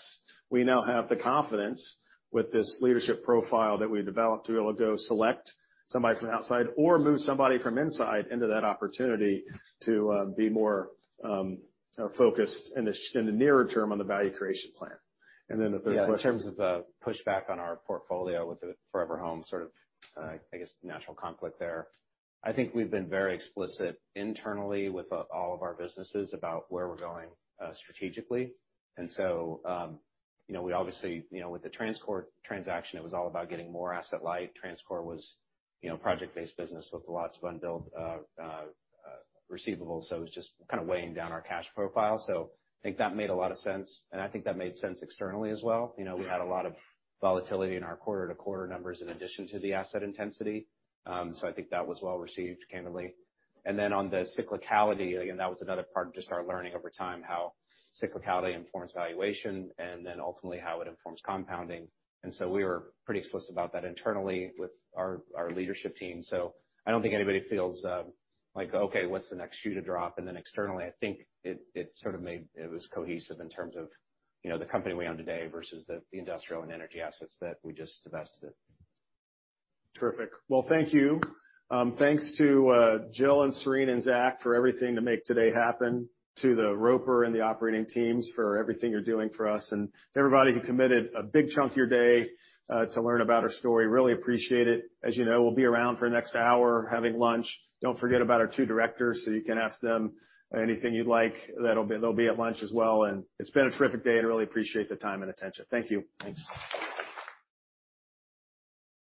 S1: we now have the confidence with this leadership profile that we developed to be able to go select somebody from the outside or move somebody from inside into that opportunity to be more focused in the nearer term on the value creation plan. The third question.
S18: In terms of pushback on our portfolio with the forever home, sort of, I guess, natural conflict there. I think we've been very explicit internally with all of our businesses about where we're going strategically. You know, we obviously, you know, with the TransCore transaction, it was all about getting more asset light. TransCore was, you know, project-based business with lots of unbilled receivables, so it was just kinda weighing down our cash profile. I think that made a lot of sense, and I think that made sense externally as well. You know, we had a lot of volatility in our quarter-to-quarter numbers in addition to the asset intensity. I think that was well received, candidly. On the cyclicality, again, that was another part, just our learning over time, how cyclicality informs valuation and then ultimately how it informs compounding. We were pretty explicit about that internally with our leadership team. I don't think anybody feels like, "Okay, what's the next shoe to drop?" Externally, I think it sort of made it cohesive in terms of, you know, the company we own today versus the industrial and energy assets that we just divested it.
S1: Terrific. Well, thank you. Thanks to Jill and Serena and Zach for everything to make today happen, to the Roper and the operating teams for everything you're doing for us, and everybody who committed a big chunk of your day, to learn about our story. Really appreciate it. As you know, we'll be around for the next hour having lunch. Don't forget about our two directors, so you can ask them anything you'd like. They'll be at lunch as well. It's been a terrific day, and really appreciate the time and attention. Thank you.
S18: Thanks.